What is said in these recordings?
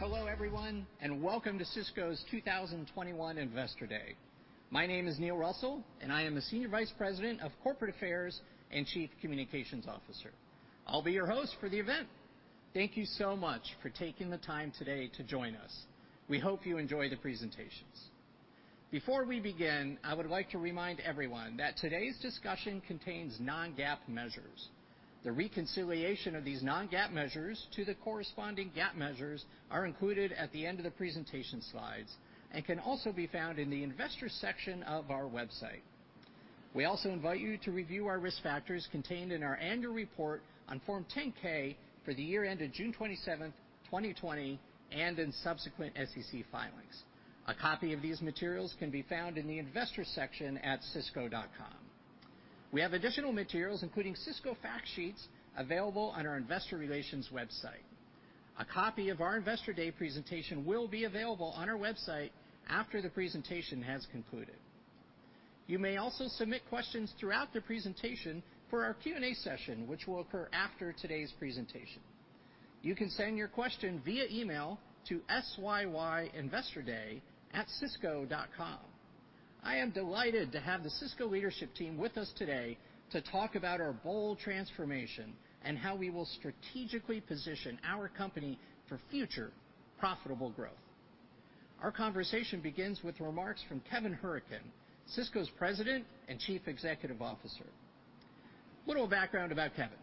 Hello everyone, and welcome to Sysco's 2021 Investor Day. My name is Neil Russell, and I am the Senior Vice President of Corporate Affairs and Chief Communications Officer. I'll be your host for the event. Thank you so much for taking the time today to join us. We hope you enjoy the presentations. Before we begin, I would like to remind everyone that today's discussion contains non-GAAP measures. The reconciliation of these non-GAAP measures to the corresponding GAAP measures are included at the end of the presentation slides and can also be found in the investor section of our website. We also invite you to review our risk factors contained in our annual report on Form 10-K for the year ended June 27, 2020, and in subsequent SEC filings. A copy of these materials can be found in the investor section at sysco.com. We have additional materials, including Sysco fact sheets, available on our investor relations website. A copy of our Investor Day presentation will be available on our website after the presentation has concluded. You may also submit questions throughout the presentation for our Q&A session, which will occur after today's presentation. You can send your question via email to syyinvestorday@sysco.com. I am delighted to have the Sysco leadership team with us today to talk about our bold transformation and how we will strategically position our company for future profitable growth. Our conversation begins with remarks from Kevin Hourican, Sysco's President and Chief Executive Officer. A little background about Kevin.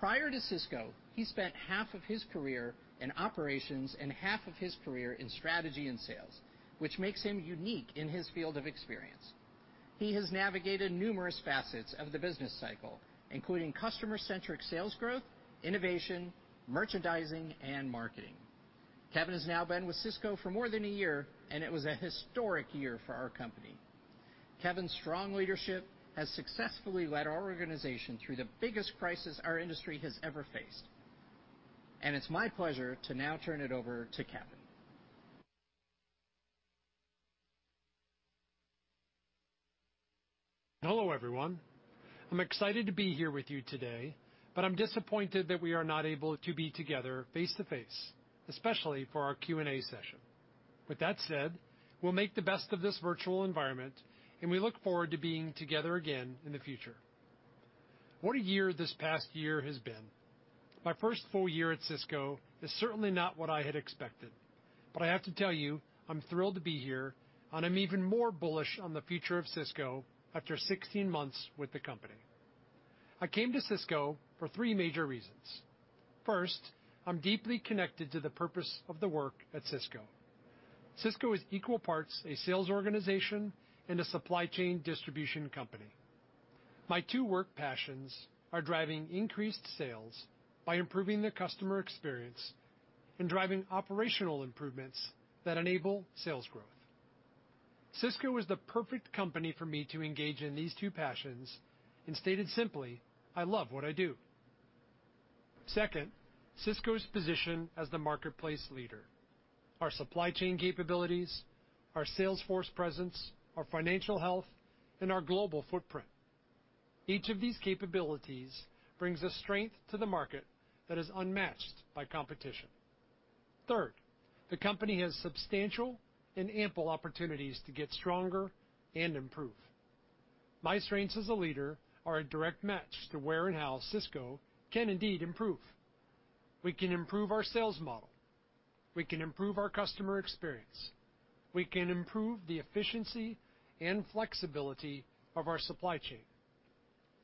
Prior to Sysco, he spent half of his career in operations and half of his career in strategy and sales, which makes him unique in his field of experience. He has navigated numerous facets of the business cycle, including customer-centric sales growth, innovation, merchandising, and marketing. Kevin has now been with Sysco for more than a year, and it was a historic year for our company. Kevin's strong leadership has successfully led our organization through the biggest crisis our industry has ever faced, and it's my pleasure to now turn it over to Kevin. Hello, everyone. I'm excited to be here with you today, but I'm disappointed that we are not able to be together face to face, especially for our Q&A session. With that said, we'll make the best of this virtual environment, and we look forward to being together again in the future. What a year this past year has been. My first full year at Sysco is certainly not what I had expected, but I have to tell you, I'm thrilled to be here, and I'm even more bullish on the future of Sysco after 16 months with the company. I came to Sysco for three major reasons. First, I'm deeply connected to the purpose of the work at Sysco. Sysco is equal parts a sales organization and a supply chain distribution company. My two work passions are driving increased sales by improving the customer experience and driving operational improvements that enable sales growth. Sysco is the perfect company for me to engage in these two passions, and stated simply, I love what I do. Second, Sysco's position as the marketplace leader, our supply chain capabilities, our sales force presence, our financial health, and our global footprint. Each of these capabilities brings a strength to the market that is unmatched by competition. Third, the company has substantial and ample opportunities to get stronger and improve. My strengths as a leader are a direct match to where and how Sysco can indeed improve. We can improve our sales model. We can improve our customer experience. We can improve the efficiency and flexibility of our supply chain.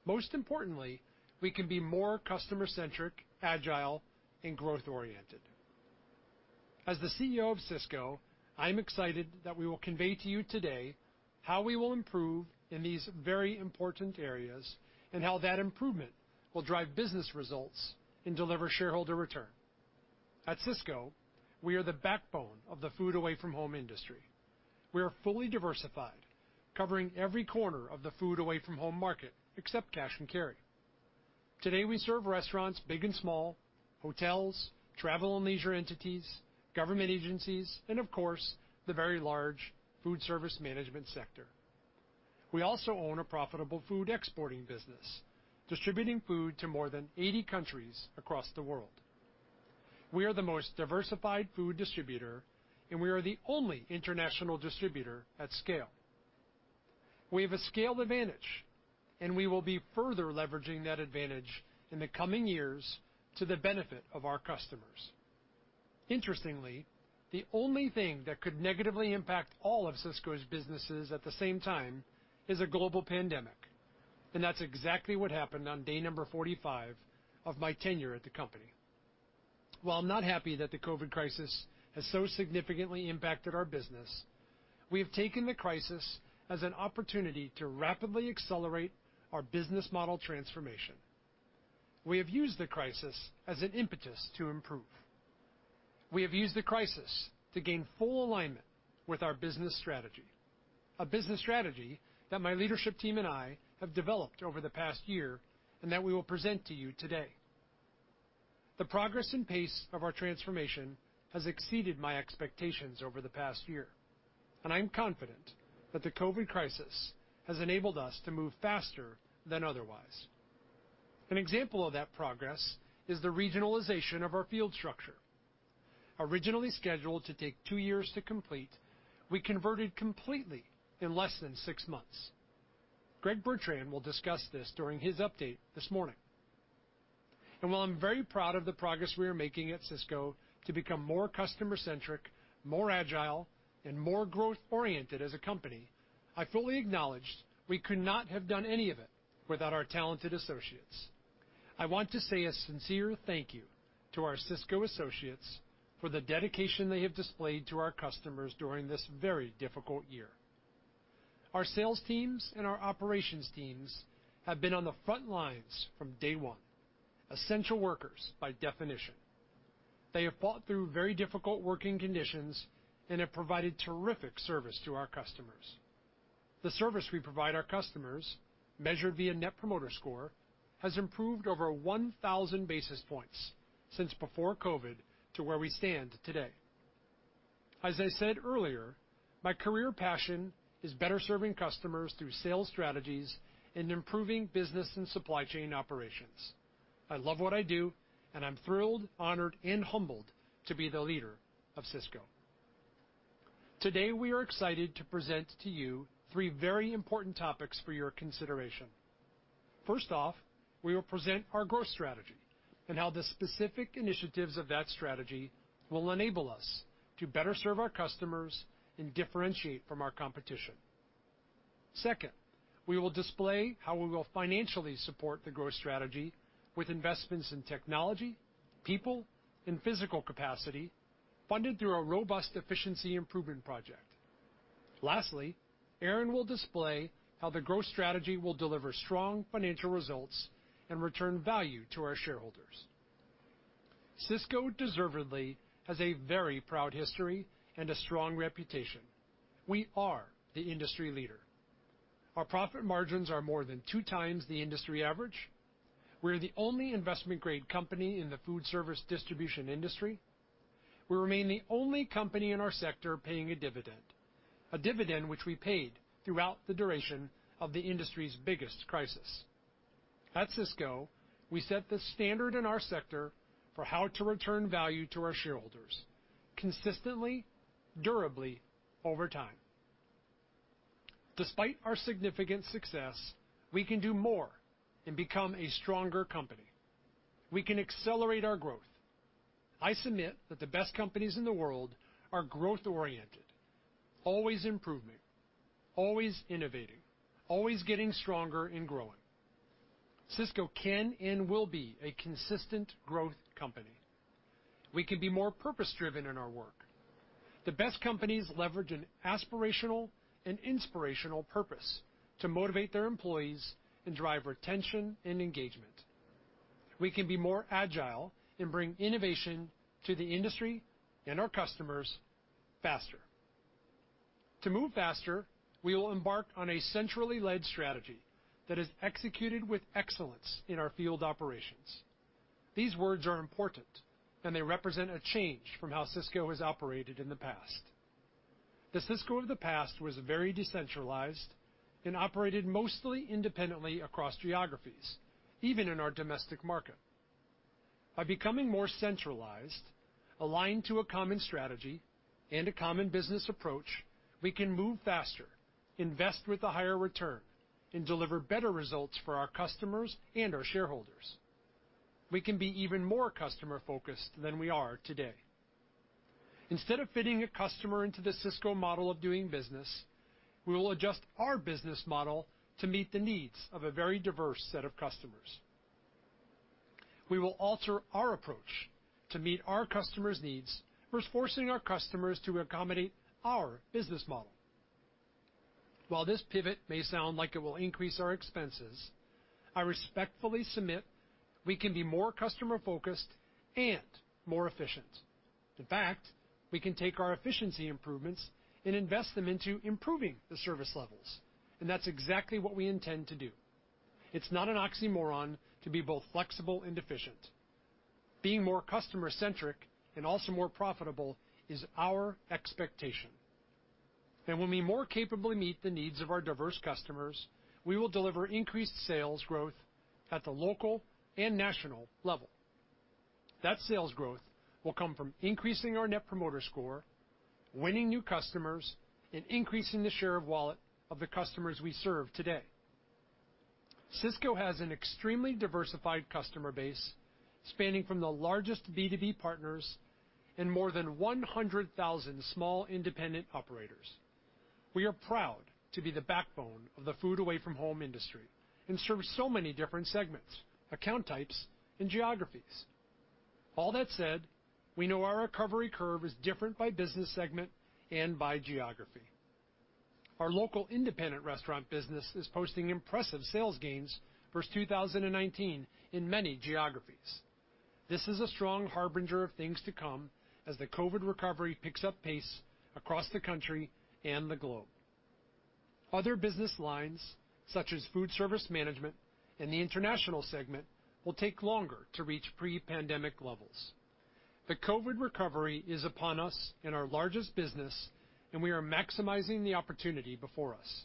Most importantly, we can be more customer-centric, agile, and growth-oriented. As the CEO of Sysco, I'm excited that we will convey to you today how we will improve in these very important areas and how that improvement will drive business results and deliver shareholder return. At Sysco, we are the backbone of the food away from home industry. We are fully diversified, covering every corner of the food away from home market, except cash and carry. Today, we serve restaurants big and small, hotels, travel and leisure entities, government agencies, and of course, the very large food service management sector. We also own a profitable food exporting business, distributing food to more than 80 countries across the world. We are the most diversified food distributor, and we are the only international distributor at scale. We have a scaled advantage, and we will be further leveraging that advantage in the coming years to the benefit of our customers. Interestingly, the only thing that could negatively impact all of Sysco's businesses at the same time is a global pandemic, that's exactly what happened on day number 45 of my tenure at the company. While I'm not happy that the COVID crisis has so significantly impacted our business, we have taken the crisis as an opportunity to rapidly accelerate our business model transformation. We have used the crisis as an impetus to improve. We have used the crisis to gain full alignment with our business strategy, a business strategy that my leadership team and I have developed over the past year and that we will present to you today. The progress and pace of our transformation has exceeded my expectations over the past year. I'm confident that the COVID crisis has enabled us to move faster than otherwise. An example of that progress is the regionalization of our field structure. Originally scheduled to take two years to complete, we converted completely in less than six months. Greg Bertrand will discuss this during his update this morning. While I'm very proud of the progress we are making at Sysco to become more customer-centric, more agile and more growth-oriented as a company, I fully acknowledge we could not have done any of it without our talented associates. I want to say a sincere thank you to our Sysco associates for the dedication they have displayed to our customers during this very difficult year. Our sales teams and our operations teams have been on the front lines from day one, essential workers by definition. They have fought through very difficult working conditions and have provided terrific service to our customers. The service we provide our customers, measured via Net Promoter Score, has improved over 1,000 basis points since before COVID to where we stand today. As I said earlier, my career passion is better serving customers through sales strategies and improving business and supply chain operations. I love what I do, and I'm thrilled, honored, and humbled to be the leader of Sysco. Today, we are excited to present to you three very important topics for your consideration. First off, we will present our growth strategy and how the specific initiatives of that strategy will enable us to better serve our customers and differentiate from our competition. Second, we will display how we will financially support the growth strategy with investments in technology, people, and physical capacity funded through a robust efficiency improvement project. Lastly, Aaron will display how the growth strategy will deliver strong financial results and return value to our shareholders. Sysco deservedly has a very proud history and a strong reputation. We are the industry leader. Our profit margins are more than two times the industry average. We're the only investment grade company in the foodservice distribution industry. We remain the only company in our sector paying a dividend, a dividend which we paid throughout the duration of the industry's biggest crisis. At Sysco, we set the standard in our sector for how to return value to our shareholders consistently, durably, over time. Despite our significant success, we can do more and become a stronger company. We can accelerate our growth. I submit that the best companies in the world are growth oriented, always improving, always innovating, always getting stronger and growing. Sysco can and will be a consistent growth company. We can be more purpose driven in our work. The best companies leverage an aspirational and inspirational purpose to motivate their employees and drive retention and engagement. We can be more agile and bring innovation to the industry and our customers faster. To move faster, we will embark on a centrally led strategy that is executed with excellence in our field operations. These words are important, they represent a change from how Sysco has operated in the past. The Sysco of the past was very decentralized, operated mostly independently across geographies, even in our domestic market. By becoming more centralized, aligned to a common strategy, a common business approach, we can move faster, invest with a higher return, deliver better results for our customers and our shareholders. We can be even more customer focused than we are today. Instead of fitting a customer into the Sysco model of doing business, we will adjust our business model to meet the needs of a very diverse set of customers. We will alter our approach to meet our customers' needs versus forcing our customers to accommodate our business model. While this pivot may sound like it will increase our expenses, I respectfully submit we can be more customer focused and more efficient. In fact, we can take our efficiency improvements, invest them into improving the service levels, that's exactly what we intend to do. It's not an oxymoron to be both flexible and efficient. Being more customer centric, also more profitable is our expectation. When we more capably meet the needs of our diverse customers, we will deliver increased sales growth at the local and national level. That sales growth will come from increasing our Net Promoter Score, winning new customers, and increasing the share of wallet of the customers we serve today. Sysco has an extremely diversified customer base, spanning from the largest B2B partners and more than 100,000 small independent operators. We are proud to be the backbone of the food away from home industry and serve so many different segments, account types, and geographies. All that said, we know our recovery curve is different by business segment and by geography. Our local independent restaurant business is posting impressive sales gains versus 2019 in many geographies. This is a strong harbinger of things to come as the COVID recovery picks up pace across the country and the globe. Other business lines, such as food service management and the international segment, will take longer to reach pre-pandemic levels. The COVID recovery is upon us in our largest business, and we are maximizing the opportunity before us.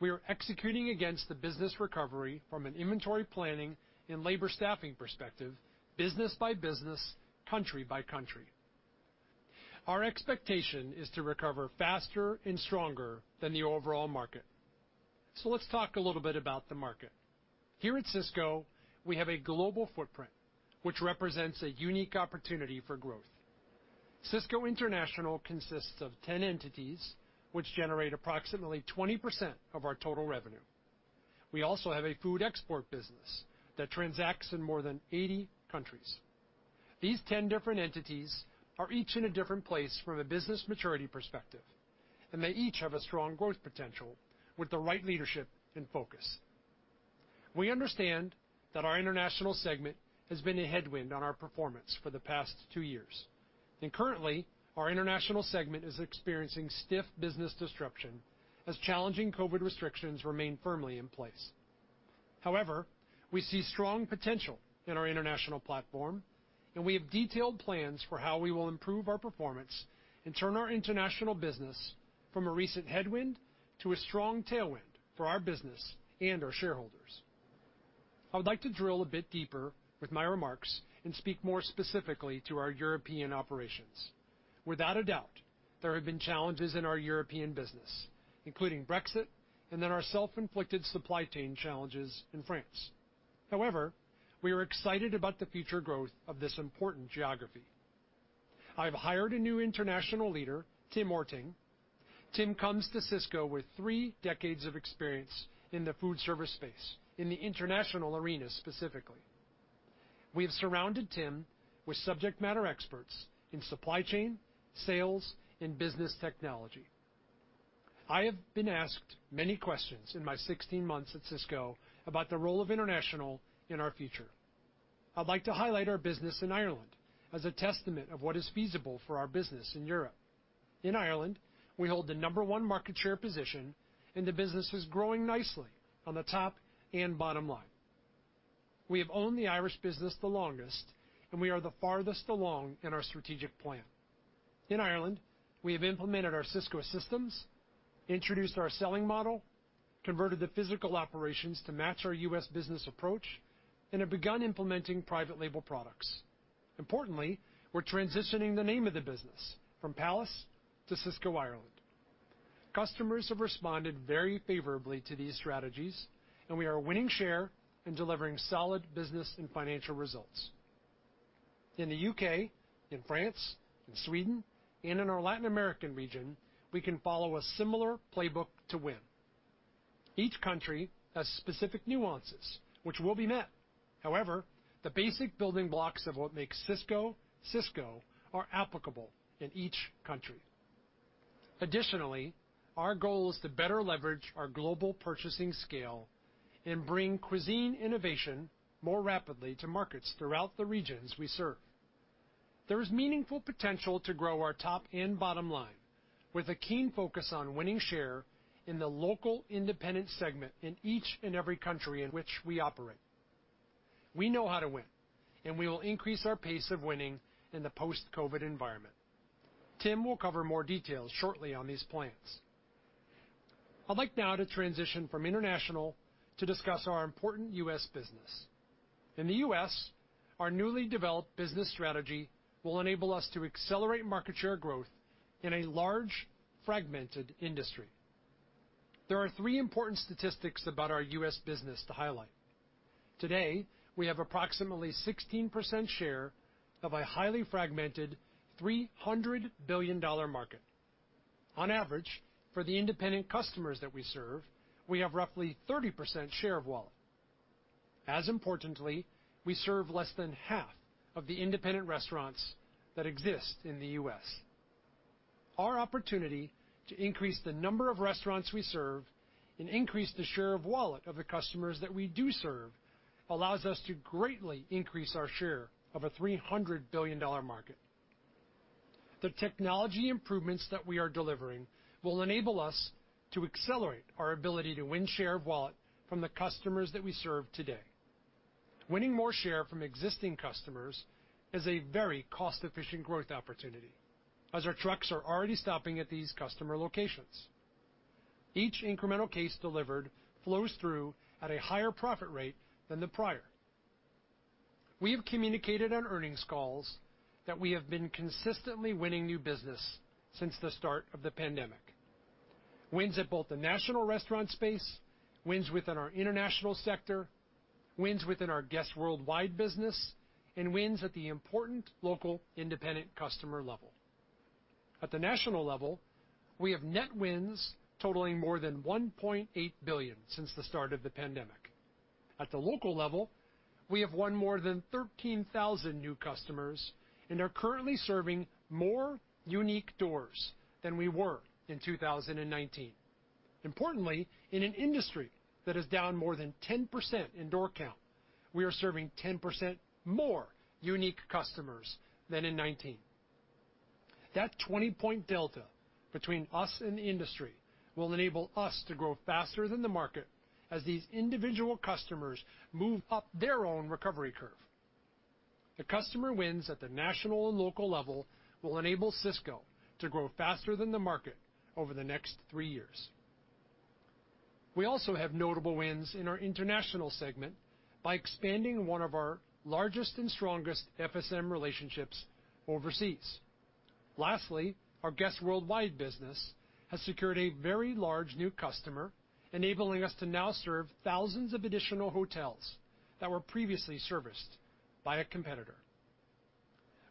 We are executing against the business recovery from an inventory planning and labor staffing perspective, business by business, country by country. Our expectation is to recover faster and stronger than the overall market. Let's talk a little bit about the market. Here at Sysco, we have a global footprint, which represents a unique opportunity for growth. Sysco International consists of 10 entities, which generate approximately 20% of our total revenue. We also have a food export business that transacts in more than 80 countries. These 10 different entities are each in a different place from a business maturity perspective, and they each have a strong growth potential with the right leadership and focus. We understand that our international segment has been a headwind on our performance for the past two years. Currently, our international segment is experiencing stiff business disruption as challenging COVID restrictions remain firmly in place. However, we see strong potential in our international platform, and we have detailed plans for how we will improve our performance and turn our international business from a recent headwind to a strong tailwind for our business and our shareholders. I would like to drill a bit deeper with my remarks and speak more specifically to our European operations. Without a doubt, there have been challenges in our European business, including Brexit and then our self-inflicted supply chain challenges in France. However, we are excited about the future growth of this important geography. I've hired a new international leader, Tim Ørting. Tim comes to Sysco with three decades of experience in the food service space, in the international arena specifically. We have surrounded Tim with subject matter experts in supply chain, sales, and business technology. I have been asked many questions in my 16 months at Sysco about the role of international in our future. I'd like to highlight our business in Ireland as a testament of what is feasible for our business in Europe. In Ireland, we hold the number one market share position and the business is growing nicely on the top and bottom line. We have owned the Irish business the longest, and we are the farthest along in our strategic plan. In Ireland, we have implemented our Sysco systems, introduced our selling model, converted the physical operations to match our U.S. business approach, and have begun implementing private label products. Importantly, we're transitioning the name of the business from Pallas to Sysco Ireland. Customers have responded very favorably to these strategies, and we are winning share and delivering solid business and financial results. In the U.K., in France, in Sweden, and in our Latin American region, we can follow a similar playbook to win. Each country has specific nuances, which will be met. The basic building blocks of what makes Sysco Sysco are applicable in each country. Our goal is to better leverage our global purchasing scale and bring cuisine innovation more rapidly to markets throughout the regions we serve. There is meaningful potential to grow our top and bottom line with a keen focus on winning share in the local independent segment in each and every country in which we operate. We know how to win, and we will increase our pace of winning in the post-COVID environment. Tim will cover more details shortly on these plans. I'd like now to transition from international to discuss our important U.S. business. In the U.S., our newly developed business strategy will enable us to accelerate market share growth in a large, fragmented industry. There are three important statistics about our U.S. business to highlight. Today, we have approximately 16% share of a highly fragmented $300 billion market. On average, for the independent customers that we serve, we have roughly 30% share of wallet. We serve less than half of the independent restaurants that exist in the U.S. Our opportunity to increase the number of restaurants we serve and increase the share of wallet of the customers that we do serve allows us to greatly increase our share of a $300 billion market. The technology improvements that we are delivering will enable us to accelerate our ability to win share of wallet from the customers that we serve today. Winning more share from existing customers is a very cost-efficient growth opportunity, as our trucks are already stopping at these customer locations. Each incremental case delivered flows through at a higher profit rate than the prior. We have communicated on earnings calls that we have been consistently winning new business since the start of the pandemic. Wins at both the national restaurant space, wins within our international sector, wins within our Guest Worldwide business, and wins at the important local independent customer level. At the national level, we have net wins totaling more than $1.8 billion since the start of the pandemic. At the local level, we have won more than 13,000 new customers and are currently serving more unique doors than we were in 2019. In an industry that is down more than 10% in door count, we are serving 10% more unique customers than in 2019. That 20-point delta between us and the industry will enable us to grow faster than the market as these individual customers move up their own recovery curve. The customer wins at the national and local level will enable Sysco to grow faster than the market over the next three years. We also have notable wins in our international segment by expanding one of our largest and strongest FSM relationships overseas. Lastly, our Guest Worldwide business has secured a very large new customer, enabling us to now serve thousands of additional hotels that were previously serviced by a competitor.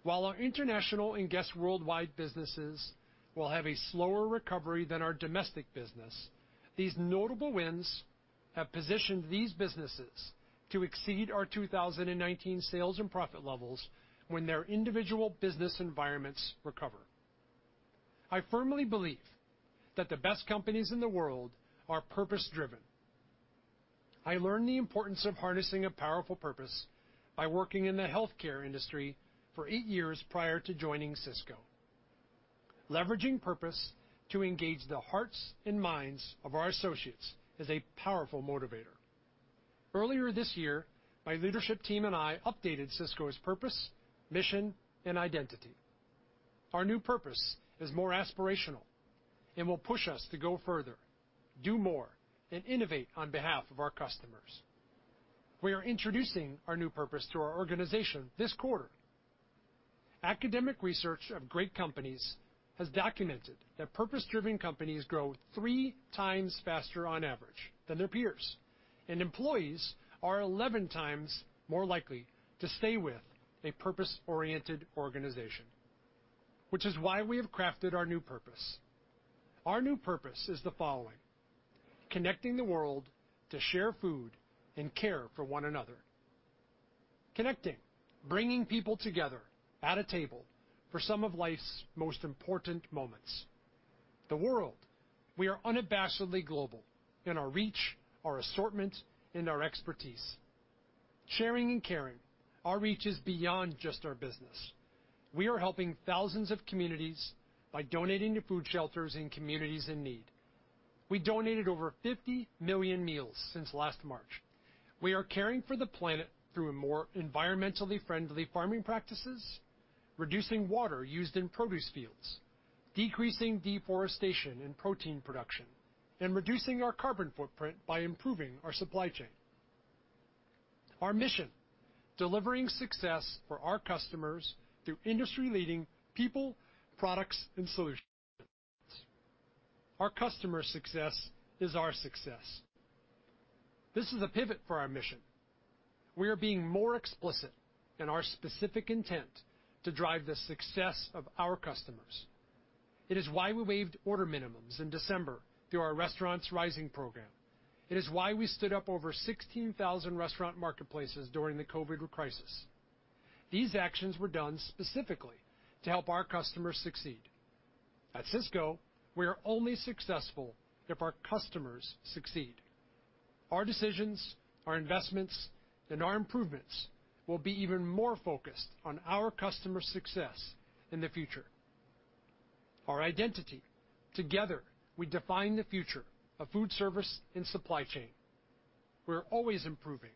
While our international and Guest Worldwide businesses will have a slower recovery than our domestic business, these notable wins have positioned these businesses to exceed our 2019 sales and profit levels when their individual business environments recover. I firmly believe that the best companies in the world are purpose-driven. I learned the importance of harnessing a powerful purpose by working in the healthcare industry for eight years prior to joining Sysco. Leveraging purpose to engage the hearts and minds of our associates is a powerful motivator. Earlier this year, my leadership team and I updated Sysco's purpose, mission, and identity. Our new purpose is more aspirational and will push us to go further, do more, and innovate on behalf of our customers. We are introducing our new purpose to our organization this quarter. Academic research of great companies has documented that purpose-driven companies grow three times faster on average than their peers, and employees are 11 times more likely to stay with a purpose-oriented organization, which is why we have crafted our new purpose. Our new purpose is the following, connecting the world to share food and care for one another. Connecting, bringing people together at a table for some of life's most important moments. The world, we are unabashedly global in our reach, our assortment, and our expertise. Sharing and caring, our reach is beyond just our business. We are helping thousands of communities by donating to food shelters in communities in need. We donated over 50 million meals since last March. We are caring for the planet through more environmentally friendly farming practices, reducing water used in produce fields, decreasing deforestation in protein production, and reducing our carbon footprint by improving our supply chain. Our mission, delivering success for our customers through industry-leading people, products, and solutions. Our customer success is our success. This is a pivot for our mission. We are being more explicit in our specific intent to drive the success of our customers. It is why we waived order minimums in December through our Restaurants Rising program. It is why we stood up over 16,000 restaurant marketplaces during the COVID crisis. These actions were done specifically to help our customers succeed. At Sysco, we are only successful if our customers succeed. Our decisions, our investments, and our improvements will be even more focused on our customers' success in the future. Our identity, together we define the future of foodservice and supply chain. We're always improving,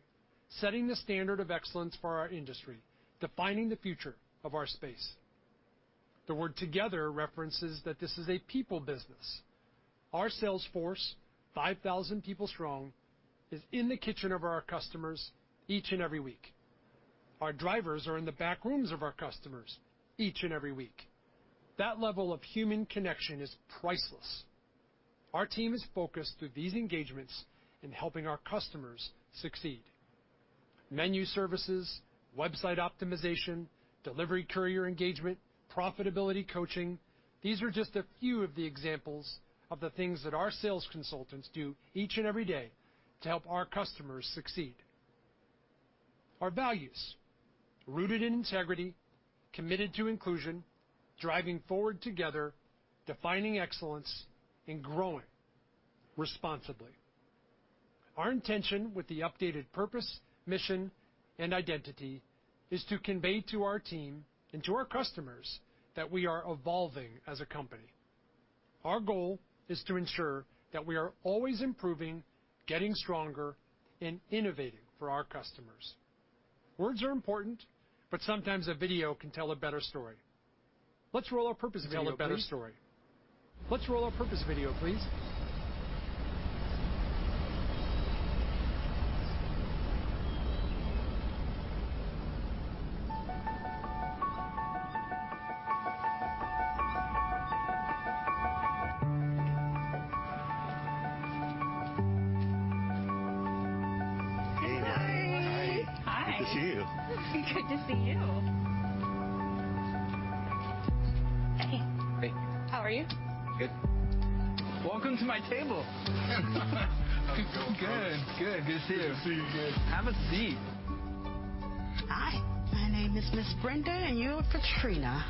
setting the standard of excellence for our industry, defining the future of our space. The word together references that this is a people business. Our sales force, 5,000 people strong, is in the kitchen of our customers each and every week. Our drivers are in the back rooms of our customers each and every week. That level of human connection is priceless. Our team is focused through these engagements in helping our customers succeed. Menu services, website optimization, delivery courier engagement, profitability coaching. These are just a few of the examples of the things that our sales consultants do each and every day to help our customers succeed. Our values, rooted in integrity, committed to inclusion, driving forward together, defining excellence, and growing responsibly. Our intention with the updated purpose, mission, and identity is to convey to our team and to our customers that we are evolving as a company. Our goal is to ensure that we are always improving, getting stronger, and innovating for our customers. Words are important. Sometimes a video can tell a better story. Let's roll our purpose video, please. Tell a better story. Hey. Hey. Hi. Good to see you. Good to see you. Hey. Hey. How are you? Good. Welcome to my table. How's it going, brother? Good. Good. Good to see you. Good to see you, man. Have a seat. Hi, my name is Ms. Brenda. You're Katrina?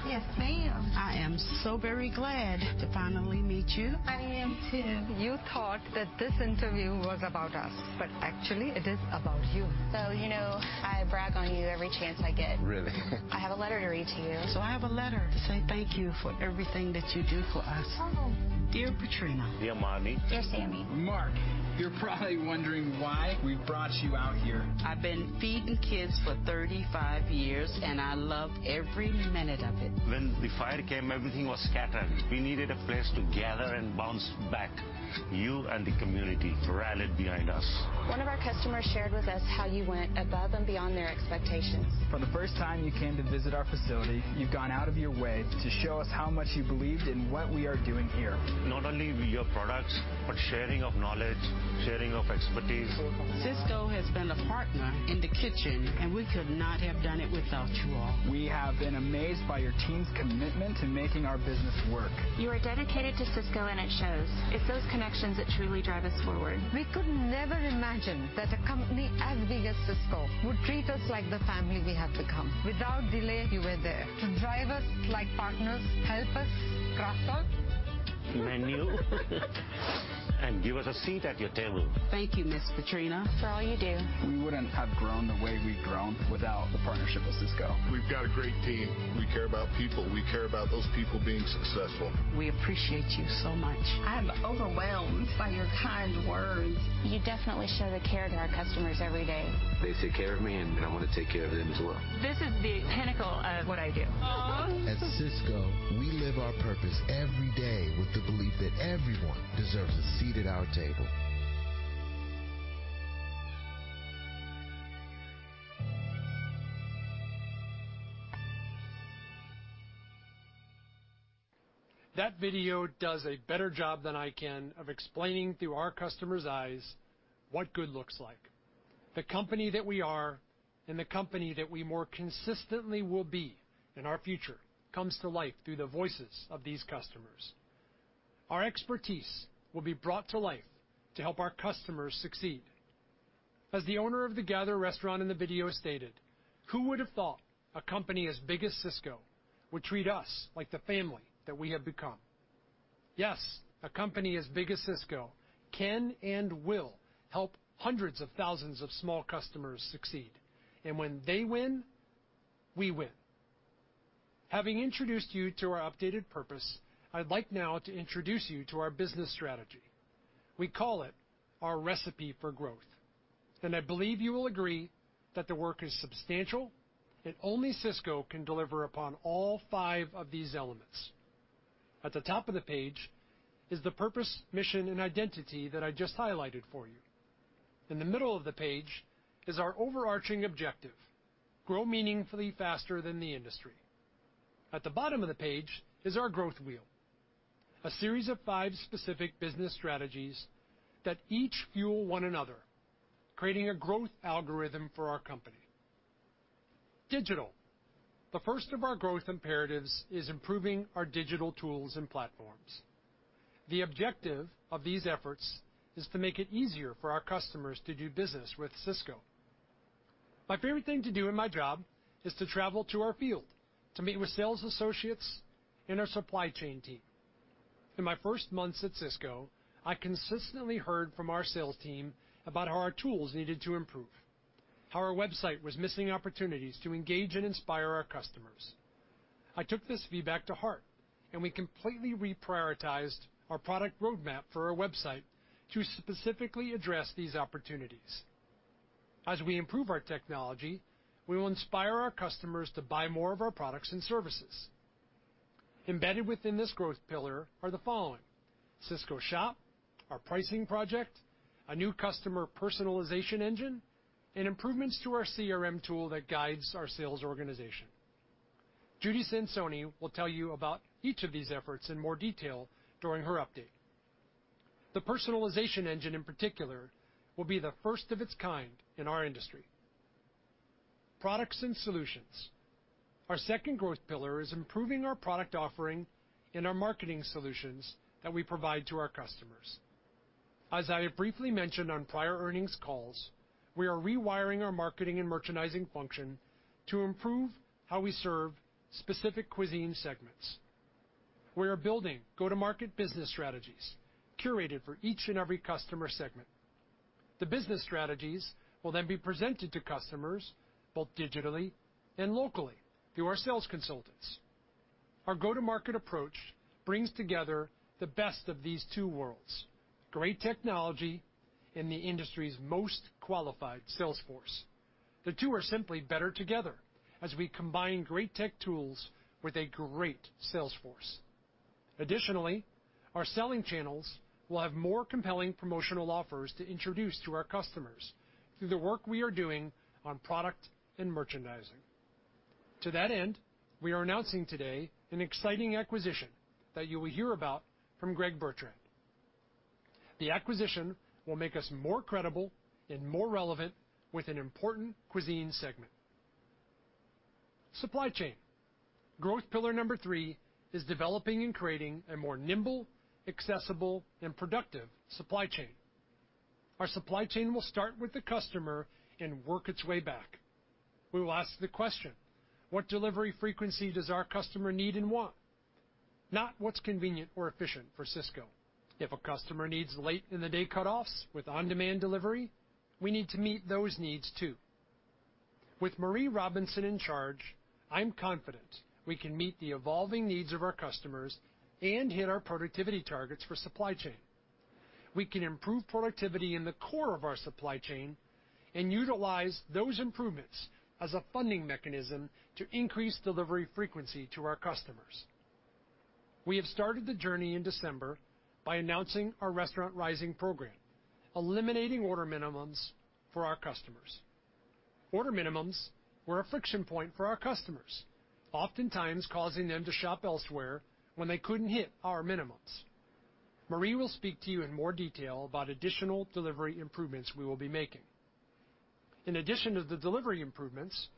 Yes, ma'am. Very glad to finally meet you. I am too. You thought that this interview was about us, actually, it is about you. I brag on you every chance I get. Really? I have a letter to read to you. I have a letter to say thank you for everything that you do for us. Oh. Dear Patrina. Dear Marty. Dear Sammy. Mark, you're probably wondering why we brought you out here. I've been feeding kids for 35 years, and I loved every minute of it. When the fire came, everything was scattered. We needed a place to gather and bounce back. You and the community rallied behind us. One of our customers shared with us how you went above and beyond their expectations. From the first time you came to visit our facility, you've gone out of your way to show us how much you believed in what we are doing here. Not only your products, but sharing of knowledge, sharing of expertise. Sysco has been a partner in the kitchen, and we could not have done it without you all. We have been amazed by your team's commitment to making our business work. You are dedicated to Sysco, and it shows. It's those connections that truly drive us forward. We could never imagine that a company as big as Sysco would treat us like the family we have become. Without delay, you were there to drive us like partners, help us cross. Menu. Give us a seat at your table. Thank you, Ms. Patrina. For all you do. We wouldn't have grown the way we've grown without the partnership with Sysco. We've got a great team. We care about people. We care about those people being successful. We appreciate you so much. I'm overwhelmed by your kind words. You definitely show the care to our customers every day. They take care of me, and I want to take care of them as well. This is the pinnacle of what I do. Aw. At Sysco, we live our purpose every day with the belief that everyone deserves a seat at our table. That video does a better job than I can of explaining through our customers' eyes what good looks like. The company that we are and the company that we more consistently will be in our future comes to life through the voices of these customers. Our expertise will be brought to life to help our customers succeed. As the owner of the Gather Restaurant in the video stated, "Who would have thought a company as big as Sysco would treat us like the family that we have become?" Yes, a company as big as Sysco can and will help hundreds of thousands of small customers succeed, and when they win, we win. Having introduced you to our updated purpose, I'd like now to introduce you to our business strategy. We call it our recipe for growth, and I believe you will agree that the work is substantial and only Sysco can deliver upon all five of these elements. At the top of the page is the purpose, mission, and identity that I just highlighted for you. In the middle of the page is our overarching objective, grow meaningfully faster than the industry. At the bottom of the page is our growth wheel, a series of five specific business strategies that each fuel one another, creating a growth algorithm for our company. Digital. The first of our growth imperatives is improving our digital tools and platforms. The objective of these efforts is to make it easier for our customers to do business with Sysco. My favorite thing to do in my job is to travel to our field to meet with sales associates and our supply chain team. In my first months at Sysco, I consistently heard from our sales team about how our tools needed to improve, how our website was missing opportunities to engage and inspire our customers. I took this feedback to heart, and we completely reprioritized our product roadmap for our website to specifically address these opportunities. As we improve our technology, we will inspire our customers to buy more of our products and services. Embedded within this growth pillar are the following, Sysco SHOP, our pricing project, a new customer personalization engine, and improvements to our CRM tool that guides our sales organization. Judy Sansone will tell you about each of these efforts in more detail during her update. The personalization engine, in particular, will be the first of its kind in our industry. Products and solutions. Our second growth pillar is improving our product offering and our marketing solutions that we provide to our customers. As I have briefly mentioned on prior earnings calls, we are rewiring our marketing and merchandising function to improve how we serve specific cuisine segments. We are building go-to-market business strategies curated for each and every customer segment. The business strategies will then be presented to customers both digitally and locally through our sales consultants. Our go-to-market approach brings together the best of these two worlds, great technology and the industry's most qualified sales force. The two are simply better together as we combine great tech tools with a great sales force. Additionally, our selling channels will have more compelling promotional offers to introduce to our customers through the work we are doing on product and merchandising. To that end, we are announcing today an exciting acquisition that you will hear about from Greg Bertrand. The acquisition will make us more credible and more relevant with an important cuisine segment. Supply chain. Growth pillar number three is developing and creating a more nimble, accessible, and productive supply chain. Our supply chain will start with the customer and work its way back. We will ask the question: what delivery frequency does our customer need and want? Not what's convenient or efficient for Sysco. If a customer needs late in the day cutoffs with on-demand delivery, we need to meet those needs, too. With Marie Robinson in charge, I'm confident we can meet the evolving needs of our customers and hit our productivity targets for supply chain. We can improve productivity in the core of our supply chain and utilize those improvements as a funding mechanism to increase delivery frequency to our customers. We have started the journey in December by announcing our Restaurants Rising program, eliminating order minimums for our customers. Order minimums were a friction point for our customers, oftentimes causing them to shop elsewhere when they couldn't hit our minimums. Marie will speak to you in more detail about additional delivery improvements we will be making. In addition to the delivery improvements,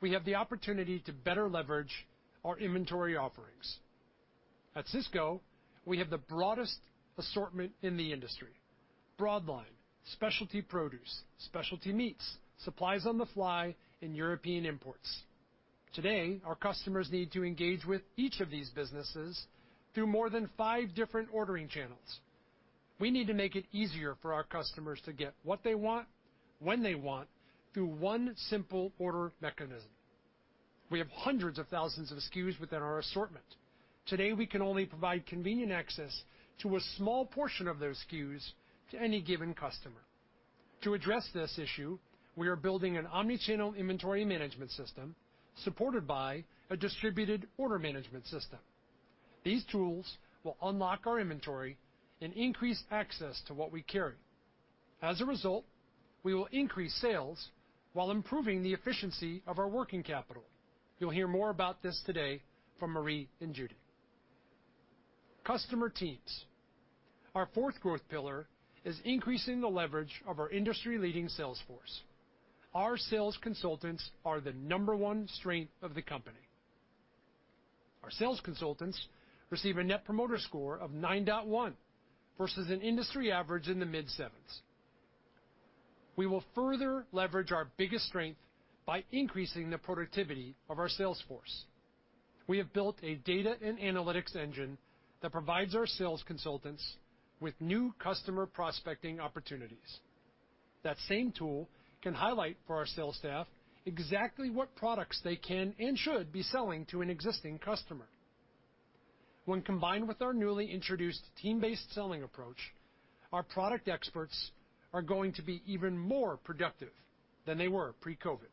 we have the opportunity to better leverage our inventory offerings. At Sysco, we have the broadest assortment in the industry: broadline, specialty produce, specialty meats, Supplies on the Fly, and European imports. Today, our customers need to engage with each of these businesses through more than five different ordering channels. We need to make it easier for our customers to get what they want, when they want, through one simple order mechanism. We have hundreds of thousands of SKUs within our assortment. Today, we can only provide convenient access to a small portion of those SKUs to any given customer. To address this issue, we are building an omni-channel inventory management system supported by a distributed order management system. These tools will unlock our inventory and increase access to what we carry. As a result, we will increase sales while improving the efficiency of our working capital. You'll hear more about this today from Marie and Judy. Customer teams. Our fourth growth pillar is increasing the leverage of our industry-leading sales force. Our sales consultants are the number one strength of the company. Our sales consultants receive a Net Promoter Score of 9.1 versus an industry average in the mid sevens. We will further leverage our biggest strength by increasing the productivity of our sales force. We have built a data and analytics engine that provides our sales consultants with new customer prospecting opportunities. That same tool can highlight for our sales staff exactly what products they can and should be selling to an existing customer. When combined with our newly introduced team-based selling approach, our product experts are going to be even more productive than they were pre-COVID.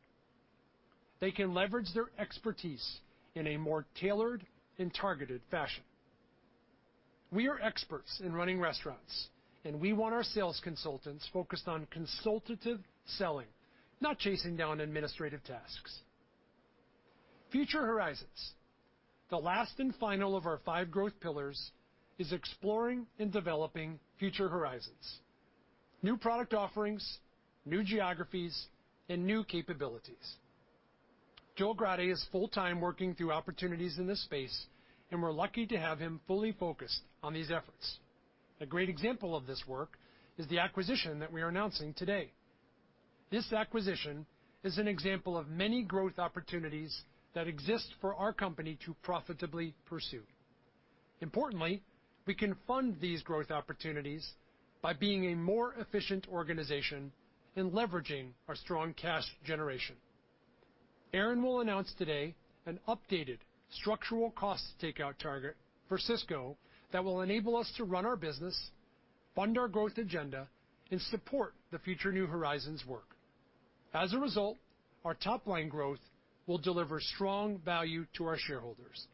They can leverage their expertise in a more tailored and targeted fashion. We are experts in running restaurants, and we want our sales consultants focused on consultative selling, not chasing down administrative tasks. Future horizons. The last and final of our five growth pillars is exploring and developing future horizons, new product offerings, new geographies, and new capabilities. Joel Grade is full-time working through opportunities in this space, and we're lucky to have him fully focused on these efforts. A great example of this work is the acquisition that we are announcing today. This acquisition is an example of many growth opportunities that exist for our company to profitably pursue. Importantly, we can fund these growth opportunities by being a more efficient organization and leveraging our strong cash generation. Aaron Alt will announce today an updated structural cost takeout target for Sysco that will enable us to run our business, fund our growth agenda, and support the future new horizons work. As a result, our top-line growth will deliver strong value to our shareholders.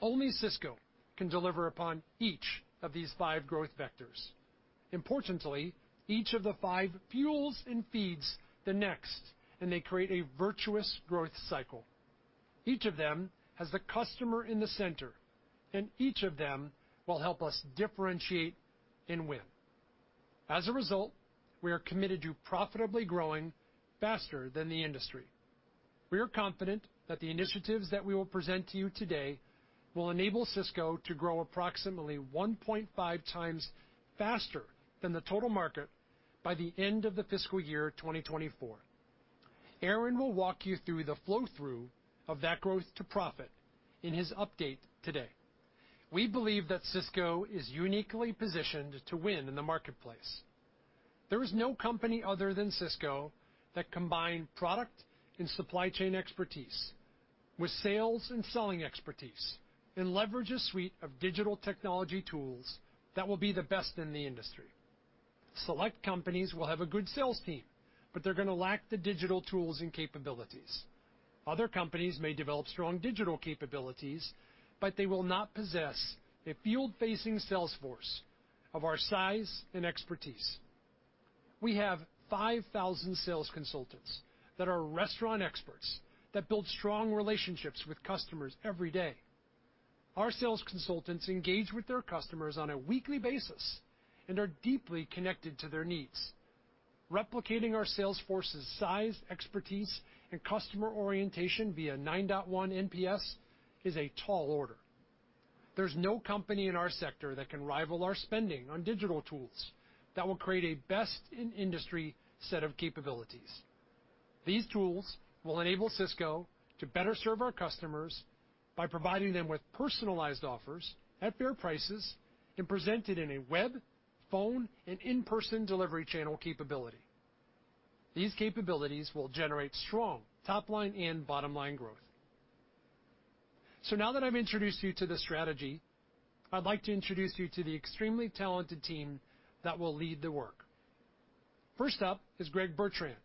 Only Sysco can deliver upon each of these five growth vectors. Importantly, each of the five fuels and feeds the next, and they create a virtuous growth cycle. Each of them has the customer in the center, and each of them will help us differentiate and win. As a result, we are committed to profitably growing faster than the industry. We are confident that the initiatives that we will present to you today will enable Sysco to grow approximately 1.5 times faster than the total market by the end of the fiscal year 2024. Aaron Alt will walk you through the flow-through of that growth to profit in his update today. We believe that Sysco is uniquely positioned to win in the marketplace. There is no company other than Sysco that combine product and supply chain expertise with sales and selling expertise and leverage a suite of digital technology tools that will be the best in the industry. Select companies will have a good sales team, they're going to lack the digital tools and capabilities. Other companies may develop strong digital capabilities, they will not possess a field-facing sales force of our size and expertise. We have 5,000 sales consultants that are restaurant experts that build strong relationships with customers every day. Our sales consultants engage with their customers on a weekly basis and are deeply connected to their needs. Replicating our sales force's size, expertise, and customer orientation via 9.1 NPS is a tall order. There's no company in our sector that can rival our spending on digital tools that will create a best-in-industry set of capabilities. These tools will enable Sysco to better serve our customers by providing them with personalized offers at fair prices and presented in a web, phone, and in-person delivery channel capability. These capabilities will generate strong top-line and bottom-line growth. Now that I've introduced you to the strategy, I'd like to introduce you to the extremely talented team that will lead the work. First up is Greg Bertrand,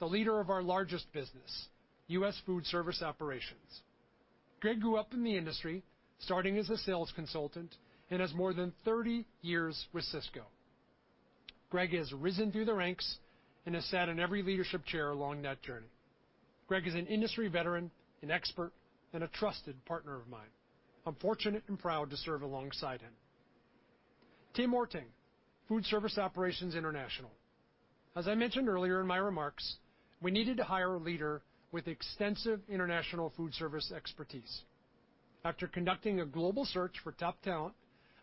the leader of our largest business, U.S. Foodservice Operations. Greg grew up in the industry, starting as a sales consultant, and has more than 30 years with Sysco. Greg has risen through the ranks and has sat in every leadership chair along that journey. Greg is an industry veteran, an expert, and a trusted partner of mine. I'm fortunate and proud to serve alongside him. Tim Ørting, Foodservice Operations International. As I mentioned earlier in my remarks, we needed to hire a leader with extensive international foodservice expertise. After conducting a global search for top talent,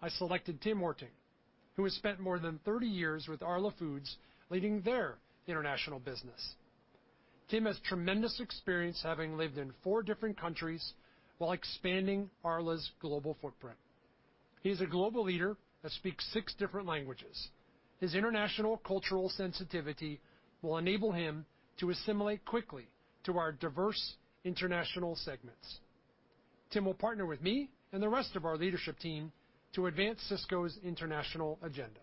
I selected Tim Ørting, who has spent more than 30 years with Arla Foods, leading their international business. Tim has tremendous experience, having lived in four different countries while expanding Arla's global footprint. He's a global leader that speaks six different languages. His international cultural sensitivity will enable him to assimilate quickly to our diverse international segments. Tim will partner with me and the rest of our leadership team to advance Sysco's international agenda.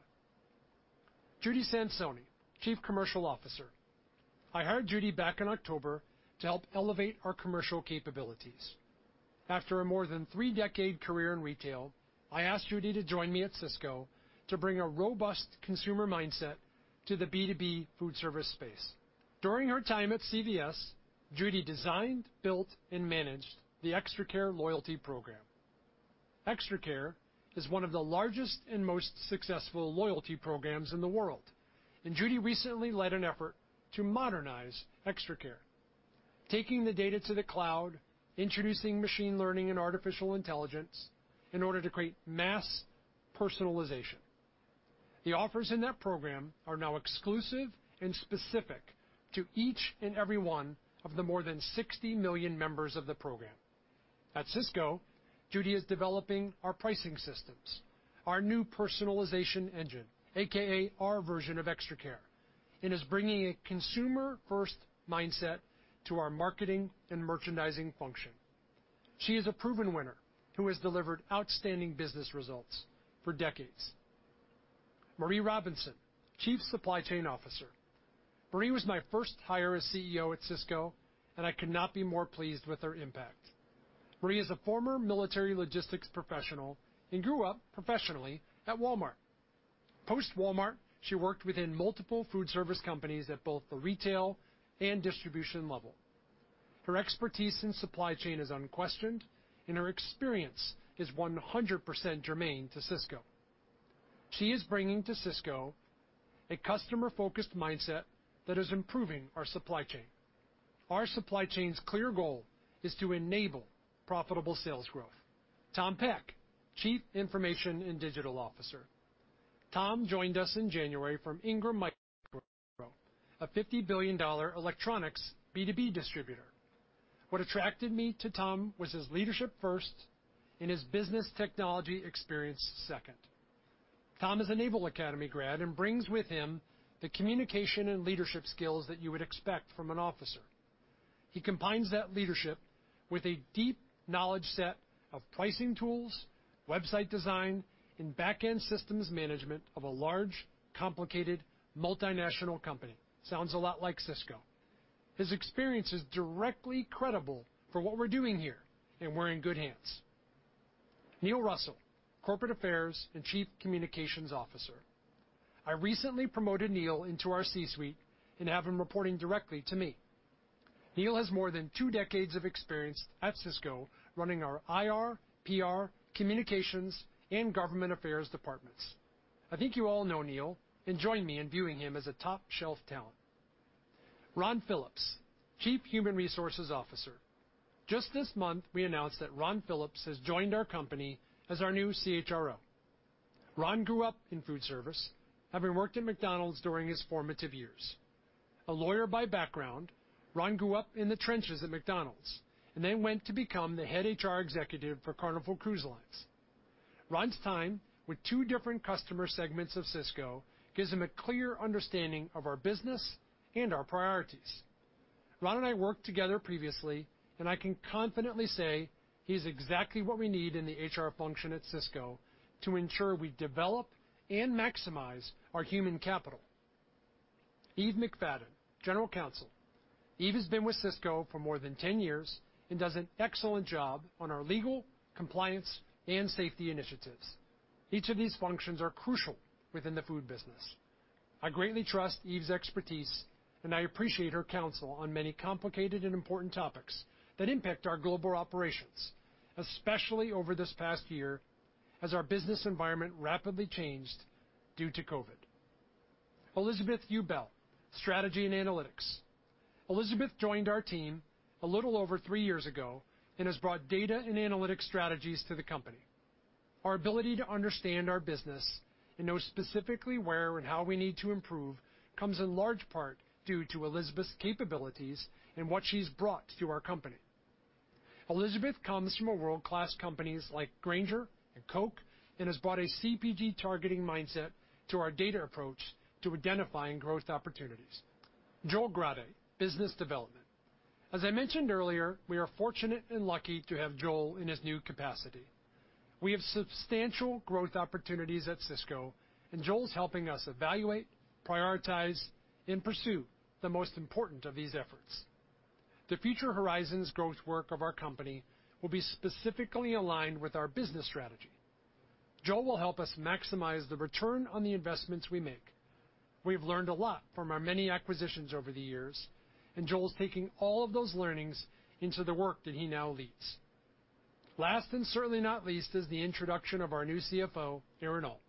Judy Sansone, Chief Commercial Officer. I hired Judy back in October to help elevate our commercial capabilities. After a more than three-decade career in retail, I asked Judy to join me at Sysco to bring a robust consumer mindset to the B2B foodservice space. During her time at CVS, Judy designed, built, and managed the ExtraCare loyalty program. ExtraCare is one of the largest and most successful loyalty programs in the world, Judy recently led an effort to modernize ExtraCare, taking the data to the cloud, introducing machine learning and artificial intelligence in order to create mass personalization. The offers in that program are now exclusive and specific to each and every one of the more than 60 million members of the program. At Sysco, Judy is developing our pricing systems, our new personalization engine, aka our version of ExtraCare, is bringing a consumer-first mindset to our marketing and merchandising function. She is a proven winner who has delivered outstanding business results for decades. Marie Robinson, Chief Supply Chain Officer. Marie was my first hire as CEO at Sysco, I could not be more pleased with her impact. Marie is a former military logistics professional and grew up professionally at Walmart. Post-Walmart, she worked within multiple foodservice companies at both the retail and distribution level. Her expertise in supply chain is unquestioned, and her experience is 100% germane to Sysco. She is bringing to Sysco a customer-focused mindset that is improving our supply chain. Our supply chain's clear goal is to enable profitable sales growth. Tom Peck, Chief Information and Digital Officer. Tom joined us in January from Ingram Micro, a $50 billion electronics B2B distributor. What attracted me to Tom was his leadership first and his business technology experience second. Tom is a Naval Academy grad and brings with him the communication and leadership skills that you would expect from an officer. He combines that leadership with a deep knowledge set of pricing tools, website design, and back-end systems management of a large, complicated, multinational company. Sounds a lot like Sysco. His experience is directly credible for what we're doing here. We're in good hands. Neil Russell, Corporate Affairs and Chief Communications Officer. I recently promoted Neil into our C-suite and have him reporting directly to me. Neil has more than two decades of experience at Sysco, running our IR, PR, communications, and government affairs departments. I think you all know Neil. Join me in viewing him as a top-shelf talent. Ron Phillips, Chief Human Resources Officer. Just this month, we announced that Ron Phillips has joined our company as our new CHRO. Ron grew up in foodservice, having worked at McDonald's during his formative years. A lawyer by background, Ron grew up in the trenches at McDonald's. Went to become the head HR executive for Carnival Cruise Line. Ron's time with two different customer segments of Sysco gives him a clear understanding of our business and our priorities. I can confidently say he's exactly what we need in the HR function at Sysco to ensure we develop and maximize our human capital. Eve McFadden, General Counsel. Eve has been with Sysco for more than 10 years. Does an excellent job on our legal, compliance, and safety initiatives. Each of these functions are crucial within the food business. I greatly trust Eve's expertise. I appreciate her counsel on many complicated and important topics that impact our global operations, especially over this past year as our business environment rapidly changed due to COVID. Elizabeth Eubank, strategy and analytics. Elizabeth joined our team a little over three years ago. Has brought data and analytics strategies to the company. Our ability to understand our business. Know specifically where and how we need to improve comes in large part due to Elizabeth's capabilities and what she's brought to our company. Elizabeth comes from world-class companies like Grainger and Coke. Has brought a CPG targeting mindset to our data approach to identifying growth opportunities. Joel Grade, Business Development. As I mentioned earlier, we are fortunate. Lucky to have Joel in his new capacity. We have substantial growth opportunities at Sysco. Joel is helping us evaluate, prioritize, and pursue the most important of these efforts. The future horizons growth work of our company will be specifically aligned with our business strategy. Joel will help us maximize the return on the investments we make. We've learned a lot from our many acquisitions over the years. Joel's taking all of those learnings into the work that he now leads. Last, and certainly not least, is the introduction of our new CFO, Aaron Alt.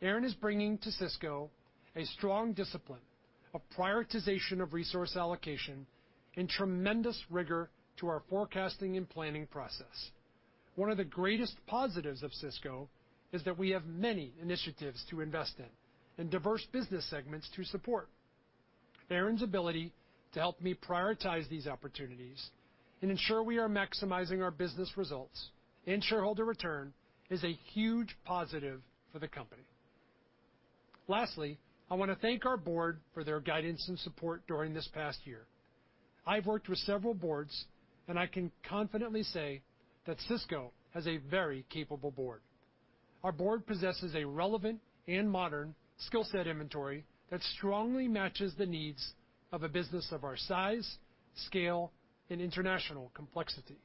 Aaron is bringing to Sysco a strong discipline of prioritization of resource allocation and tremendous rigor to our forecasting and planning process. One of the greatest positives of Sysco is that we have many initiatives to invest in and diverse business segments to support. Aaron's ability to help me prioritize these opportunities and ensure we are maximizing our business results and shareholder return is a huge positive for the company. Lastly, I want to thank our board for their guidance and support during this past year. I've worked with several boards, and I can confidently say that Sysco has a very capable board. Our board possesses a relevant and modern skill set inventory that strongly matches the needs of a business of our size, scale, and international complexity.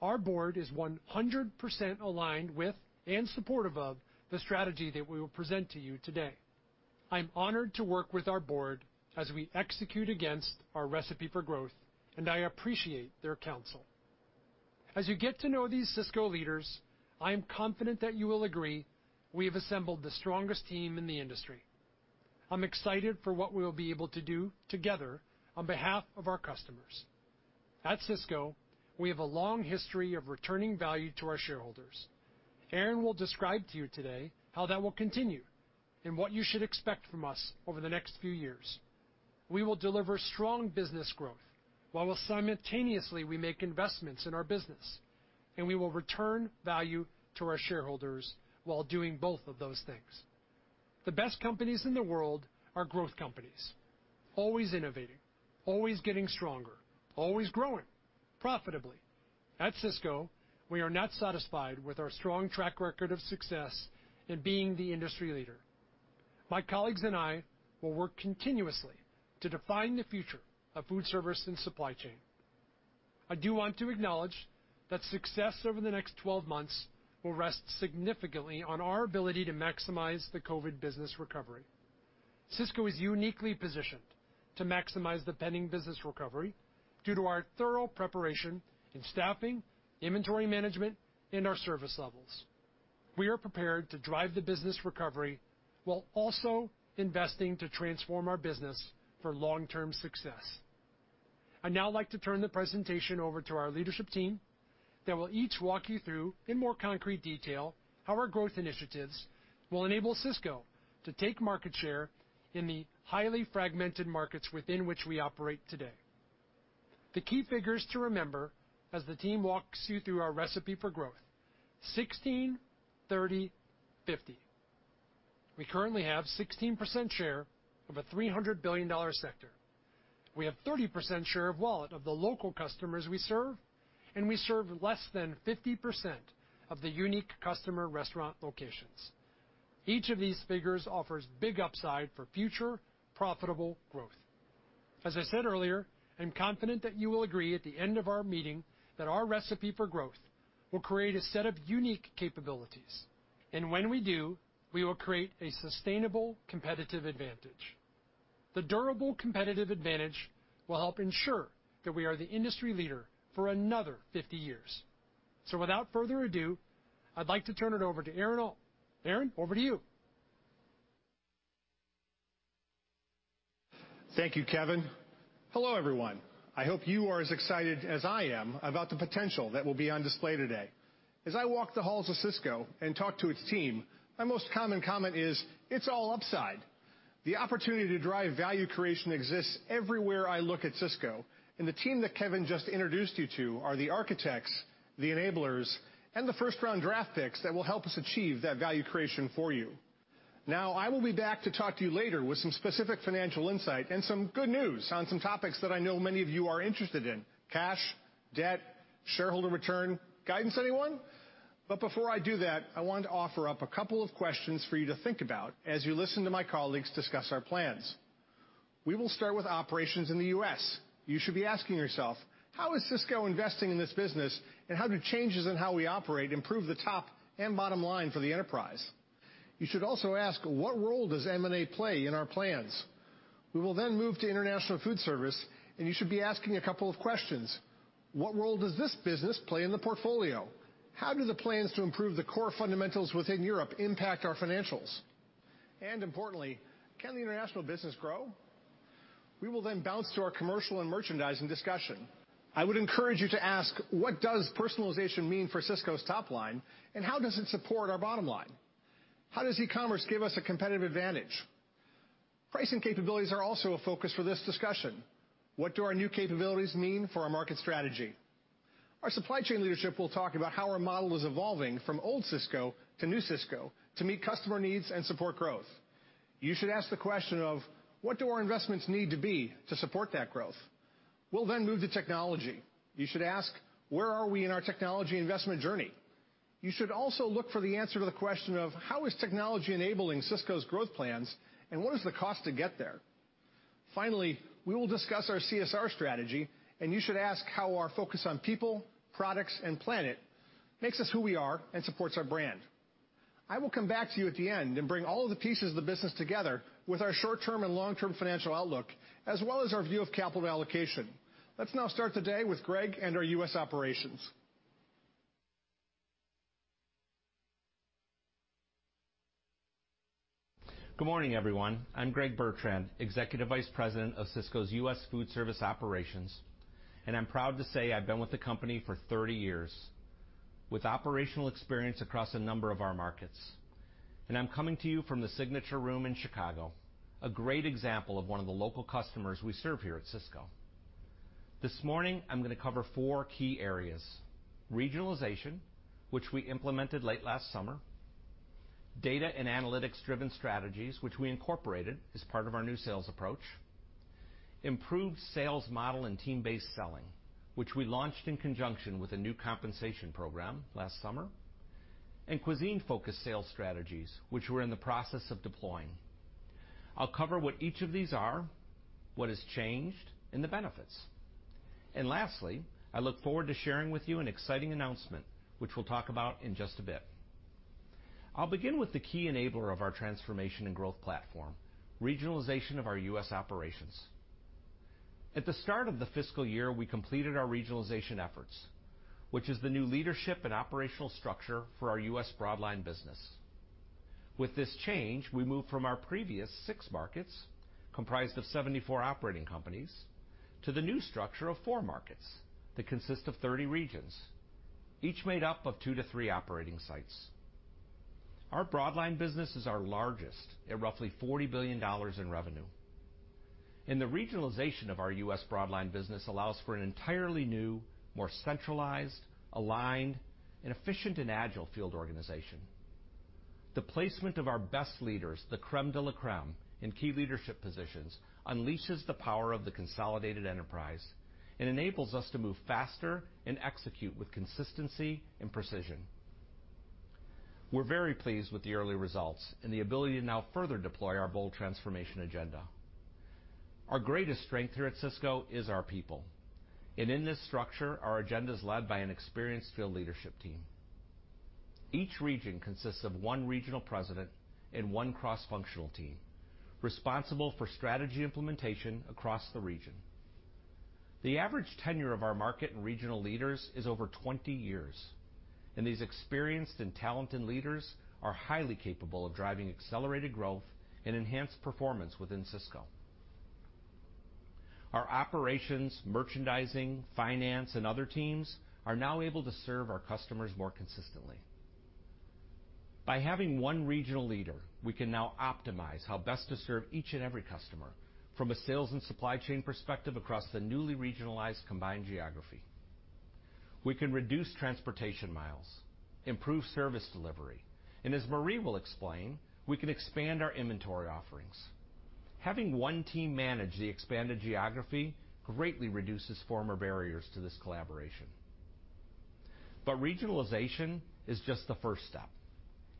Our board is 100% aligned with and supportive of the strategy that we will present to you today. I'm honored to work with our board as we execute against our recipe for growth, and I appreciate their counsel. As you get to know these Sysco leaders, I am confident that you will agree we have assembled the strongest team in the industry. I'm excited for what we'll be able to do together on behalf of our customers. At Sysco, we have a long history of returning value to our shareholders. Aaron will describe to you today how that will continue and what you should expect from us over the next few years. We will deliver strong business growth, while simultaneously we make investments in our business. We will return value to our shareholders while doing both of those things. The best companies in the world are growth companies, always innovating, always getting stronger, always growing profitably. At Sysco, we are not satisfied with our strong track record of success in being the industry leader. My colleagues and I will work continuously to define the future of foodservice and supply chain. I do want to acknowledge that success over the next 12 months will rest significantly on our ability to maximize the COVID business recovery. Sysco is uniquely positioned to maximize the pending business recovery due to our thorough preparation in staffing, inventory management, and our service levels. We are prepared to drive the business recovery while also investing to transform our business for long-term success. I'd now like to turn the presentation over to our leadership team that will each walk you through, in more concrete detail, how our growth initiatives will enable Sysco to take market share in the highly fragmented markets within which we operate today. The key figures to remember as the team walks you through our recipe for growth, 16, 30, 50. We currently have 16% share of a $300 billion sector. We have 30% share of wallet of the local customers we serve. We serve less than 50% of the unique customer restaurant locations. Each of these figures offers big upside for future profitable growth. As I said earlier, I'm confident that you will agree at the end of our meeting that our recipe for growth will create a set of unique capabilities. When we do, we will create a sustainable competitive advantage. The durable competitive advantage will help ensure that we are the industry leader for another 50 years. Without further ado, I'd like to turn it over to Aaron Alt. Aaron, over to you. Thank you, Kevin. Hello, everyone. I hope you are as excited as I am about the potential that will be on display today. As I walk the halls of Sysco and talk to its team, my most common comment is, "It's all upside." The opportunity to drive value creation exists everywhere I look at Sysco, and the team that Kevin just introduced you to are the architects, the enablers, and the first-round draft picks that will help us achieve that value creation for you. I will be back to talk to you later with some specific financial insight and some good news on some topics that I know many of you are interested in, cash, debt, shareholder return, guidance anyone? Before I do that, I wanted to offer up a couple of questions for you to think about as you listen to my colleagues discuss our plans. We will start with operations in the U.S. You should be asking yourself, how is Sysco investing in this business, and how do changes in how we operate improve the top and bottom line for the enterprise? You should also ask, what role does M&A play in our plans? We will move to international food service, and you should be asking a couple of questions. What role does this business play in the portfolio? How do the plans to improve the core fundamentals within Europe impact our financials? Importantly, can the international business grow? We will bounce to our commercial and merchandising discussion. I would encourage you to ask, what does personalization mean for Sysco's top line, and how does it support our bottom line? How does e-commerce give us a competitive advantage? Pricing capabilities are also a focus for this discussion. What do our new capabilities mean for our market strategy? Our supply chain leadership will talk about how our model is evolving from old Sysco to new Sysco to meet customer needs and support growth. You should ask the question of, what do our investments need to be to support that growth? We will move to technology. You should ask, where are we in our technology investment journey? You should also look for the answer to the question of, how is technology enabling Sysco's growth plans, and what is the cost to get there? We will discuss our CSR strategy, and you should ask how our focus on people, products, and planet makes us who we are and supports our brand. I will come back to you at the end and bring all of the pieces of the business together with our short-term and long-term financial outlook, as well as our view of capital allocation. Let's now start the day with Greg and our U.S. operations. Good morning, everyone. I'm Greg Bertrand, Executive Vice President of Sysco's U.S. Foodservice Operations, and I'm proud to say I've been with the company for 30 years, with operational experience across a number of our markets. I'm coming to you from the Signature Room in Chicago, a great example of one of the local customers we serve here at Sysco. This morning, I'm going to cover four key areas. Regionalization, which we implemented late last summer, data and analytics driven strategies, which we incorporated as part of our new sales approach, improved sales model and team-based selling, which we launched in conjunction with a new compensation program last summer, and cuisine focused sales strategies, which we're in the process of deploying. I'll cover what each of these are, what has changed, and the benefits. Lastly, I look forward to sharing with you an exciting announcement, which we'll talk about in just a bit. I'll begin with the key enabler of our transformation and growth platform, regionalization of our U.S. operations. At the start of the fiscal year, we completed our regionalization efforts, which is the new leadership and operational structure for our U.S. broadline business. With this change, we move from our previous six markets, comprised of 74 operating companies, to the new structure of four markets that consist of 30 regions, each made up of two to three operating sites. Our broadline business is our largest at roughly $40 billion in revenue. The regionalization of our U.S. broadline business allows for an entirely new, more centralized, aligned, and efficient and agile field organization. The placement of our best leaders, the crème de la crème, in key leadership positions unleashes the power of the consolidated enterprise and enables us to move faster and execute with consistency and precision. We're very pleased with the early results and the ability to now further deploy our bold transformation agenda. Our greatest strength here at Sysco is our people, and in this structure, our agenda is led by an experienced field leadership team. Each region consists of one regional president and one cross-functional team responsible for strategy implementation across the region. The average tenure of our market and regional leaders is over 20 years, and these experienced and talented leaders are highly capable of driving accelerated growth and enhanced performance within Sysco. Our operations, merchandising, finance, and other teams are now able to serve our customers more consistently. By having one regional leader, we can now optimize how best to serve each and every customer from a sales and supply chain perspective across the newly regionalized combined geography. We can reduce transportation miles, improve service delivery, and as Marie will explain, we can expand our inventory offerings. Having one team manage the expanded geography greatly reduces former barriers to this collaboration. Regionalization is just the first step.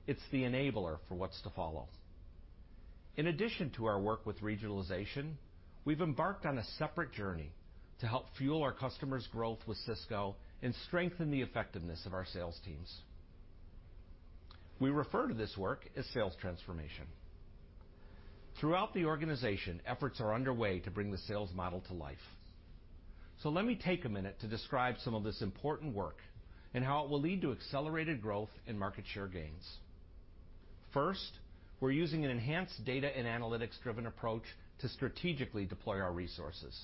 It's the enabler for what's to follow. In addition to our work with regionalization, we've embarked on a separate journey to help fuel our customers' growth with Sysco and strengthen the effectiveness of our sales teams. We refer to this work as sales transformation. Throughout the organization, efforts are underway to bring the sales model to life. Let me take a minute to describe some of this important work and how it will lead to accelerated growth and market share gains. First, we're using an enhanced data and analytics driven approach to strategically deploy our resources.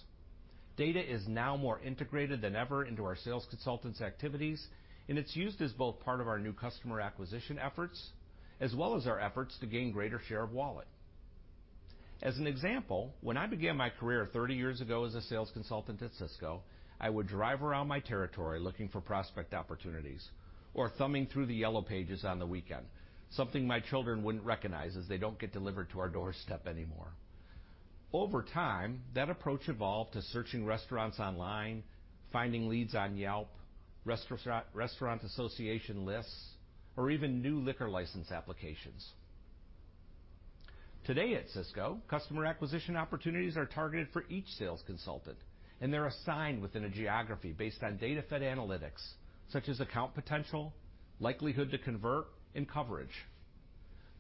Data is now more integrated than ever into our sales consultants' activities, and it's used as both part of our new customer acquisition efforts, as well as our efforts to gain greater share of wallet. As an example, when I began my career 30 years ago as a sales consultant at Sysco, I would drive around my territory looking for prospect opportunities or thumbing through the Yellow Pages on the weekend. Something my children wouldn't recognize as they don't get delivered to our doorstep anymore. Over time, that approach evolved to searching restaurants online, finding leads on Yelp, restaurant association lists, or even new liquor license applications. Today at Sysco, customer acquisition opportunities are targeted for each sales consultant, and they're assigned within a geography based on data-fed analytics, such as account potential, likelihood to convert, and coverage.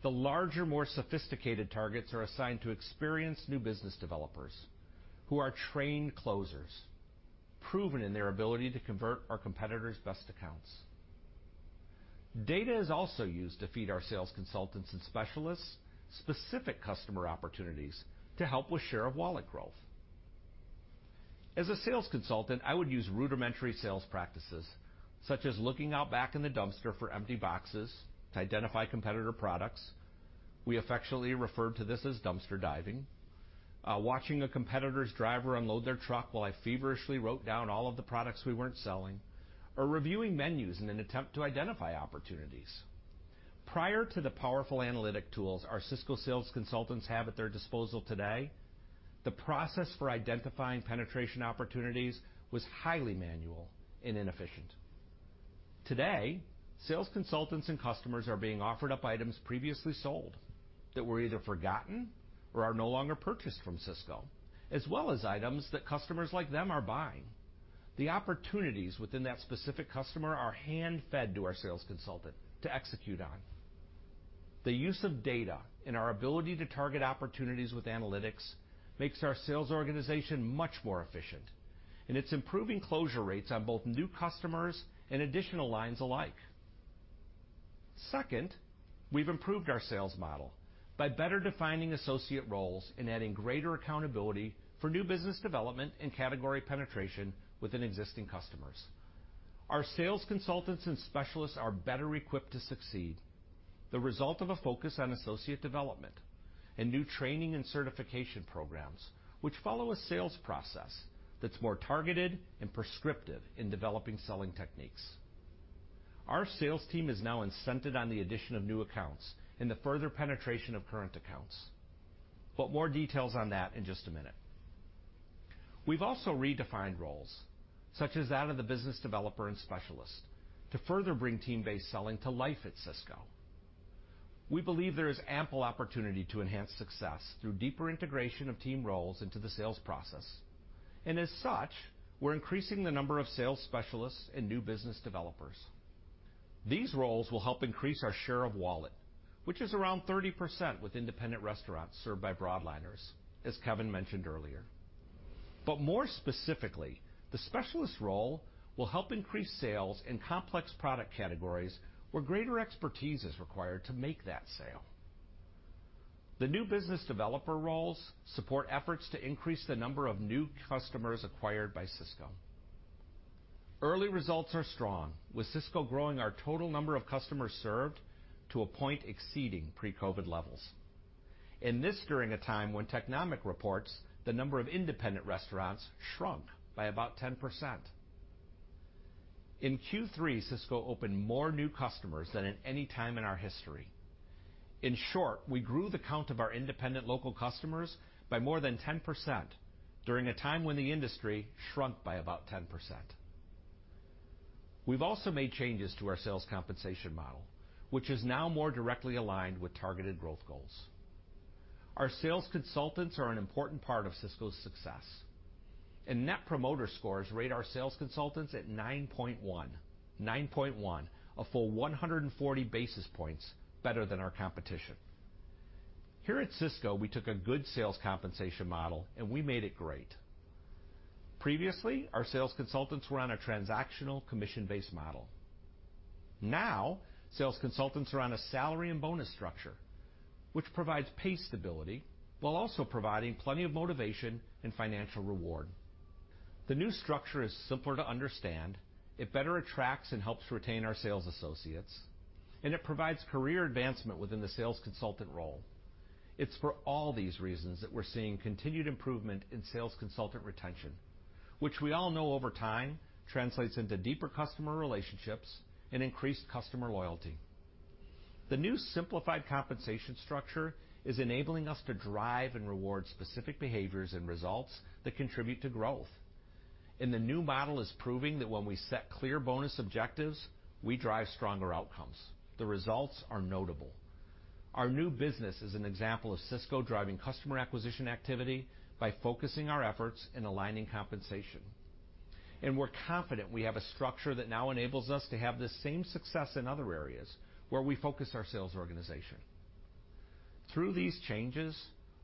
The larger, more sophisticated targets are assigned to experienced new business developers who are trained closers. Proven in their ability to convert our competitors' best accounts. Data is also used to feed our sales consultants and specialists specific customer opportunities to help with share of wallet growth. As a sales consultant, I would use rudimentary sales practices, such as looking out back in the dumpster for empty boxes to identify competitor products. We affectionately referred to this as dumpster diving. Watching a competitor's driver unload their truck while I feverishly wrote down all of the products we weren't selling, or reviewing menus in an attempt to identify opportunities. Prior to the powerful analytic tools our Sysco sales consultants have at their disposal today, the process for identifying penetration opportunities was highly manual and inefficient. Today, sales consultants and customers are being offered up items previously sold that were either forgotten or are no longer purchased from Sysco, as well as items that customers like them are buying. The opportunities within that specific customer are hand-fed to our sales consultant to execute on. The use of data and our ability to target opportunities with analytics makes our sales organization much more efficient, and it's improving closure rates on both new customers and additional lines alike. Second, we've improved our sales model by better defining associate roles and adding greater accountability for new business development and category penetration within existing customers. Our sales consultants and specialists are better equipped to succeed. The result of a focus on associate development and new training and certification programs, which follow a sales process that's more targeted and prescriptive in developing selling techniques. Our sales team is now incented on the addition of new accounts and the further penetration of current accounts. More details on that in just a minute. We've also redefined roles, such as that of the business developer and specialist, to further bring team-based selling to life at Sysco. We believe there is ample opportunity to enhance success through deeper integration of team roles into the sales process. As such, we're increasing the number of sales specialists and new business developers. These roles will help increase our share of wallet, which is around 30% with independent restaurants served by broadliners, as Kevin mentioned earlier. More specifically, the specialist role will help increase sales in complex product categories where greater expertise is required to make that sale. The new business developer roles support efforts to increase the number of new customers acquired by Sysco. Early results are strong, with Sysco growing our total number of customers served to a point exceeding pre-COVID levels. This during a time when Technomic reports the number of independent restaurants shrunk by about 10%. In Q3, Sysco opened more new customers than at any time in our history. In short, we grew the count of our independent local customers by more than 10% during a time when the industry shrunk by about 10%. We've also made changes to our sales compensation model, which is now more directly aligned with targeted growth goals. Our sales consultants are an important part of Sysco's success. Net Promoter Scores rate our sales consultants at 9.1. 9.1, a full 140 basis points better than our competition. Here at Sysco, we took a good sales compensation model and we made it great. Previously, our sales consultants were on a transactional commission-based model. Now, sales consultants are on a salary and bonus structure, which provides pay stability while also providing plenty of motivation and financial reward. The new structure is simpler to understand, it better attracts and helps retain our sales associates, and it provides career advancement within the sales consultant role. It's for all these reasons that we're seeing continued improvement in sales consultant retention, which we all know over time translates into deeper customer relationships and increased customer loyalty. The new simplified compensation structure is enabling us to drive and reward specific behaviors and results that contribute to growth. The new model is proving that when we set clear bonus objectives, we drive stronger outcomes. The results are notable. Our new business is an example of Sysco driving customer acquisition activity by focusing our efforts and aligning compensation. We're confident we have a structure that now enables us to have the same success in other areas where we focus our sales organization. Through these changes,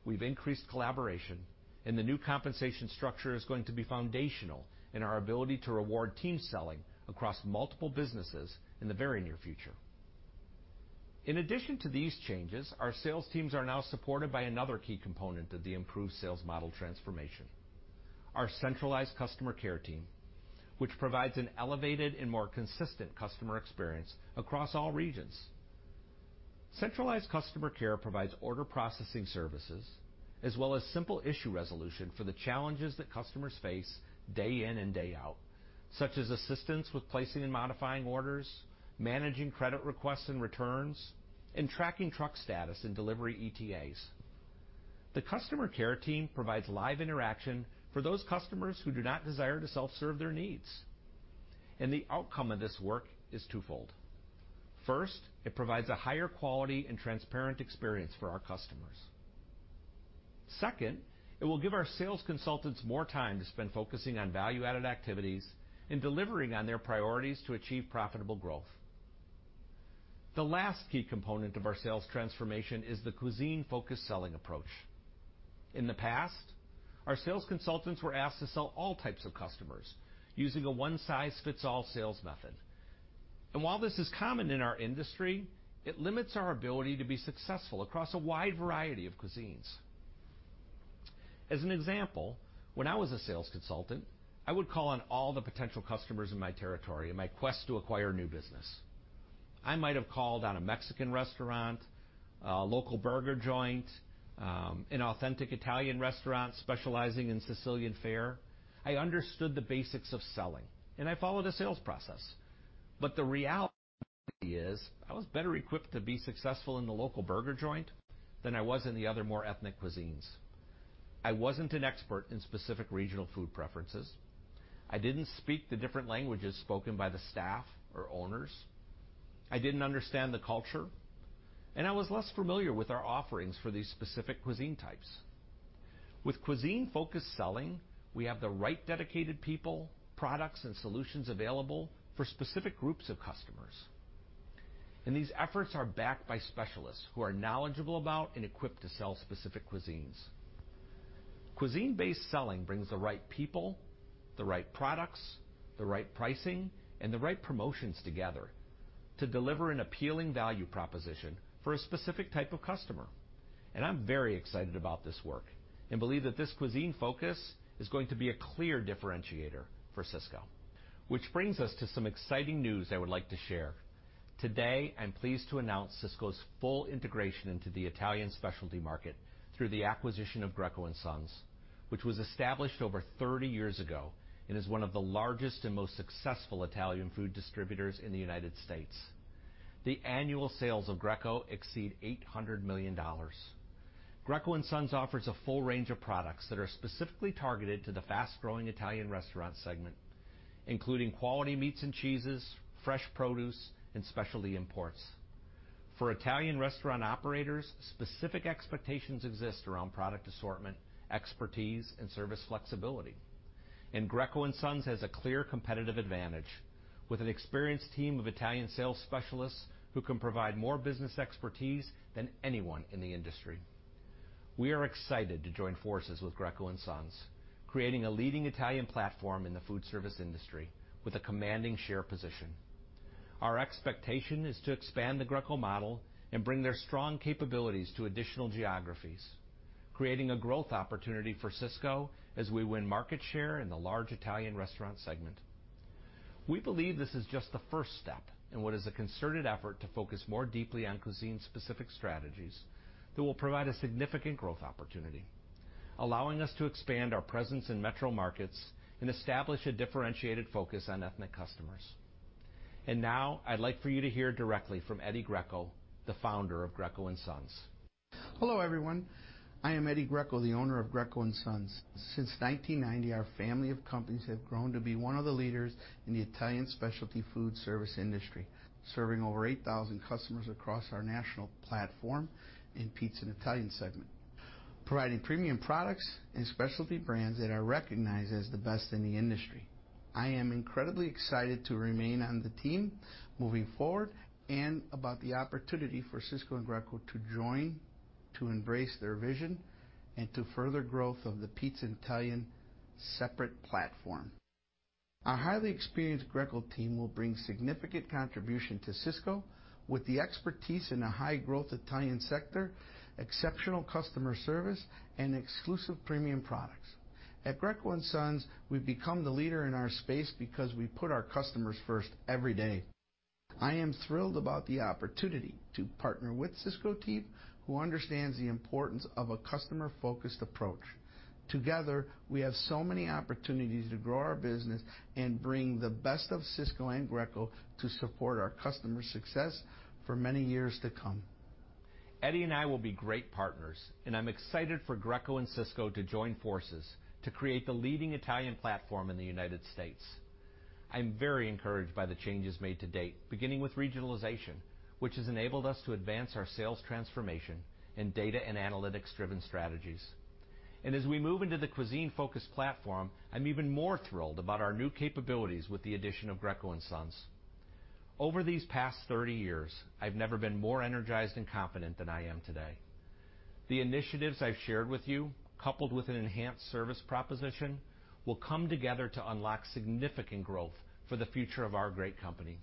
we've increased collaboration, and the new compensation structure is going to be foundational in our ability to reward team selling across multiple businesses in the very near future. In addition to these changes, our sales teams are now supported by another key component of the improved sales model transformation. Our centralized customer care team, which provides an elevated and more consistent customer experience across all regions. Centralized customer care provides order processing services, as well as simple issue resolution for the challenges that customers face day in and day out, such as assistance with placing and modifying orders, managing credit requests and returns, and tracking truck status and delivery ETAs. The customer care team provides live interaction for those customers who do not desire to self-serve their needs. The outcome of this work is twofold. First, it provides a higher quality and transparent experience for our customers. Second, it will give our sales consultants more time to spend focusing on value-added activities and delivering on their priorities to achieve profitable growth. The last key component of our sales transformation is the cuisine-focused selling approach. In the past, our sales consultants were asked to sell all types of customers using a one-size-fits-all sales method. While this is common in our industry, it limits our ability to be successful across a wide variety of cuisines. As an example, when I was a sales consultant, I would call on all the potential customers in my territory in my quest to acquire new business. I might have called on a Mexican restaurant, a local burger joint, an authentic Italian restaurant specializing in Sicilian fare. I understood the basics of selling, and I followed a sales process. The reality is, I was better equipped to be successful in the local burger joint than I was in the other more ethnic cuisines. I wasn't an expert in specific regional food preferences. I didn't speak the different languages spoken by the staff or owners. I didn't understand the culture, and I was less familiar with our offerings for these specific cuisine types. With cuisine-focused selling, we have the right dedicated people, products, and solutions available for specific groups of customers. These efforts are backed by specialists who are knowledgeable about and equipped to sell specific cuisines. Cuisine-based selling brings the right people, the right products, the right pricing, and the right promotions together to deliver an appealing value proposition for a specific type of customer. I'm very excited about this work and believe that this cuisine focus is going to be a clear differentiator for Sysco, which brings us to some exciting news I would like to share. Today, I'm pleased to announce Sysco's full integration into the Italian specialty market through the acquisition of Greco and Sons, which was established over 30 years ago and is one of the largest and most successful Italian food distributors in the United States. The annual sales of Greco exceed $800 million. Greco and Sons offers a full range of products that are specifically targeted to the fast-growing Italian restaurant segment, including quality meats and cheeses, fresh produce, and specialty imports. For Italian restaurant operators, specific expectations exist around product assortment, expertise, and service flexibility. Greco and Sons has a clear competitive advantage, with an experienced team of Italian sales specialists who can provide more business expertise than anyone in the industry. We are excited to join forces with Greco and Sons, creating a leading Italian platform in the food service industry with a commanding share position. Our expectation is to expand the Greco model and bring their strong capabilities to additional geographies, creating a growth opportunity for Sysco as we win market share in the large Italian restaurant segment. We believe this is just the first step in what is a concerted effort to focus more deeply on cuisine-specific strategies that will provide a significant growth opportunity, allowing us to expand our presence in metro markets and establish a differentiated focus on ethnic customers. Now, I'd like for you to hear directly from Eddie Greco, the founder of Greco and Sons. Hello, everyone. I am Eddie Greco, the owner of Greco and Sons. Since 1990, our family of companies have grown to be one of the leaders in the Italian specialty foodservice industry, serving over 8,000 customers across our national platform in pizza and Italian segment, providing premium products and specialty brands that are recognized as the best in the industry. I am incredibly excited to remain on the team moving forward, about the opportunity for Sysco and Greco to join, to embrace their vision, and to further growth of the pizza and Italian separate platform. Our highly experienced Greco team will bring significant contribution to Sysco with the expertise in a high-growth Italian sector, exceptional customer service, and exclusive premium products. At Greco and Sons, we've become the leader in our space because we put our customers first every day. I am thrilled about the opportunity to partner with Sysco team, who understands the importance of a customer-focused approach. Together, we have so many opportunities to grow our business and bring the best of Sysco and Greco to support our customers' success for many years to come. Eddie and I will be great partners. I'm excited for Greco and Sysco to join forces to create the leading Italian platform in the United States. I'm very encouraged by the changes made to date, beginning with regionalization, which has enabled us to advance our sales transformation and data and analytics-driven strategies. As we move into the cuisine-focused platform, I'm even more thrilled about our new capabilities with the addition of Greco and Sons. Over these past 30 years, I've never been more energized and confident than I am today. The initiatives I've shared with you, coupled with an enhanced service proposition, will come together to unlock significant growth for the future of our great company.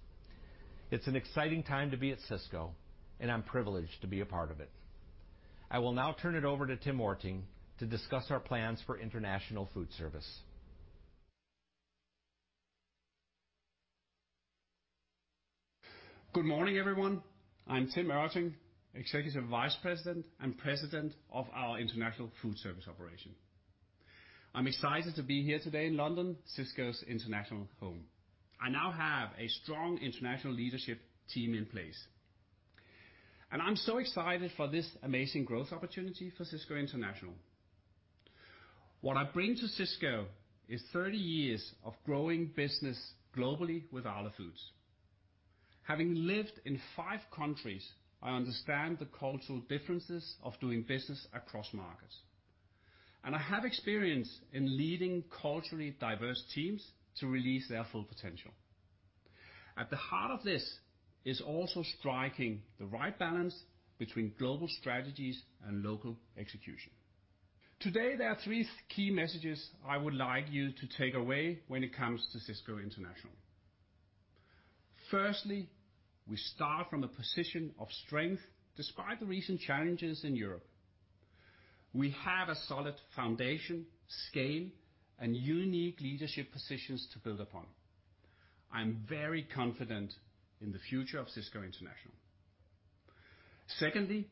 It's an exciting time to be at Sysco, and I'm privileged to be a part of it. I will now turn it over to Tim Ørting to discuss our plans for International Foodservice. Good morning, everyone. I'm Tim Ørting, Executive Vice President and President of our International Foodservice operation. I'm excited to be here today in London, Sysco's international home. I now have a strong international leadership team in place. I'm so excited for this amazing growth opportunity for Sysco International. What I bring to Sysco is 30 years of growing business globally with Arla Foods. Having lived in five countries, I understand the cultural differences of doing business across markets. I have experience in leading culturally diverse teams to release their full potential. At the heart of this is also striking the right balance between global strategies and local execution. Today, there are three key messages I would like you to take away when it comes to Sysco International. Firstly, we start from a position of strength despite the recent challenges in Europe. We have a solid foundation, scale, and unique leadership positions to build upon. I'm very confident in the future of Sysco International. Secondly,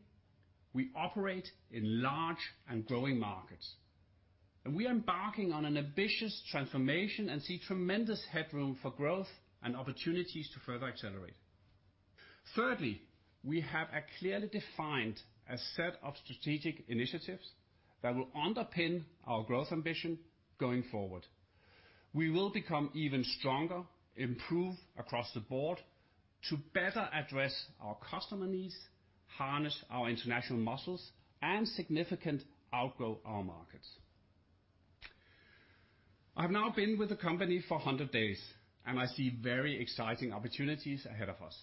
we operate in large and growing markets. We are embarking on an ambitious transformation and see tremendous headroom for growth and opportunities to further accelerate. Thirdly, we have a clearly defined set of strategic initiatives that will underpin our growth ambition going forward. We will become even stronger, improve across the board to better address our customer needs, harness our international muscles, and significant outgrow our markets. I've now been with the company for 100 days. I see very exciting opportunities ahead of us.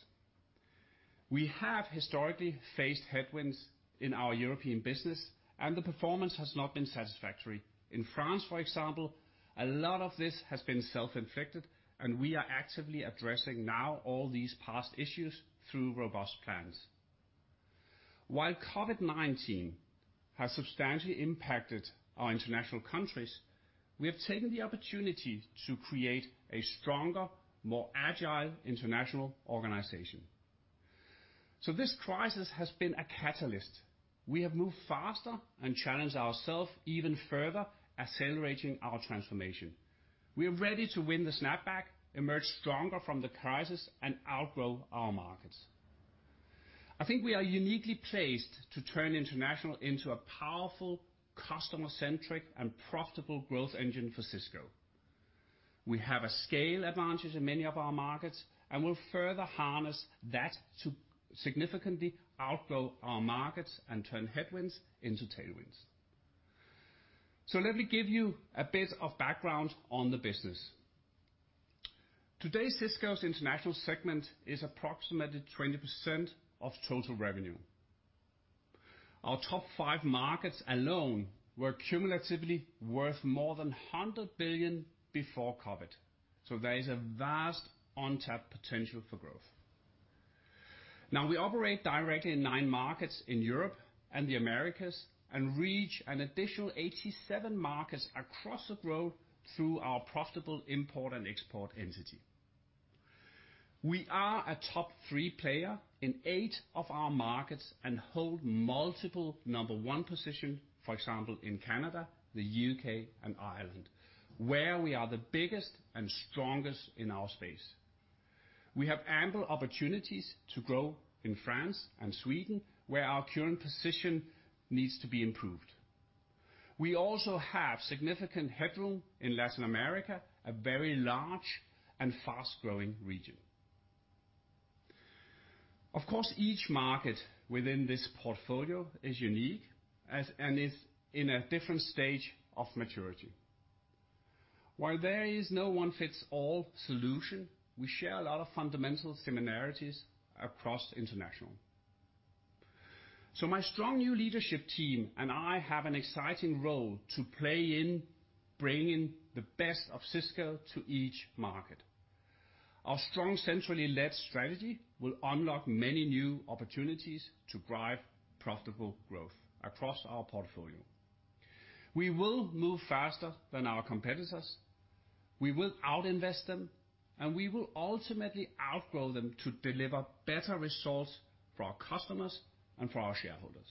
We have historically faced headwinds in our European business. The performance has not been satisfactory. In France, for example, a lot of this has been self-inflicted. We are actively addressing now all these past issues through robust plans. While COVID-19 has substantially impacted our international countries, we have taken the opportunity to create a stronger, more agile international organization. This crisis has been a catalyst. We have moved faster and challenged ourselves even further, accelerating our transformation. We are ready to win the snapback, emerge stronger from the crisis, and outgrow our markets. I think we are uniquely placed to turn international into a powerful, customer-centric, and profitable growth engine for Sysco. We have a scale advantage in many of our markets and will further harness that to significantly outgrow our markets and turn headwinds into tailwinds. Let me give you a bit of background on the business. Today, Sysco's International segment is approximately 20% of total revenue. Our top five markets alone were cumulatively worth more than $100 billion before COVID. There is a vast untapped potential for growth. We operate directly in nine markets in Europe and the Americas and reach an additional 87 markets across the globe through our profitable import and export entity. We are a top 3 player in eight of our markets and hold multiple number 1 position, for example, in Canada, the U.K., and Ireland, where we are the biggest and strongest in our space. We have ample opportunities to grow in France and Sweden, where our current position needs to be improved. We also have significant headroom in Latin America, a very large and fast-growing region. Of course, each market within this portfolio is unique and is in a different stage of maturity. While there is no one-fits-all solution, we share a lot of fundamental similarities across international. My strong new leadership team and I have an exciting role to play in bringing the best of Sysco to each market. Our strong, centrally-led strategy will unlock many new opportunities to drive profitable growth across our portfolio. We will move faster than our competitors, we will outinvest them, and we will ultimately outgrow them to deliver better results for our customers and for our shareholders.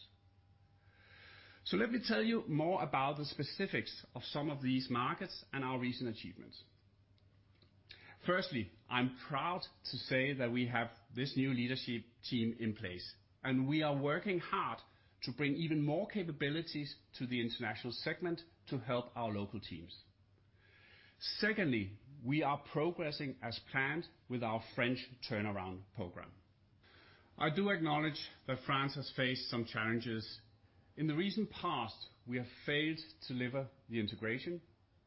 Let me tell you more about the specifics of some of these markets and our recent achievements. Firstly, I am proud to say that we have this new leadership team in place, and we are working hard to bring even more capabilities to the international segment to help our local teams. Secondly, we are progressing as planned with our French turnaround program. I do acknowledge that France has faced some challenges. In the recent past, we have failed to deliver the integration,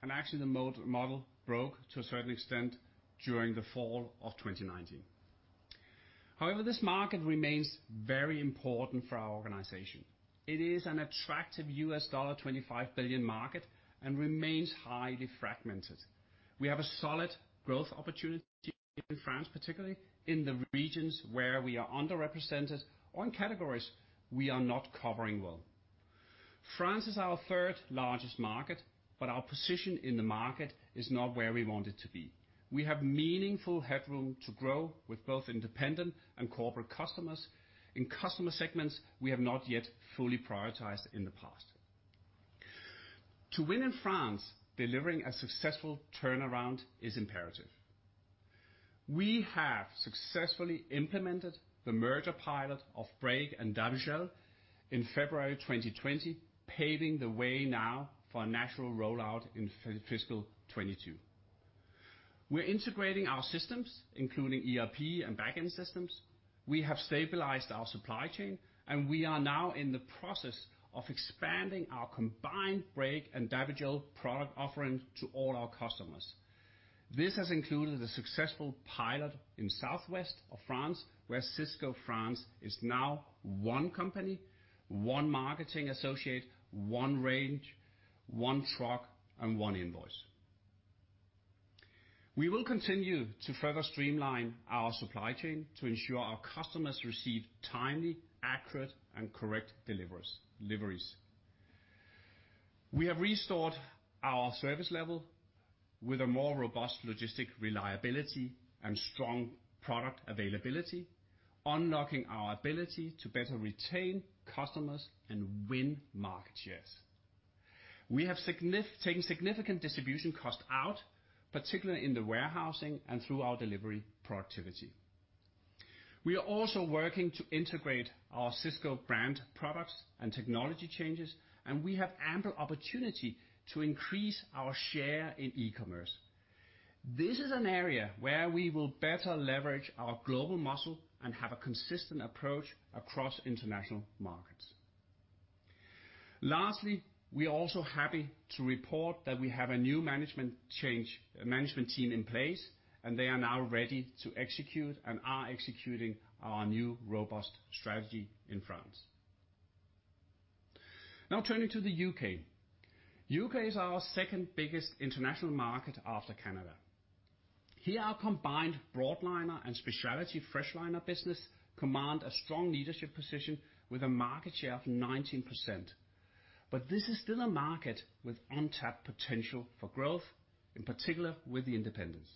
and actually, the model broke to a certain extent during the fall of 2019. However, this market remains very important for our organization. It is an attractive $25 billion market and remains highly fragmented. We have a solid growth opportunity in France, particularly in the regions where we are underrepresented or in categories we are not covering well. France is our third-largest market, but our position in the market is not where we want it to be. We have meaningful headroom to grow with both independent and corporate customers in customer segments we have not yet fully prioritized in the past. To win in France, delivering a successful turnaround is imperative. We have successfully implemented the merger pilot of Brakes and Davigel in February 2020, paving the way now for a national rollout in fiscal 2022. We are integrating our systems, including ERP and back-end systems. We have stabilized our supply chain, and we are now in the process of expanding our combined Brakes and Davigel product offering to all our customers. This has included a successful pilot in southwest of France, where Sysco France is now one company, one marketing associate, one range, one truck, and one invoice. We will continue to further streamline our supply chain to ensure our customers receive timely, accurate, and correct deliveries. We have restored our service level with a more robust logistic reliability and strong product availability, unlocking our ability to better retain customers and win market shares. We have taken significant distribution cost out, particularly in the warehousing and through our delivery productivity. We are also working to integrate our Sysco Brand products and technology changes, and we have ample opportunity to increase our share in e-commerce. This is an area where we will better leverage our global muscle and have a consistent approach across international markets. Lastly, we are also happy to report that we have a new management team in place. They are now ready to execute and are executing our new robust strategy in France. Turning to the U.K. The U.K. is our second biggest international market after Canada. Here, our combined broadliner and specialty freshliner business command a strong leadership position with a market share of 19%. This is still a market with untapped potential for growth, in particular with the independents.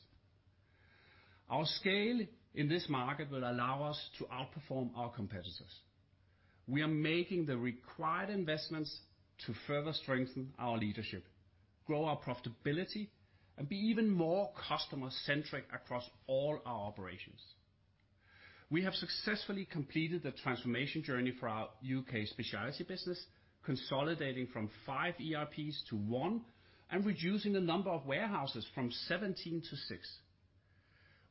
Our scale in this market will allow us to outperform our competitors. We are making the required investments to further strengthen our leadership, grow our profitability, and be even more customer-centric across all our operations. We have successfully completed the transformation journey for our U.K. specialty business, consolidating from five ERPs to one, and reducing the number of warehouses from 17 to six.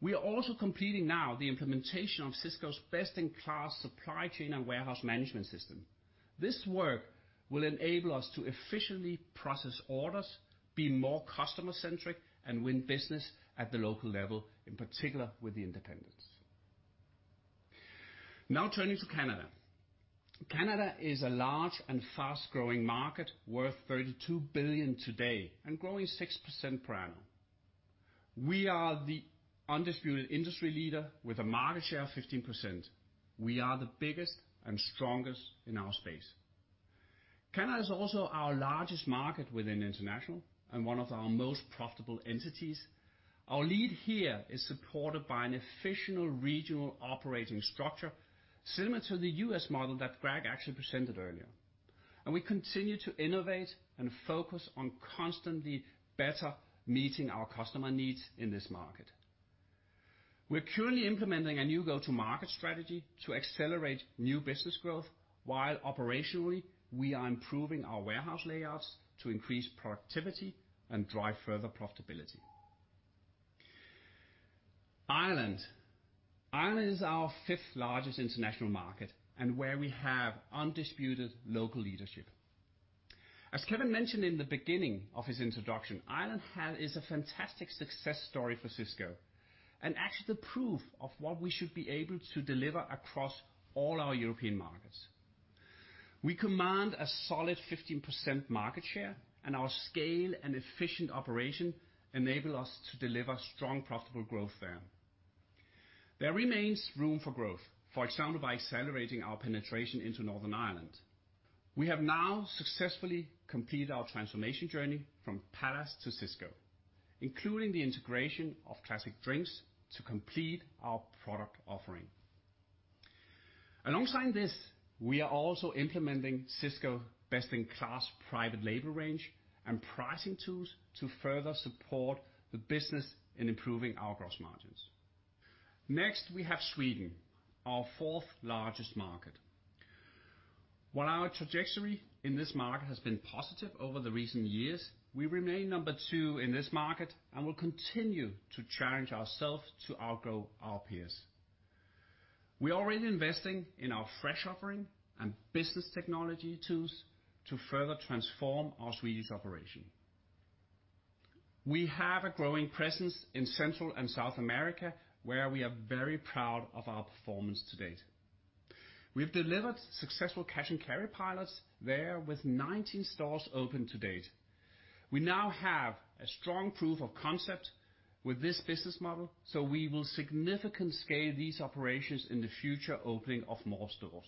We are also completing now the implementation of Sysco's best-in-class supply chain and warehouse management system. This work will enable us to efficiently process orders, be more customer-centric, and win business at the local level, in particular with the independents. Turning to Canada. Canada is a large and fast-growing market worth $32 billion today and growing 6% per annum. We are the undisputed industry leader with a market share of 15%. We are the biggest and strongest in our space. Canada is also our largest market within international and one of our most profitable entities. Our lead here is supported by an efficient regional operating structure similar to the U.S. model that Greg actually presented earlier. We continue to innovate and focus on constantly better meeting our customer needs in this market. We're currently implementing a new go-to-market strategy to accelerate new business growth, while operationally, we are improving our warehouse layouts to increase productivity and drive further profitability. Ireland. Ireland is our fifth largest international market, and where we have undisputed local leadership. As Kevin mentioned in the beginning of his introduction, Ireland is a fantastic success story for Sysco, and actually the proof of what we should be able to deliver across all our European markets. We command a solid 15% market share, and our scale and efficient operation enable us to deliver strong, profitable growth there. There remains room for growth, for example, by accelerating our penetration into Northern Ireland. We have now successfully completed our transformation journey from Pallas to Sysco, including the integration of Classic Drinks to complete our product offering. Alongside this, we are also implementing Sysco best-in-class private label range and pricing tools to further support the business in improving our gross margins. Next, we have Sweden, our fourth largest market. While our trajectory in this market has been positive over the recent years, we remain number 2 in this market and will continue to challenge ourselves to outgrow our peers. We're already investing in our fresh offering and business technology tools to further transform our Swedish operation. We have a growing presence in Central and South America, where we are very proud of our performance to date. We've delivered successful cash-and-carry pilots there with 19 stores open to date. We now have a strong proof of concept with this business model. We will significantly scale these operations in the future opening of more stores.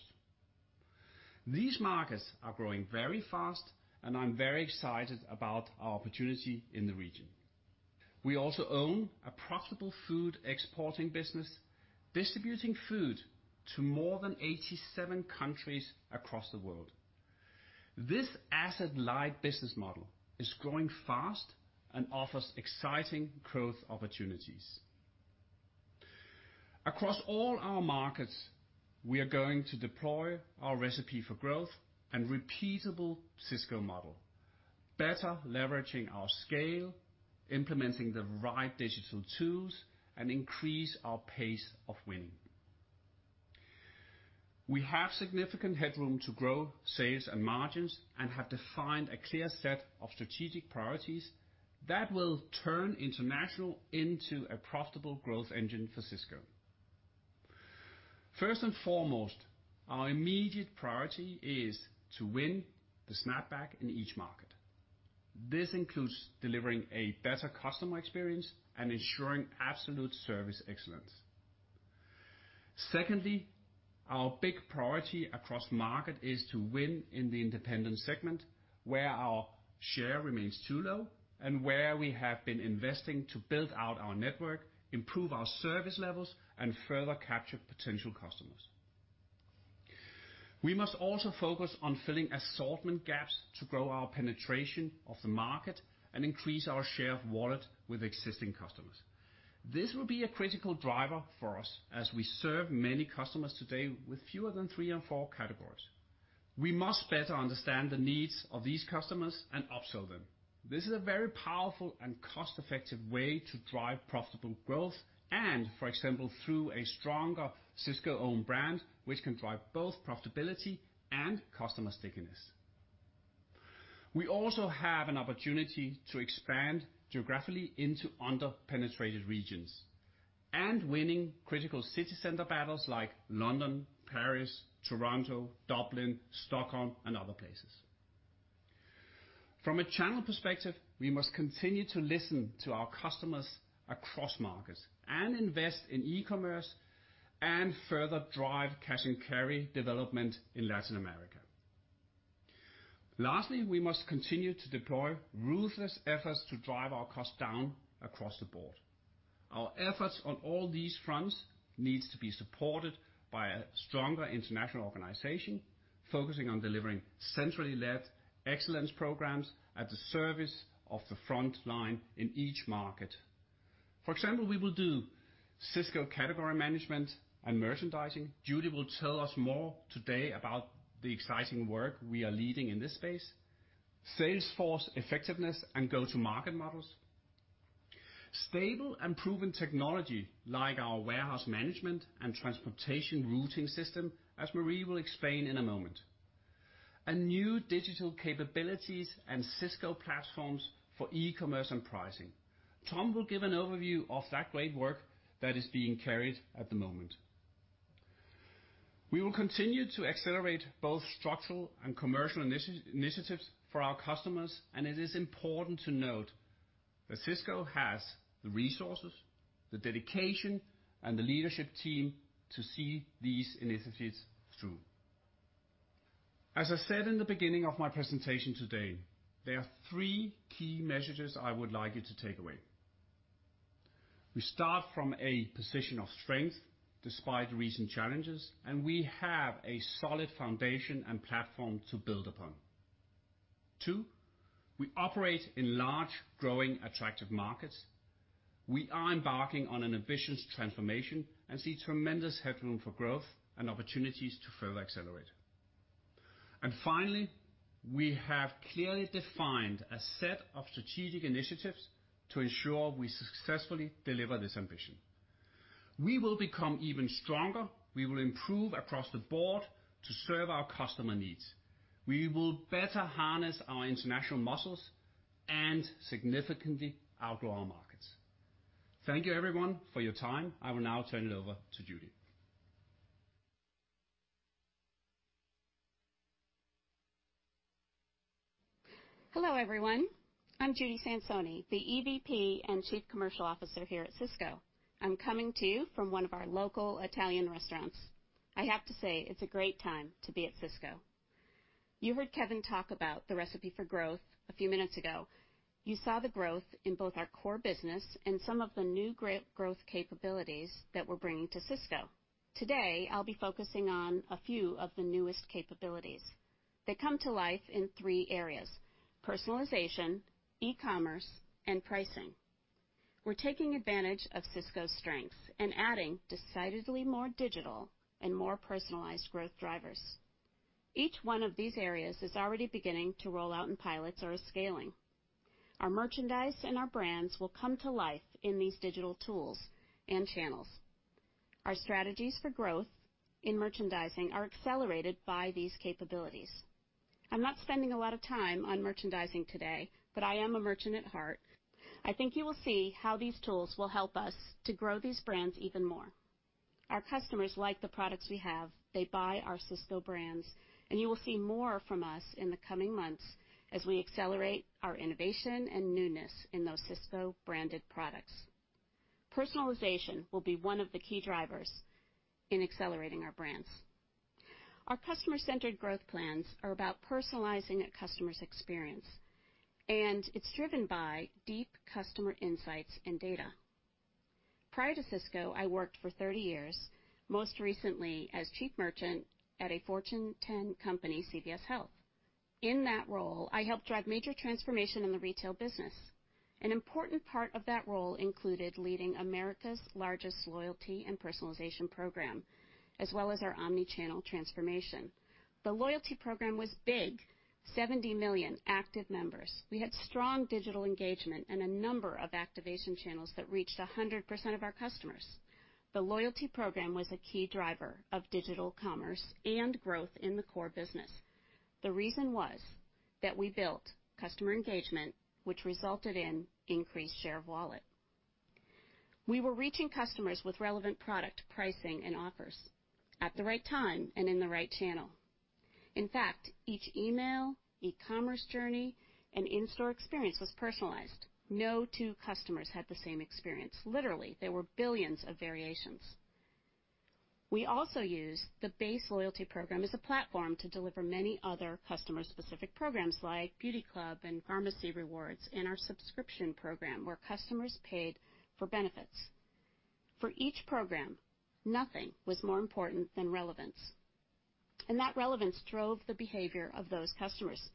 These markets are growing very fast, and I'm very excited about our opportunity in the region. We also own a profitable food exporting business, distributing food to more than 87 countries across the world. This asset-light business model is growing fast and offers exciting growth opportunities. Across all our markets, we are going to deploy our Recipe for Growth and repeatable Sysco model, better leveraging our scale, implementing the right digital tools, and increase our pace of winning. We have significant headroom to grow sales and margins and have defined a clear set of strategic priorities that will turn international into a profitable growth engine for Sysco. First and foremost, our immediate priority is to win the snap-back in each market. This includes delivering a better customer experience and ensuring absolute service excellence. Secondly, our big priority across market is to win in the independent segment, where our share remains too low, and where we have been investing to build out our network, improve our service levels, and further capture potential customers. We must also focus on filling assortment gaps to grow our penetration of the market and increase our share of wallet with existing customers. This will be a critical driver for us as we serve many customers today with fewer than three and four categories. We must better understand the needs of these customers and upsell them. This is a very powerful and cost-effective way to drive profitable growth and, for example, through a stronger Sysco-owned brand, which can drive both profitability and customer stickiness. We also have an opportunity to expand geographically into under-penetrated regions and winning critical city center battles like London, Paris, Toronto, Dublin, Stockholm, and other places. From a channel perspective, we must continue to listen to our customers across markets and invest in e-commerce and further drive cash and carry development in Latin America. Lastly, we must continue to deploy ruthless efforts to drive our costs down across the board. Our efforts on all these fronts needs to be supported by a stronger international organization, focusing on delivering centrally led excellence programs at the service of the front line in each market. For example, we will do Sysco category management and merchandising. Judy will tell us more today about the exciting work we are leading in this space. Sales force effectiveness and go-to-market models. Stable and proven technology, like our warehouse management and transportation routing system, as Marie will explain in a moment. And new digital capabilities and Sysco platforms for e-commerce and pricing. Tom will give an overview of that great work that is being carried at the moment. We will continue to accelerate both structural and commercial initiatives for our customers, and it is important to note that Sysco has the resources, the dedication, and the leadership team to see these initiatives through. As I said in the beginning of my presentation today, there are three key messages I would like you to take away. We start from a position of strength despite recent challenges, and we have a solid foundation and platform to build upon. Two, we operate in large, growing, attractive markets. We are embarking on an ambitious transformation and see tremendous headroom for growth and opportunities to further accelerate. Finally, we have clearly defined a set of strategic initiatives to ensure we successfully deliver this ambition. We will become even stronger, we will improve across the board to serve our customer needs. We will better harness our international muscles and significantly outgrow our markets. Thank you, everyone, for your time. I will now turn it over to Judy. Hello, everyone. I'm Judy Sansone, the EVP and Chief Commercial Officer here at Sysco. I'm coming to you from one of our local Italian restaurants. I have to say it's a great time to be at Sysco. You heard Kevin talk about the Recipe for Growth a few minutes ago. You saw the growth in both our core business and some of the new growth capabilities that we're bringing to Sysco. Today, I'll be focusing on a few of the newest capabilities. They come to life in three areas, personalization, e-commerce, and pricing. We're taking advantage of Sysco's strengths and adding decidedly more digital and more personalized growth drivers. Each one of these areas is already beginning to roll out in pilots or are scaling. Our merchandise and our brands will come to life in these digital tools and channels. Our strategies for growth in merchandising are accelerated by these capabilities. I'm not spending a lot of time on merchandising today, but I am a merchant at heart. I think you will see how these tools will help us to grow these brands even more. Our customers like the products we have, they buy our Sysco brands, and you will see more from us in the coming months as we accelerate our innovation and newness in those Sysco-branded products. Personalization will be one of the key drivers in accelerating our brands. Our customer-centered growth plans are about personalizing a customer's experience, and it's driven by deep customer insights and data. Prior to Sysco, I worked for 30 years, most recently as chief merchant at a Fortune 10 company, CVS Health. In that role, I helped drive major transformation in the retail business. An important part of that role included leading America's largest loyalty and personalization program, as well as our omni-channel transformation. The loyalty program was big, 70 million active members. We had strong digital engagement and a number of activation channels that reached 100% of our customers. The loyalty program was a key driver of digital commerce and growth in the core business. The reason was that we built customer engagement, which resulted in increased share of wallet. We were reaching customers with relevant product pricing and offers at the right time and in the right channel. In fact, each email, e-commerce journey, and in-store experience was personalized. No two customers had the same experience. Literally, there were billions of variations. We also used the base loyalty program as a platform to deliver many other customer-specific programs like BeautyClub and Pharmacy Rewards, and our subscription program, where customers paid for benefits. For each program, nothing was more important than relevance, and that relevance drove the behavior of those customers.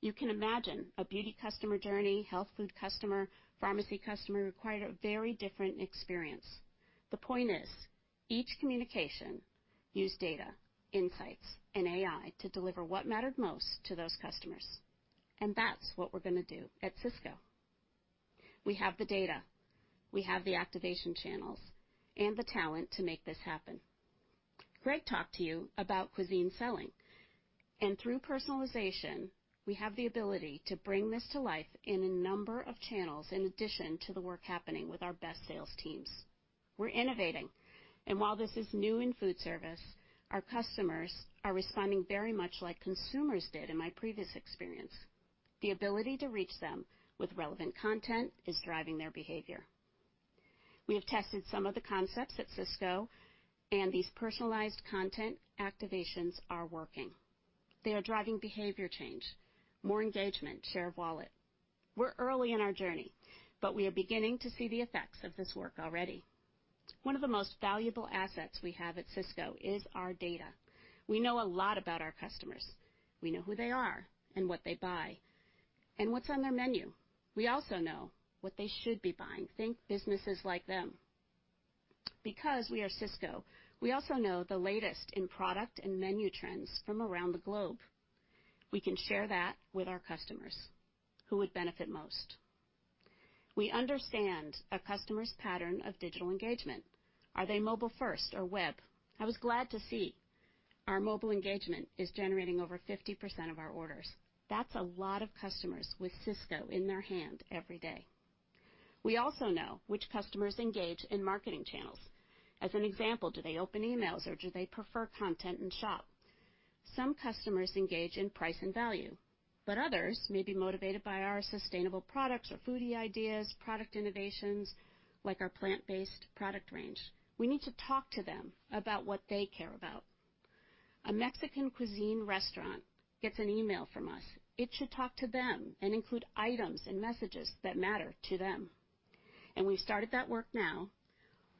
You can imagine a beauty customer journey, health food customer, pharmacy customer required a very different experience. The point is, each communication used data, insights, and AI to deliver what mattered most to those customers, and that's what we're going to do at Sysco. We have the data, we have the activation channels, and the talent to make this happen. Greg talked to you about cuisine selling, and through personalization, we have the ability to bring this to life in a number of channels, in addition to the work happening with our best sales teams. We're innovating, and while this is new in foodservice, our customers are responding very much like consumers did in my previous experience. The ability to reach them with relevant content is driving their behavior. We have tested some of the concepts at Sysco, and these personalized content activations are working. They are driving behavior change, more engagement, share of wallet. We're early in our journey, but we are beginning to see the effects of this work already. One of the most valuable assets we have at Sysco is our data. We know a lot about our customers. We know who they are and what they buy and what's on their menu. We also know what they should be buying. Think businesses like them. Because we are Sysco, we also know the latest in product and menu trends from around the globe. We can share that with our customers who would benefit most. We understand a customer's pattern of digital engagement. Are they mobile first or web? I was glad to see our mobile engagement is generating over 50% of our orders. That's a lot of customers with Sysco in their hand every day. We also know which customers engage in marketing channels. As an example, do they open emails or do they prefer content and shop? Some customers engage in price and value, but others may be motivated by our sustainable products or foodie ideas, product innovations like our plant-based product range. We need to talk to them about what they care about. A Mexican cuisine restaurant gets an email from us. It should talk to them and include items and messages that matter to them, and we've started that work now.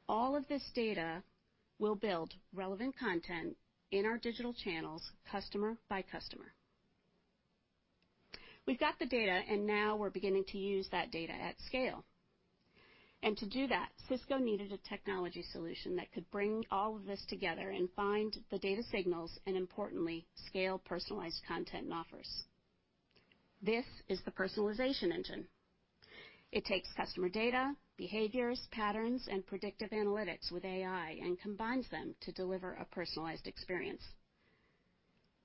All of this data will build relevant content in our digital channels, customer by customer. We've got the data, and now we're beginning to use that data at scale. To do that, Sysco needed a technology solution that could bring all of this together and find the data signals, and importantly, scale personalized content and offers. This is the personalization engine. It takes customer data, behaviors, patterns, and predictive analytics with AI and combines them to deliver a personalized experience.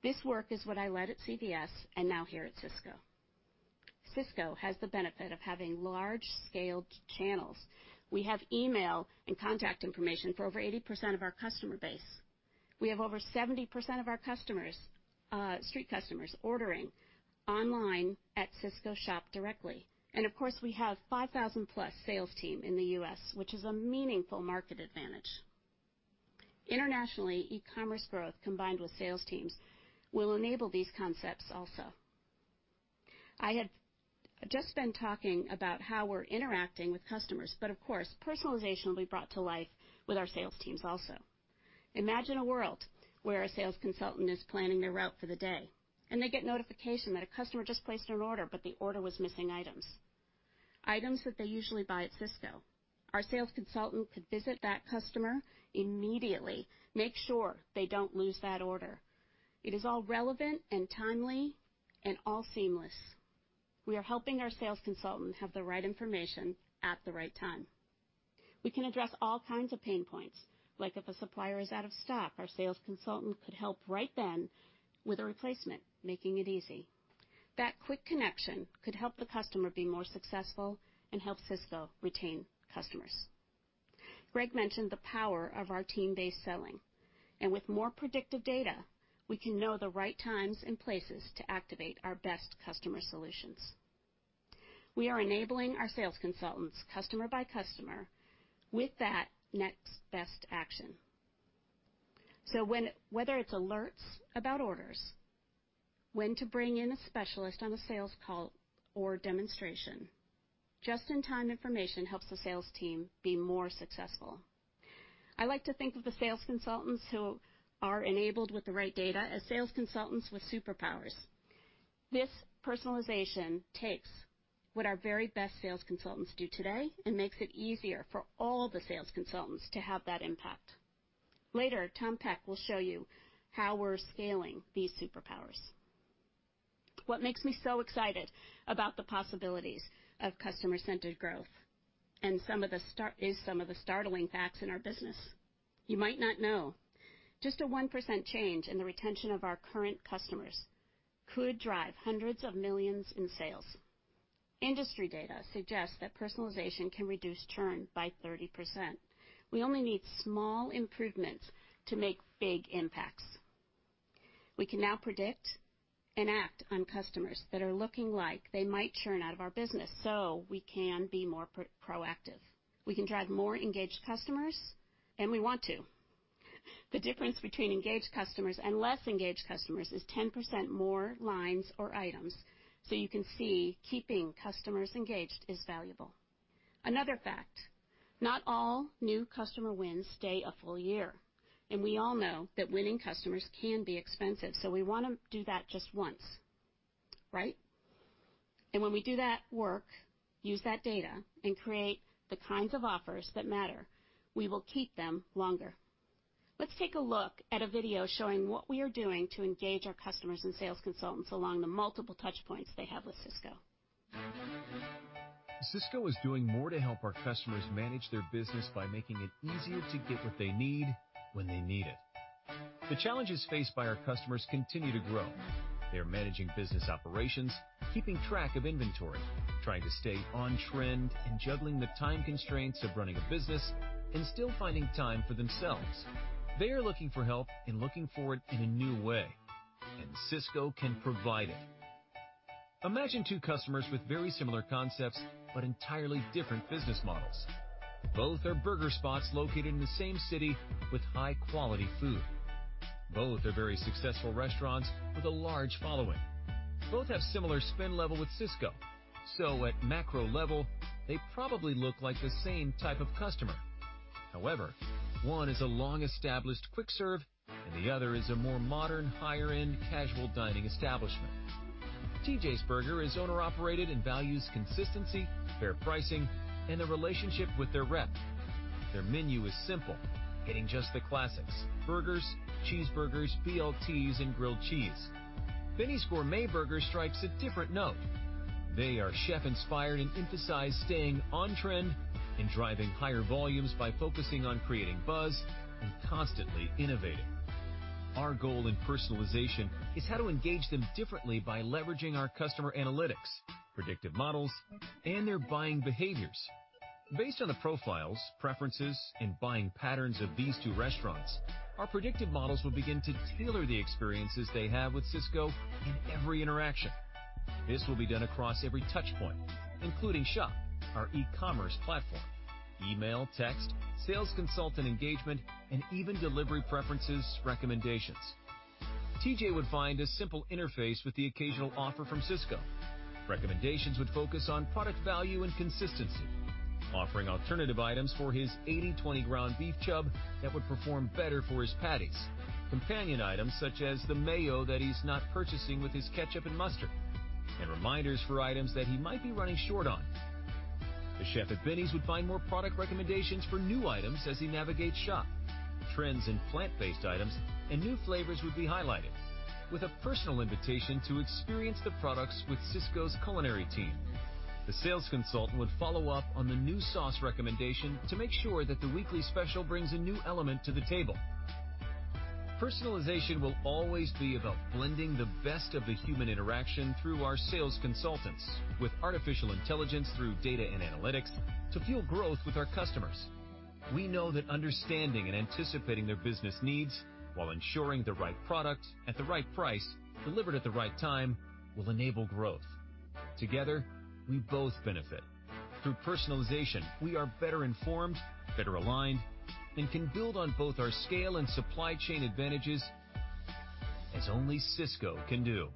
This work is what I led at CVS and now here at Sysco. Sysco has the benefit of having large-scaled channels. We have email and contact information for over 80% of our customer base. We have over 70% of our street customers ordering online at Sysco Shop directly. Of course, we have 5,000-plus sales team in the U.S., which is a meaningful market advantage. Internationally, e-commerce growth combined with sales teams will enable these concepts also. Of course, personalization will be brought to life with our sales teams also. Imagine a world where a sales consultant is planning their route for the day, and they get notification that a customer just placed an order, but the order was missing items. Items that they usually buy at Sysco. Our sales consultant could visit that customer immediately, make sure they don't lose that order. It is all relevant and timely and all seamless. We are helping our sales consultants have the right information at the right time. We can address all kinds of pain points, like if a supplier is out of stock, our sales consultant could help right then with a replacement, making it easy. That quick connection could help the customer be more successful and help Sysco retain customers. Greg mentioned the power of our team-based selling, with more predictive data, we can know the right times and places to activate our best customer solutions. We are enabling our sales consultants, customer by customer, with that next best action. Whether it's alerts about orders, when to bring in a specialist on a sales call or demonstration. Just-in-time information helps the sales team be more successful. I like to think of the sales consultants who are enabled with the right data as sales consultants with superpowers. This personalization takes what our very best sales consultants do today and makes it easier for all the sales consultants to have that impact. Later, Tom Peck will show you how we're scaling these superpowers. What makes me so excited about the possibilities of customer-centered growth is some of the startling facts in our business. You might not know, just a 1% change in the retention of our current customers could drive hundreds of millions in sales. Industry data suggests that personalization can reduce churn by 30%. We only need small improvements to make big impacts. We can now predict and act on customers that are looking like they might churn out of our business, so we can be more proactive. We can drive more engaged customers, and we want to. The difference between engaged customers and less engaged customers is 10% more lines or items. You can see keeping customers engaged is valuable. Another fact, not all new customer wins stay a full year, and we all know that winning customers can be expensive, so we want to do that just once, right? When we do that work, use that data, and create the kinds of offers that matter, we will keep them longer. Let's take a look at a video showing what we are doing to engage our customers and sales consultants along the multiple touch points they have with Sysco. Sysco is doing more to help our customers manage their business by making it easier to get what they need when they need it. The challenges faced by our customers continue to grow. They're managing business operations, keeping track of inventory, trying to stay on trend, and juggling the time constraints of running a business and still finding time for themselves. They are looking for help and looking for it in a new way. Sysco can provide it. Imagine two customers with very similar concepts but entirely different business models. Both are burger spots located in the same city with high-quality food. Both are very successful restaurants with a large following. Both have similar spend level with Sysco, so at macro level, they probably look like the same type of customer. However, one is a long-established quick serve and the other is a more modern, higher-end casual dining establishment. TJ's Burger is owner-operated and values consistency, fair pricing, and a relationship with their rep. Their menu is simple, hitting just the classics: burgers, cheeseburgers, BLTs, and grilled cheese. Binny's Gourmet Burger strikes a different note. They are chef-inspired and emphasize staying on trend and driving higher volumes by focusing on creating buzz and constantly innovating. Our goal in personalization is how to engage them differently by leveraging our customer analytics, predictive models, and their buying behaviors. Based on the profiles, preferences, and buying patterns of these two restaurants, our predictive models will begin to tailor the experiences they have with Sysco in every interaction. This will be done across every touch point, including SHOP, our e-commerce platform, email, text, sales consultant engagement, and even delivery preferences recommendations. TJ would find a simple interface with the occasional offer from Sysco. Recommendations would focus on product value and consistency, offering alternative items for his 80/20 ground beef chub that would perform better for his patties, companion items such as the mayo that he's not purchasing with his ketchup and mustard, and reminders for items that he might be running short on. The chef at Binny's would find more product recommendations for new items as he navigates Shop. Trends in plant-based items and new flavors would be highlighted with a personal invitation to experience the products with Sysco's culinary team. The sales consultant would follow up on the new sauce recommendation to make sure that the weekly special brings a new element to the table. Personalization will always be about blending the best of the human interaction through our sales consultants with artificial intelligence through data and analytics to fuel growth with our customers. We know that understanding and anticipating their business needs while ensuring the right product at the right price delivered at the right time will enable growth. Together, we both benefit. Through personalization, we are better informed, better aligned, and can build on both our scale and supply chain advantages as only Sysco can do.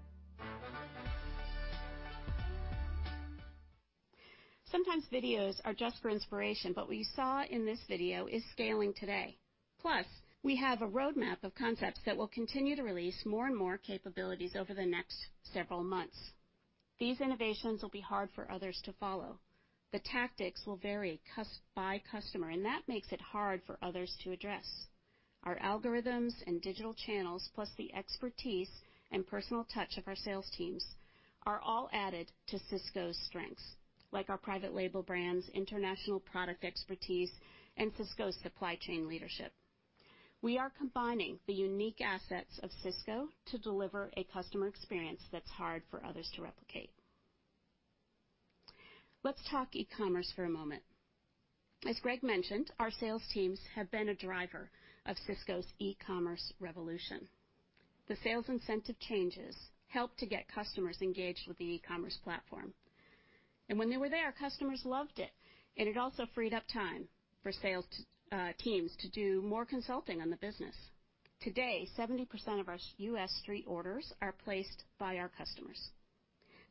Sometimes videos are just for inspiration, but what you saw in this video is scaling today. We have a roadmap of concepts that we'll continue to release more and more capabilities over the next several months. These innovations will be hard for others to follow. The tactics will vary by customer, and that makes it hard for others to address. Our algorithms and digital channels, plus the expertise and personal touch of our sales teams, are all added to Sysco's strengths, like our private label brands, international product expertise, and Sysco's supply chain leadership. We are combining the unique assets of Sysco to deliver a customer experience that's hard for others to replicate. Let's talk e-commerce for a moment. As Greg mentioned, our sales teams have been a driver of Sysco's e-commerce revolution. The sales incentive changes helped to get customers engaged with the e-commerce platform. When they were there, customers loved it. It also freed up time for sales teams to do more consulting on the business. Today, 70% of our U.S. street orders are placed by our customers.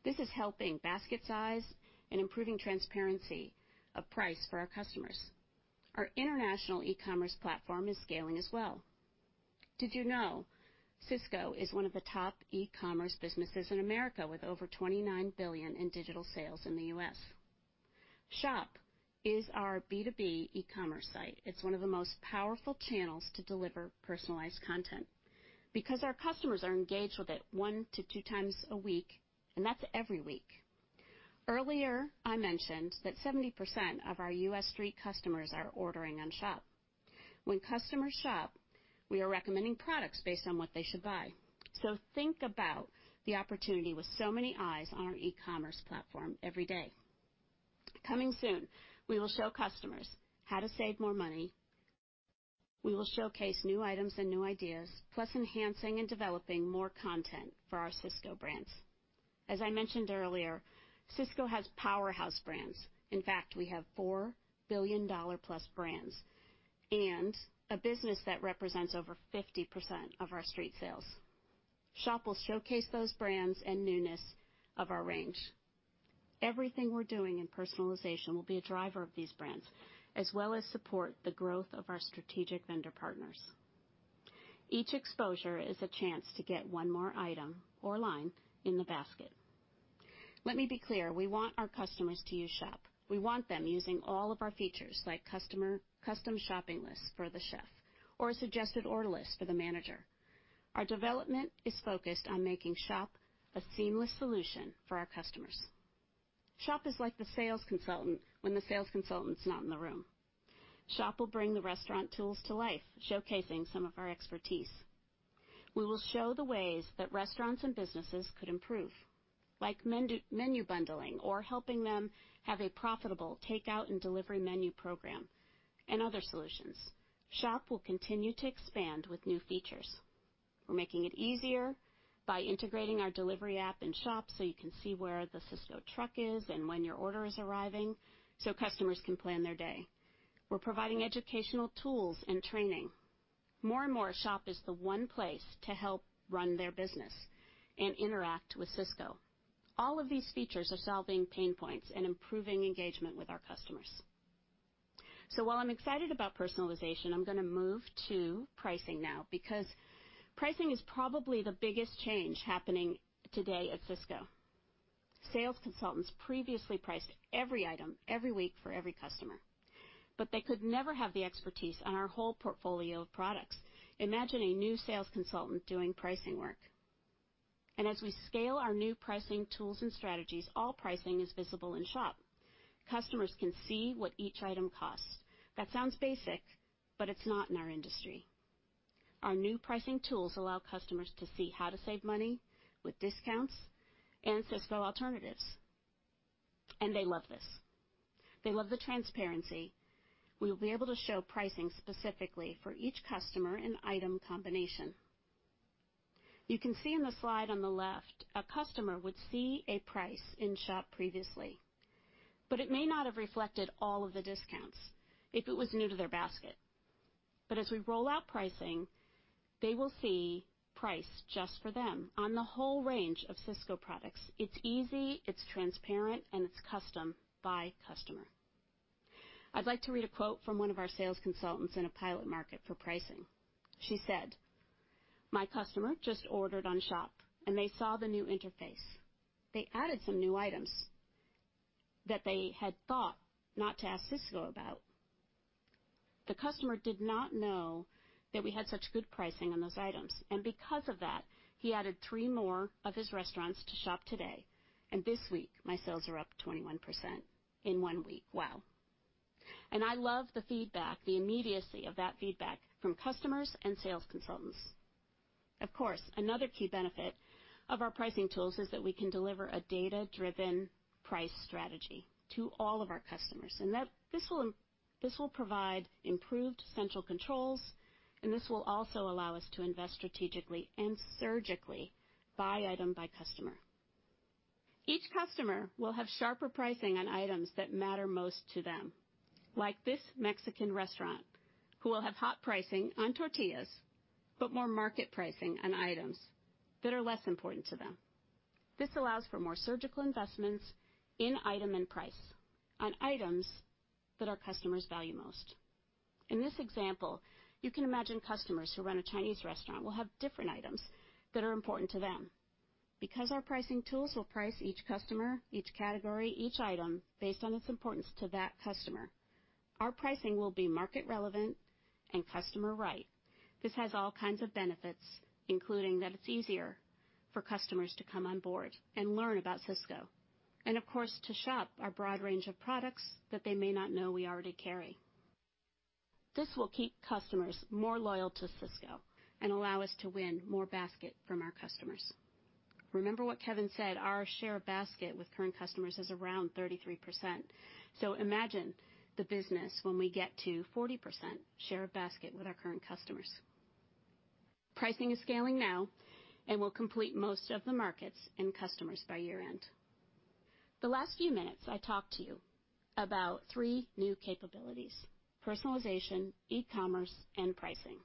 This is helping basket size and improving transparency of price for our customers. Our international e-commerce platform is scaling as well. Did you know Sysco is one of the top e-commerce businesses in America with over $29 billion in digital sales in the U.S.? SHOP is our B2B e-commerce site. It's one of the most powerful channels to deliver personalized content, because our customers are engaged with it one to two times a week, and that's every week. Earlier, I mentioned that 70% of our U.S. street customers are ordering on SHOP. When customers shop, we are recommending products based on what they should buy. Think about the opportunity with so many eyes on our e-commerce platform every day. Coming soon, we will show customers how to save more money. We will showcase new items and new ideas, plus enhancing and developing more content for our Sysco brands. As I mentioned earlier, Sysco has powerhouse brands. In fact, we have $4 billion-plus brands and a business that represents over 50% of our street sales. SHOP will showcase those brands and newness of our range. Everything we're doing in personalization will be a driver of these brands, as well as support the growth of our strategic vendor partners. Each exposure is a chance to get one more item or line in the basket. Let me be clear, we want our customers to use SHOP. We want them using all of our features, like custom shopping lists for the chef or a suggested order list for the manager. Our development is focused on making SHOP a seamless solution for our customers. SHOP is like the sales consultant when the sales consultant's not in the room. SHOP will bring the restaurant tools to life, showcasing some of our expertise. We will show the ways that restaurants and businesses could improve, like menu bundling or helping them have a profitable takeout and delivery menu program and other solutions. SHOP will continue to expand with new features. We're making it easier by integrating our delivery app in SHOP so you can see where the Sysco truck is and when your order is arriving, so customers can plan their day. We're providing educational tools and training. More and more, SHOP is the one place to help run their business and interact with Sysco. All of these features are solving pain points and improving engagement with our customers. While I'm excited about personalization, I'm going to move to pricing now, because pricing is probably the biggest change happening today at Sysco. Sales consultants previously priced every item, every week, for every customer, but they could never have the expertise on our whole portfolio of products. Imagine a new sales consultant doing pricing work. As we scale our new pricing tools and strategies, all pricing is visible in SHOP. Customers can see what each item costs. That sounds basic, but it's not in our industry. Our new pricing tools allow customers to see how to save money with discounts and Sysco alternatives, and they love this. They love the transparency. We will be able to show pricing specifically for each customer and item combination. You can see in the slide on the left, a customer would see a price in SHOP previously, but it may not have reflected all of the discounts if it was new to their basket. As we roll out pricing, they will see price just for them on the whole range of Sysco products. It's easy, it's transparent, and it's custom by customer. I'd like to read a quote from one of our sales consultants in a pilot market for pricing. She said, "My customer just ordered on SHOP, and they saw the new interface. They added some new items that they had thought not to ask Sysco about. The customer did not know that we had such good pricing on those items, and because of that, he added three more of his restaurants to SHOP today, and this week, my sales are up 21% in one week." Wow. I love the feedback, the immediacy of that feedback from customers and sales consultants. Of course, another key benefit of our pricing tools is that we can deliver a data-driven price strategy to all of our customers. This will provide improved central controls, and this will also allow us to invest strategically and surgically by item, by customer. Each customer will have sharper pricing on items that matter most to them, like this Mexican restaurant, who will have hot pricing on tortillas, but more market pricing on items that are less important to them. This allows for more surgical investments in item and price on items that our customers value most. In this example, you can imagine customers who run a Chinese restaurant will have different items that are important to them. Because our pricing tools will price each customer, each category, each item based on its importance to that customer, our pricing will be market relevant and customer right. This has all kinds of benefits, including that it's easier for customers to come on board and learn about Sysco, and of course, to shop our broad range of products that they may not know we already carry. This will keep customers more loyal to Sysco and allow us to win more basket from our customers. Remember what Kevin said, our share of basket with current customers is around 33%. Imagine the business when we get to 40% share of basket with our current customers. Pricing is scaling now and will complete most of the markets and customers by year-end. The last few minutes, I talked to you about three new capabilities: personalization, e-commerce, and pricing.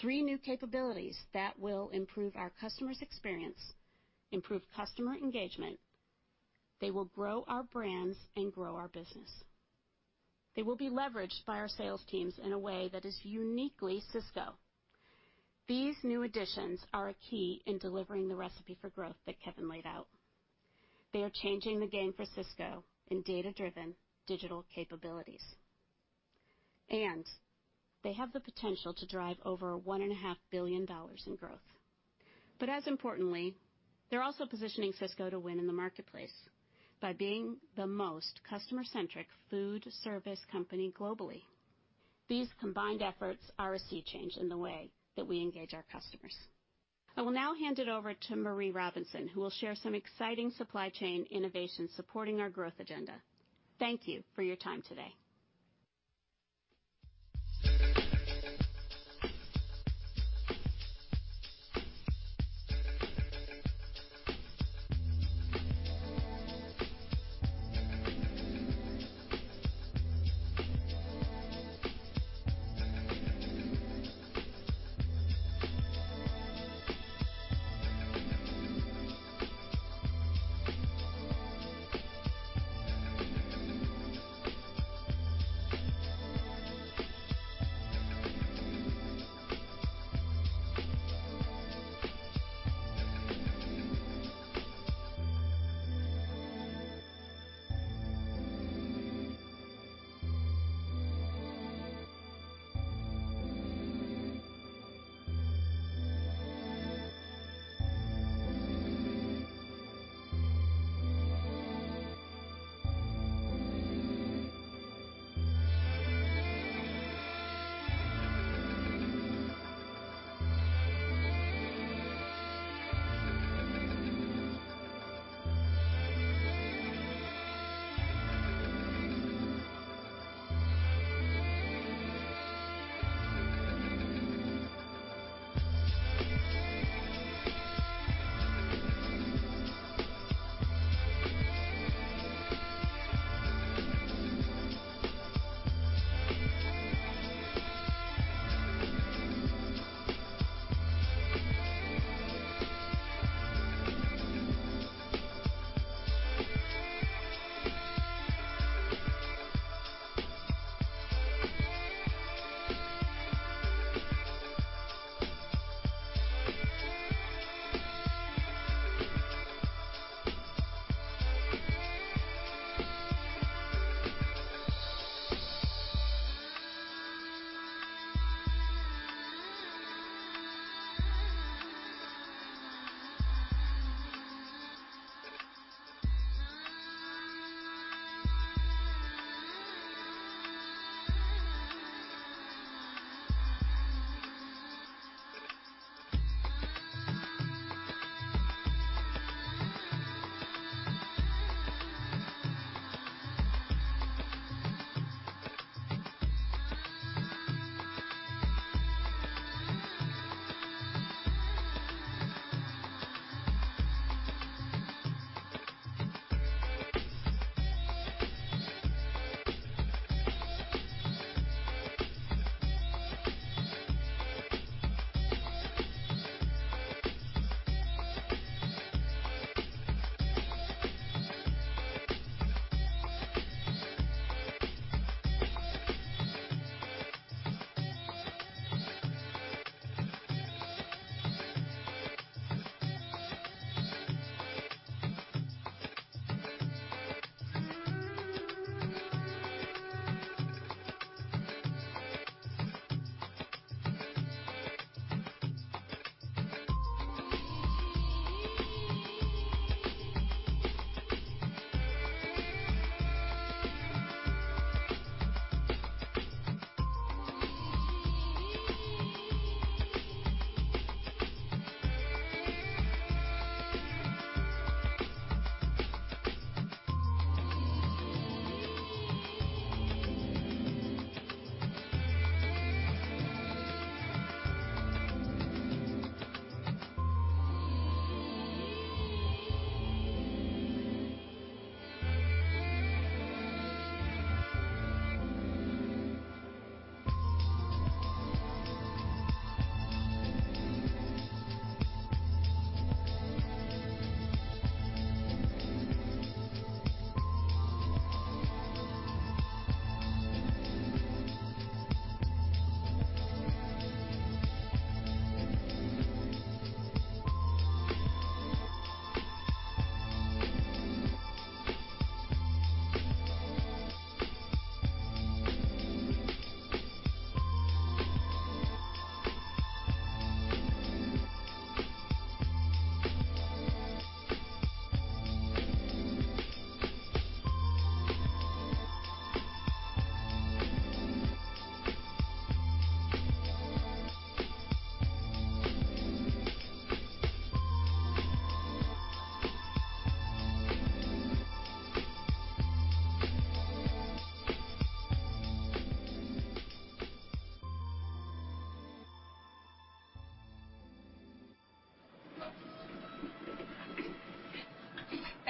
Three new capabilities that will improve our customer's experience, improve customer engagement. They will grow our brands and grow our business. They will be leveraged by our sales teams in a way that is uniquely Sysco. These new additions are a key in delivering the recipe for growth that Kevin laid out. They are changing the game for Sysco in data-driven digital capabilities, and they have the potential to drive over $1.5 billion in growth. As importantly, they're also positioning Sysco to win in the marketplace by being the most customer-centric food service company globally. These combined efforts are a sea change in the way that we engage our customers. I will now hand it over to Marie Robinson, who will share some exciting supply chain innovations supporting our growth agenda. Thank you for your time today.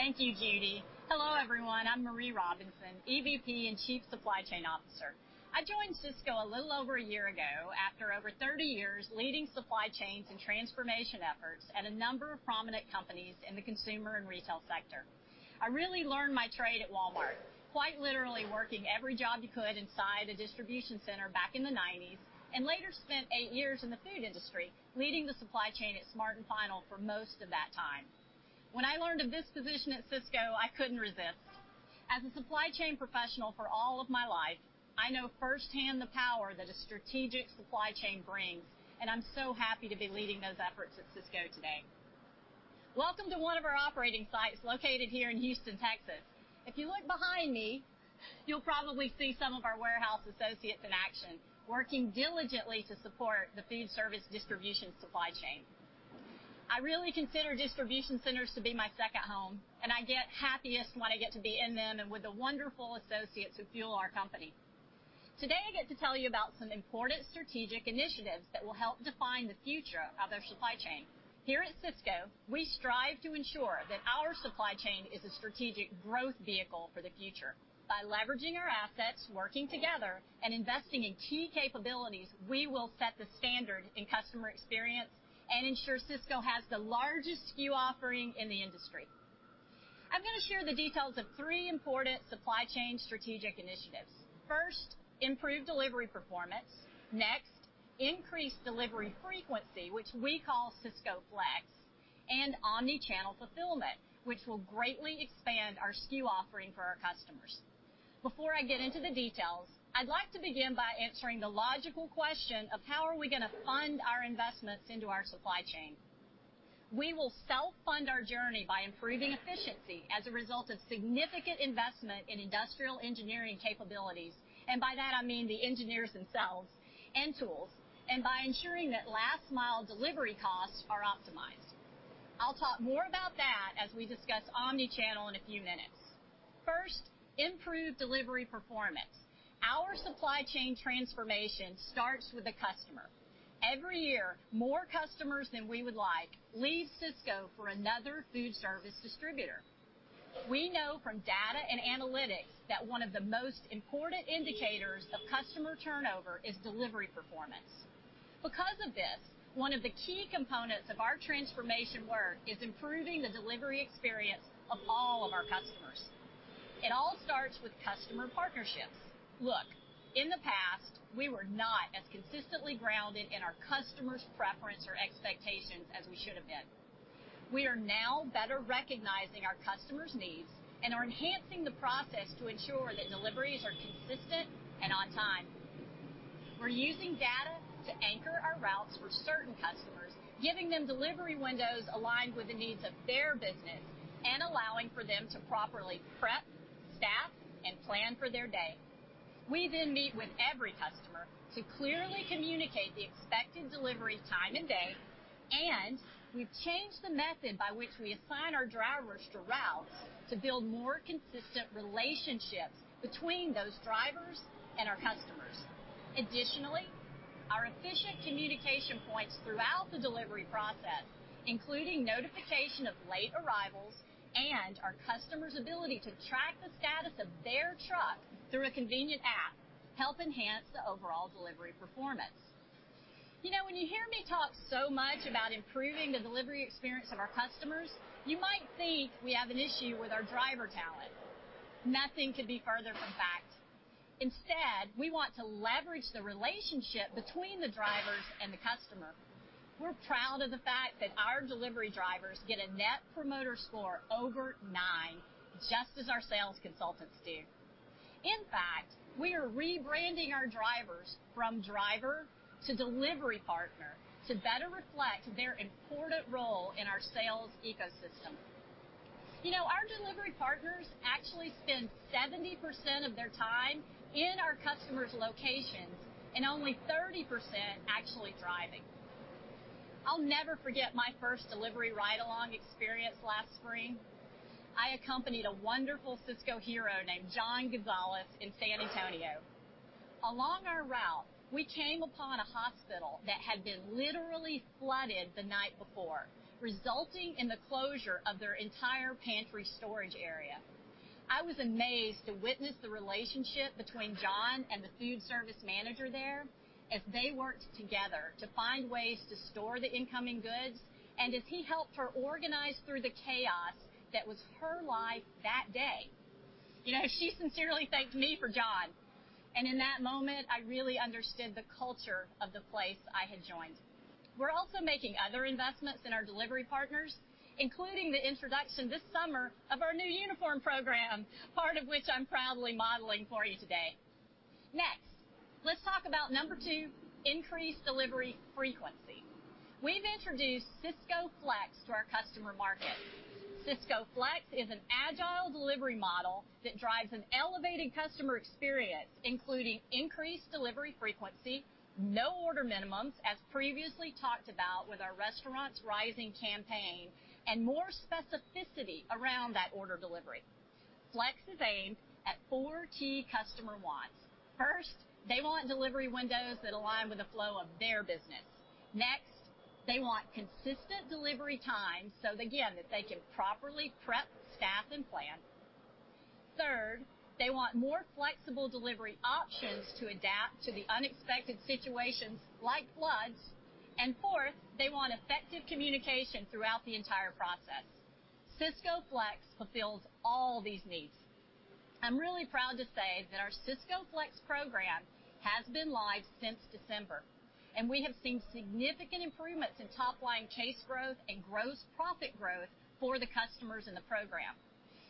Thank you, Judy. Hello, everyone. I'm Marie Robinson, EVP and Chief Supply Chain Officer. I joined Sysco a little over a year ago after over 30 years leading supply chains and transformation efforts at a number of prominent companies in the consumer and retail sector. I really learned my trade at Walmart, quite literally working every job you could inside a distribution center back in the '90s, and later spent eight years in the food industry leading the supply chain at Smart & Final for most of that time. When I learned of this position at Sysco, I couldn't resist. As a supply chain professional for all of my life, I know firsthand the power that a strategic supply chain brings, and I'm so happy to be leading those efforts at Sysco today. Welcome to one of our operating sites located here in Houston, Texas. If you look behind me, you'll probably see some of our warehouse associates in action, working diligently to support the food service distribution supply chain. I really consider distribution centers to be my second home, and I get happiest when I get to be in them and with the wonderful associates who fuel our company. Today, I get to tell you about some important strategic initiatives that will help define the future of our supply chain. Here at Sysco, we strive to ensure that our supply chain is a strategic growth vehicle for the future. By leveraging our assets, working together, and investing in key capabilities, we will set the standard in customer experience and ensure Sysco has the largest SKU offering in the industry. I'm going to share the details of three important supply chain strategic initiatives. First, improved delivery performance. Increased delivery frequency, which we call Sysco Flex, and omni-channel fulfillment, which will greatly expand our SKU offering for our customers. Before I get into the details, I'd like to begin by answering the logical question of how are we going to fund our investments into our supply chain? We will self-fund our journey by improving efficiency as a result of significant investment in industrial engineering capabilities, by that I mean the engineers themselves and tools, by ensuring that last-mile delivery costs are optimized. I'll talk more about that as we discuss omni-channel in a few minutes. Improved delivery performance. Our supply chain transformation starts with the customer. Every year, more customers than we would like leave Sysco for another foodservice distributor. We know from data and analytics that one of the most important indicators of customer turnover is delivery performance. One of the key components of our transformation work is improving the delivery experience of all of our customers. It all starts with customer partnerships. Look, in the past, we were not as consistently grounded in our customers' preference or expectations as we should have been. We are now better recognizing our customers' needs and are enhancing the process to ensure that deliveries are consistent and on time. We're using data to anchor our routes for certain customers, giving them delivery windows aligned with the needs of their business and allowing for them to properly prep, staff, and plan for their day. We then meet with every customer to clearly communicate the expected delivery time and day, we've changed the method by which we assign our drivers to routes to build more consistent relationships between those drivers and our customers. Our efficient communication points throughout the delivery process, including notification of late arrivals and our customers' ability to track the status of their truck through a convenient app, help enhance the overall delivery performance. When you hear me talk so much about improving the delivery experience of our customers, you might think we have an issue with our driver talent. Nothing could be further from fact. We want to leverage the relationship between the drivers and the customer. We're proud of the fact that our delivery drivers get a Net Promoter Score over nine, just as our sales consultants do. We are rebranding our drivers from driver to delivery partner to better reflect their important role in our sales ecosystem. Our delivery partners actually spend 70% of their time in our customers' locations and only 30% actually driving. I'll never forget my first delivery ride-along experience last spring. I accompanied a wonderful Sysco hero named John Gonzalez in San Antonio. Along our route, we came upon a hospital that had been literally flooded the night before, resulting in the closure of their entire pantry storage area. I was amazed to witness the relationship between John and the foodservice manager there as they worked together to find ways to store the incoming goods, as he helped her organize through the chaos that was her life that day. She sincerely thanked me for John, in that moment, I really understood the culture of the place I had joined. We're also making other investments in our delivery partners, including the introduction this summer of our new uniform program, part of which I'm proudly modeling for you today. Let's talk about number two, increased delivery frequency. We've introduced Sysco Flex to our customer market. Sysco Flex is an agile delivery model that drives an elevated customer experience, including increased delivery frequency, no order minimums, as previously talked about with our Restaurants Rising campaign, and more specificity around that order delivery. Flex is aimed at four key customer wants. First, they want delivery windows that align with the flow of their business. Next, they want consistent delivery times, so again, that they can properly prep staff and plan. Third, they want more flexible delivery options to adapt to the unexpected situations like floods. Fourth, they want effective communication throughout the entire process. Sysco Flex fulfills all these needs. I'm really proud to say that our Sysco Flex program has been live since December, and we have seen significant improvements in top line case growth and gross profit growth for the customers in the program.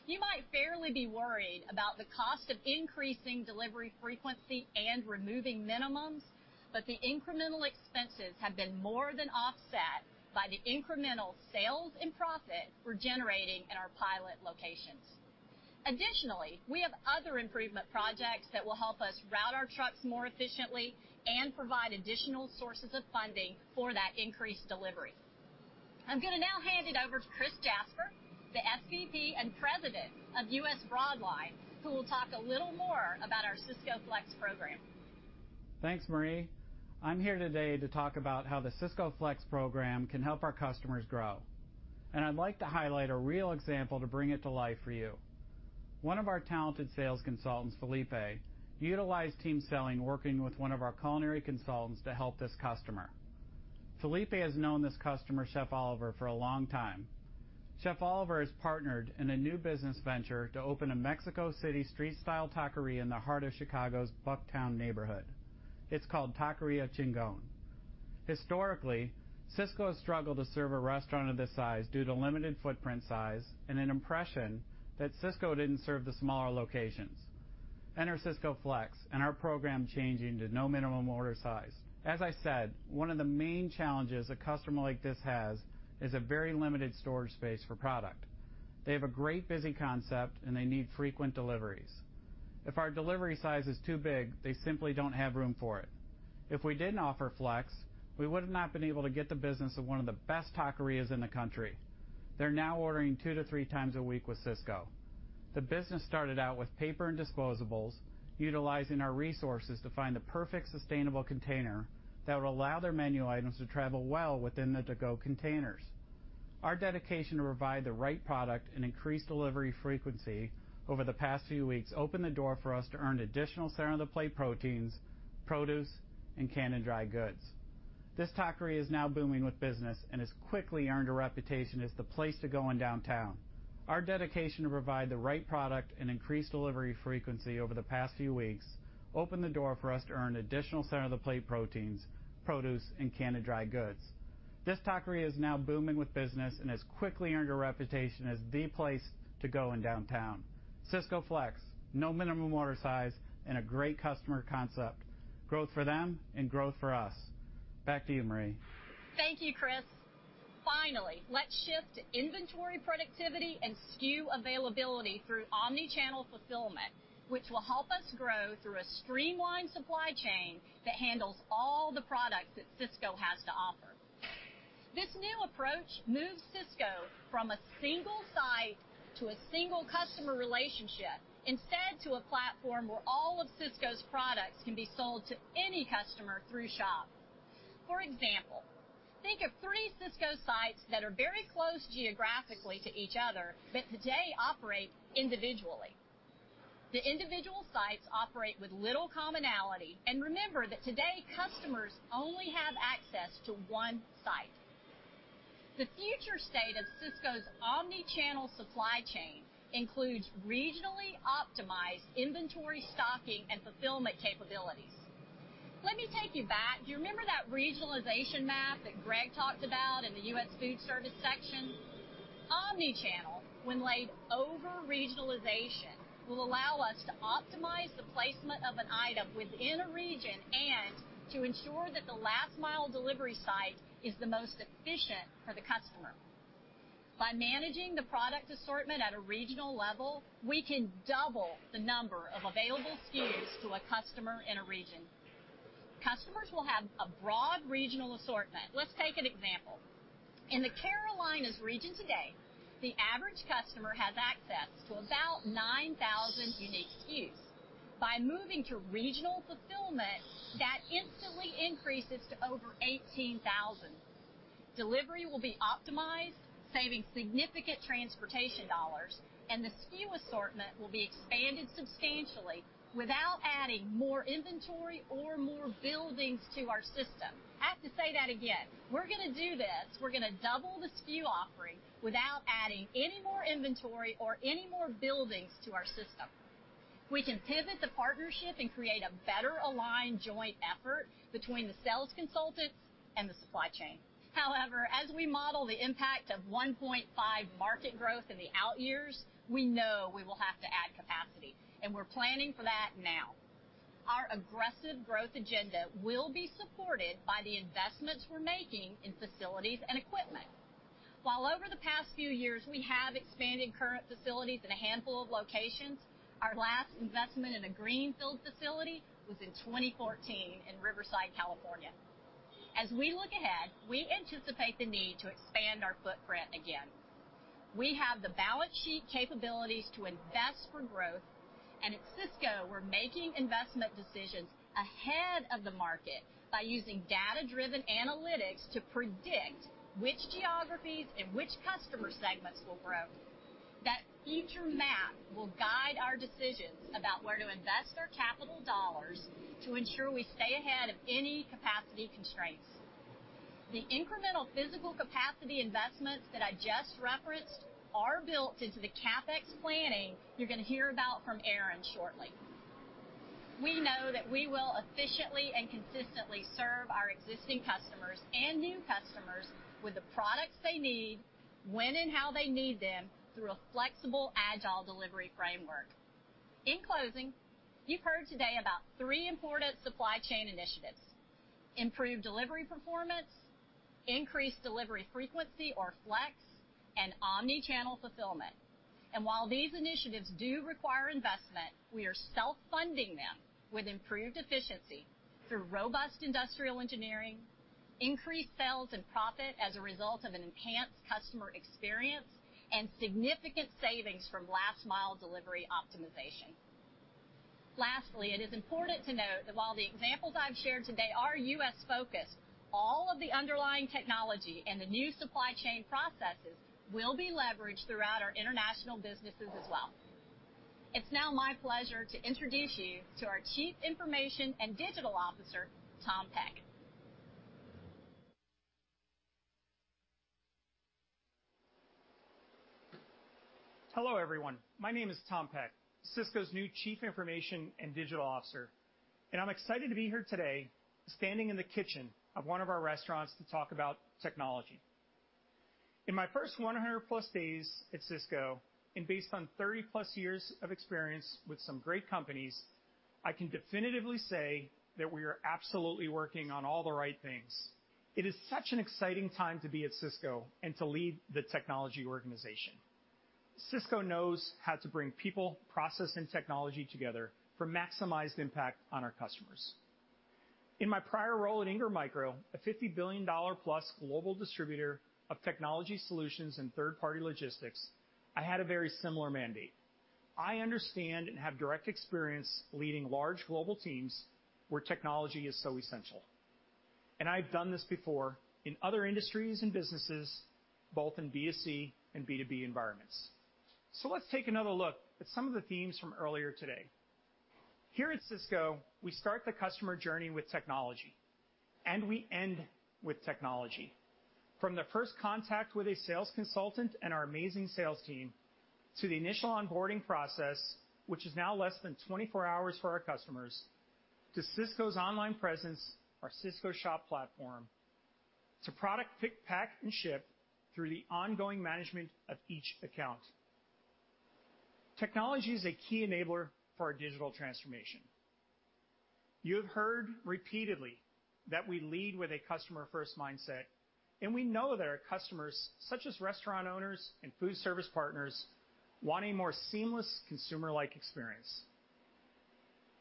You might fairly be worried about the cost of increasing delivery frequency and removing minimums, the incremental expenses have been more than offset by the incremental sales and profit we're generating in our pilot locations. Additionally, we have other improvement projects that will help us route our trucks more efficiently and provide additional sources of funding for that increased delivery. I'm going to now hand it over to Chris Jasper, the SVP and President of U.S. Broadline, who will talk a little more about our Sysco Flex program. Thanks, Marie. I'm here today to talk about how the Sysco Flex program can help our customers grow. I'd like to highlight a real example to bring it to life for you. One of our talented sales consultants, Felipe, utilized team selling, working with one of our culinary consultants to help this customer. Felipe has known this customer, Chef Oliver, for a long time. Chef Oliver has partnered in a new business venture to open a Mexico City street style taqueria in the heart of Chicago's Bucktown neighborhood. It's called Taqueria Chingon. Historically, Sysco has struggled to serve a restaurant of this size due to limited footprint size and an impression that Sysco didn't serve the smaller locations. Enter Sysco Flex, our program changing to no minimum order size. As I said, one of the main challenges a customer like this has is a very limited storage space for product. They have a great busy concept, they need frequent deliveries. If our delivery size is too big, they simply don't have room for it. If we didn't offer Flex, we would have not been able to get the business of one of the best taquerias in the country. They're now ordering two to three times a week with Sysco. The business started out with paper and disposables, utilizing our resources to find the perfect sustainable container that would allow their menu items to travel well within the to-go containers. Our dedication to provide the right product and increase delivery frequency over the past few weeks opened the door for us to earn additional center of the plate proteins, produce, canned and dry goods. This taqueria is now booming with business and has quickly earned a reputation as the place to go in downtown. Our dedication to provide the right product and increase delivery frequency over the past few weeks opened the door for us to earn additional center of the plate proteins, produce, and canned and dry goods. This taqueria is now booming with business and has quickly earned a reputation as the place to go in downtown. Sysco Flex, no minimum order size and a great customer concept. Growth for them and growth for us. Back to you, Marie. Thank you, Chris. Finally, let's shift to inventory productivity and SKU availability through omni-channel fulfillment, which will help us grow through a streamlined supply chain that handles all the products that Sysco has to offer. This new approach moves Sysco from a single site to a single customer relationship, instead to a platform where all of Sysco's products can be sold to any customer through SHOP. For example, think of three Sysco sites that are very close geographically to each other, but today operate individually. The individual sites operate with little commonality, and remember that today, customers only have access to one site. The future state of Sysco's omni-channel supply chain includes regionally optimized inventory stocking and fulfillment capabilities. Let me take you back. Do you remember that regionalization map that Greg talked about in the U.S. Foodservice section? Omni-channel, when laid over regionalization, will allow us to optimize the placement of an item within a region and to ensure that the last mile delivery site is the most efficient for the customer. By managing the product assortment at a regional level, we can double the number of available SKUs to a customer in a region. Customers will have a broad regional assortment. Let's take an example. In the Carolinas region today, the average customer has access to about 9,000 unique SKUs. By moving to regional fulfillment, that instantly increases to over 18,000. Delivery will be optimized, saving significant transportation dollars, and the SKU assortment will be expanded substantially without adding more inventory or more buildings to our system. I have to say that again. We're going to do this. We're going to double the SKU offering without adding any more inventory or any more buildings to our system. We can pivot the partnership and create a better aligned joint effort between the sales consultants and the supply chain. However, as we model the impact of 1.5 market growth in the out years, we know we will have to add capacity, and we're planning for that now. Our aggressive growth agenda will be supported by the investments we're making in facilities and equipment. While over the past few years, we have expanded current facilities in a handful of locations. Our last investment in a greenfield facility was in 2014 in Riverside, California. As we look ahead, we anticipate the need to expand our footprint again. We have the balance sheet capabilities to invest for growth, and at Sysco, we're making investment decisions ahead of the market by using data-driven analytics to predict which geographies and which customer segments will grow. That future map will guide our decisions about where to invest our capital dollars to ensure we stay ahead of any capacity constraints. The incremental physical capacity investments that I just referenced are built into the CapEx planning you're going to hear about from Aaron Alt shortly. We know that we will efficiently and consistently serve our existing customers and new customers with the products they need, when and how they need them through a flexible, agile delivery framework. In closing, you've heard today about three important supply chain initiatives: improved delivery performance, increased delivery frequency or Flex, and omni-channel fulfillment. While these initiatives do require investment, we are self-funding them with improved efficiency through robust industrial engineering, increased sales and profit as a result of an enhanced customer experience, and significant savings from last-mile delivery optimization. Lastly, it is important to note that while the examples I've shared today are U.S.-focused, all of the underlying technology and the new supply chain processes will be leveraged throughout our international businesses as well. It's now my pleasure to introduce you to our Chief Information and Digital Officer, Tom Peck. Hello, everyone. My name is Tom Peck, Sysco's new Chief Information and Digital Officer, and I'm excited to be here today standing in the kitchen of one of our restaurants to talk about technology. In my first 100-plus days at Sysco, and based on 30-plus years of experience with some great companies, I can definitively say that we are absolutely working on all the right things. It is such an exciting time to be at Sysco and to lead the technology organization. Sysco knows how to bring people, process, and technology together for maximized impact on our customers. In my prior role at Ingram Micro, a $50 billion-plus global distributor of technology solutions and third-party logistics, I had a very similar mandate. I understand and have direct experience leading large global teams where technology is so essential. I've done this before in other industries and businesses, both in B2C and B2B environments. Let's take another look at some of the themes from earlier today. Here at Sysco, we start the customer journey with technology, and we end with technology. From the first contact with a sales consultant and our amazing sales team, to the initial onboarding process, which is now less than 24 hours for our customers, to Sysco's online presence, our Sysco Shop platform, to product pick, pack, and ship through the ongoing management of each account. Technology is a key enabler for our digital transformation. You have heard repeatedly that we lead with a customer-first mindset. We know that our customers, such as restaurant owners and food service partners, want a more seamless consumer-like experience.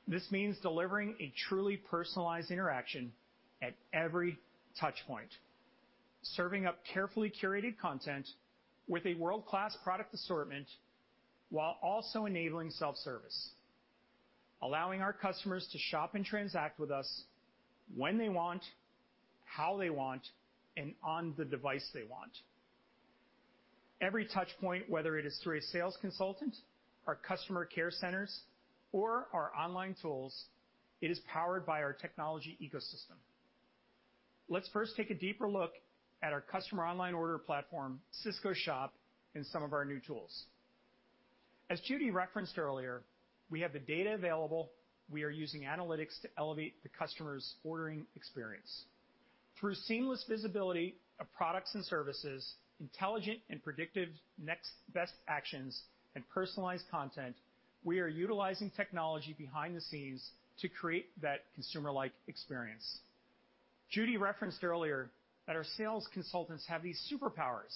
This means delivering a truly personalized interaction at every touch point, serving up carefully curated content with a world-class product assortment while also enabling self-service, allowing our customers to shop and transact with us when they want, how they want, and on the device they want. Every touch point, whether it is through a sales consultant, our customer care centers, or our online tools, it is powered by our technology ecosystem. Let's first take a deeper look at our customer online order platform, Sysco Shop, and some of our new tools. As Judy referenced earlier, we have the data available. We are using analytics to elevate the customer's ordering experience. Through seamless visibility of products and services, intelligent and predictive next best actions, and personalized content, we are utilizing technology behind the scenes to create that consumer-like experience. Judy referenced earlier that our sales consultants have these superpowers.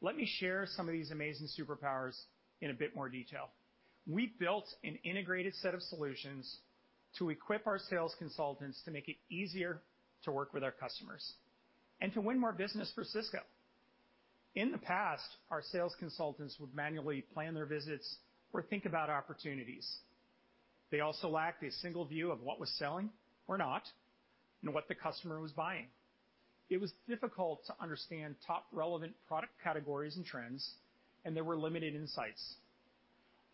Let me share some of these amazing superpowers in a bit more detail. We built an integrated set of solutions to equip our sales consultants to make it easier to work with our customers and to win more business for Sysco. In the past, our sales consultants would manually plan their visits or think about opportunities. They also lacked a single view of what was selling or not, and what the customer was buying. It was difficult to understand top relevant product categories and trends, and there were limited insights.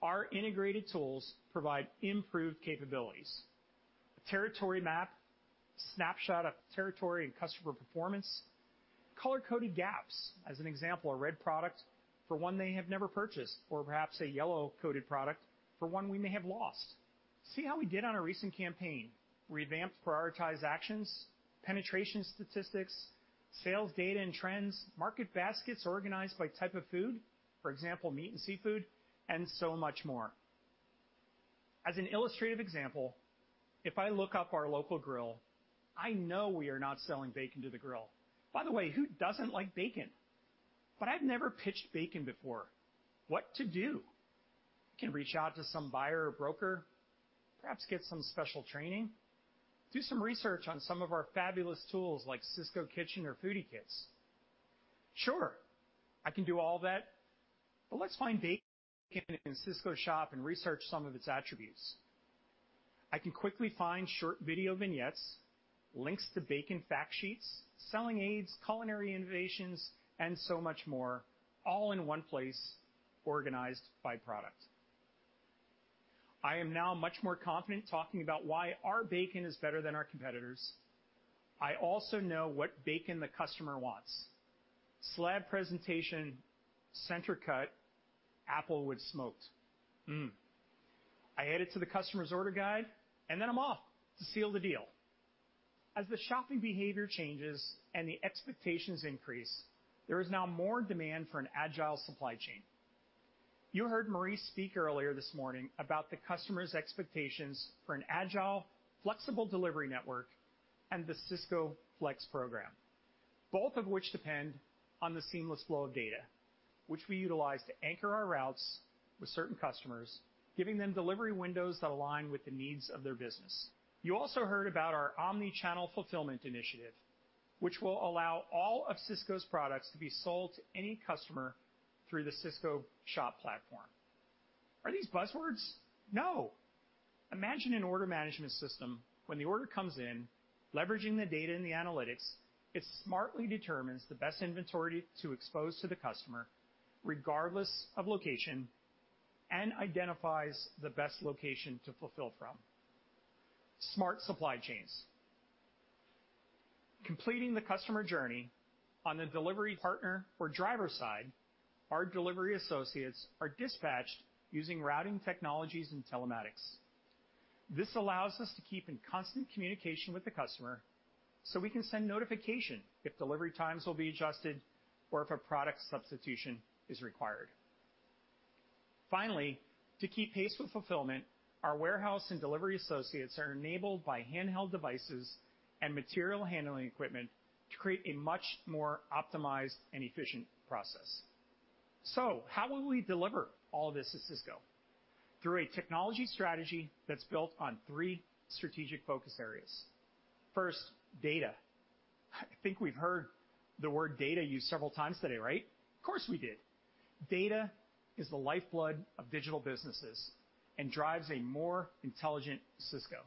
Our integrated tools provide improved capabilities. A territory map, snapshot of territory and customer performance, color-coded gaps, as an example, a red product for one they have never purchased, or perhaps a yellow-coded product for one we may have lost. See how we did on a recent campaign, revamped prioritized actions, penetration statistics, sales data and trends, market baskets organized by type of food, for example, meat and seafood, and so much more. As an illustrative example, if I look up our local grill, I know we are not selling bacon to the grill. By the way, who doesn't like bacon? I've never pitched bacon before. What to do? I can reach out to some buyer or broker, perhaps get some special training, do some research on some of our fabulous tools like Sysco Kitchen or Foodie Kits. Sure, I can do all that. Let's find bacon in Sysco Shop and research some of its attributes. I can quickly find short video vignettes, links to bacon fact sheets, selling aids, culinary innovations, and so much more, all in one place organized by product. I am now much more confident talking about why our bacon is better than our competitors. I also know what bacon the customer wants. Slab presentation, center cut, apple wood smoked. Mm. I add it to the customer's order guide, then I'm off to seal the deal. As the shopping behavior changes and the expectations increase, there is now more demand for an agile supply chain. You heard Marie speak earlier this morning about the customer's expectations for an agile, flexible delivery network and the Sysco Flex program, both of which depend on the seamless flow of data, which we utilize to anchor our routes with certain customers, giving them delivery windows that align with the needs of their business. You also heard about our omni-channel fulfillment initiative, which will allow all of Sysco's products to be sold to any customer through the Sysco Shop platform. Are these buzzwords? Imagine an order management system when the order comes in, leveraging the data and the analytics, it smartly determines the best inventory to expose to the customer regardless of location, and identifies the best location to fulfill from. Smart supply chains. Completing the customer journey on the delivery partner or driver side, our delivery associates are dispatched using routing technologies and telematics. This allows us to keep in constant communication with the customer so we can send notification if delivery times will be adjusted or if a product substitution is required. Finally, to keep pace with fulfillment, our warehouse and delivery associates are enabled by handheld devices and material handling equipment to create a much more optimized and efficient process. How will we deliver all this at Sysco? Through a technology strategy that's built on 3 strategic focus areas. First, data. I think we've heard the word data used several times today, right? Of course we did. Data is the lifeblood of digital businesses and drives a more intelligent Sysco.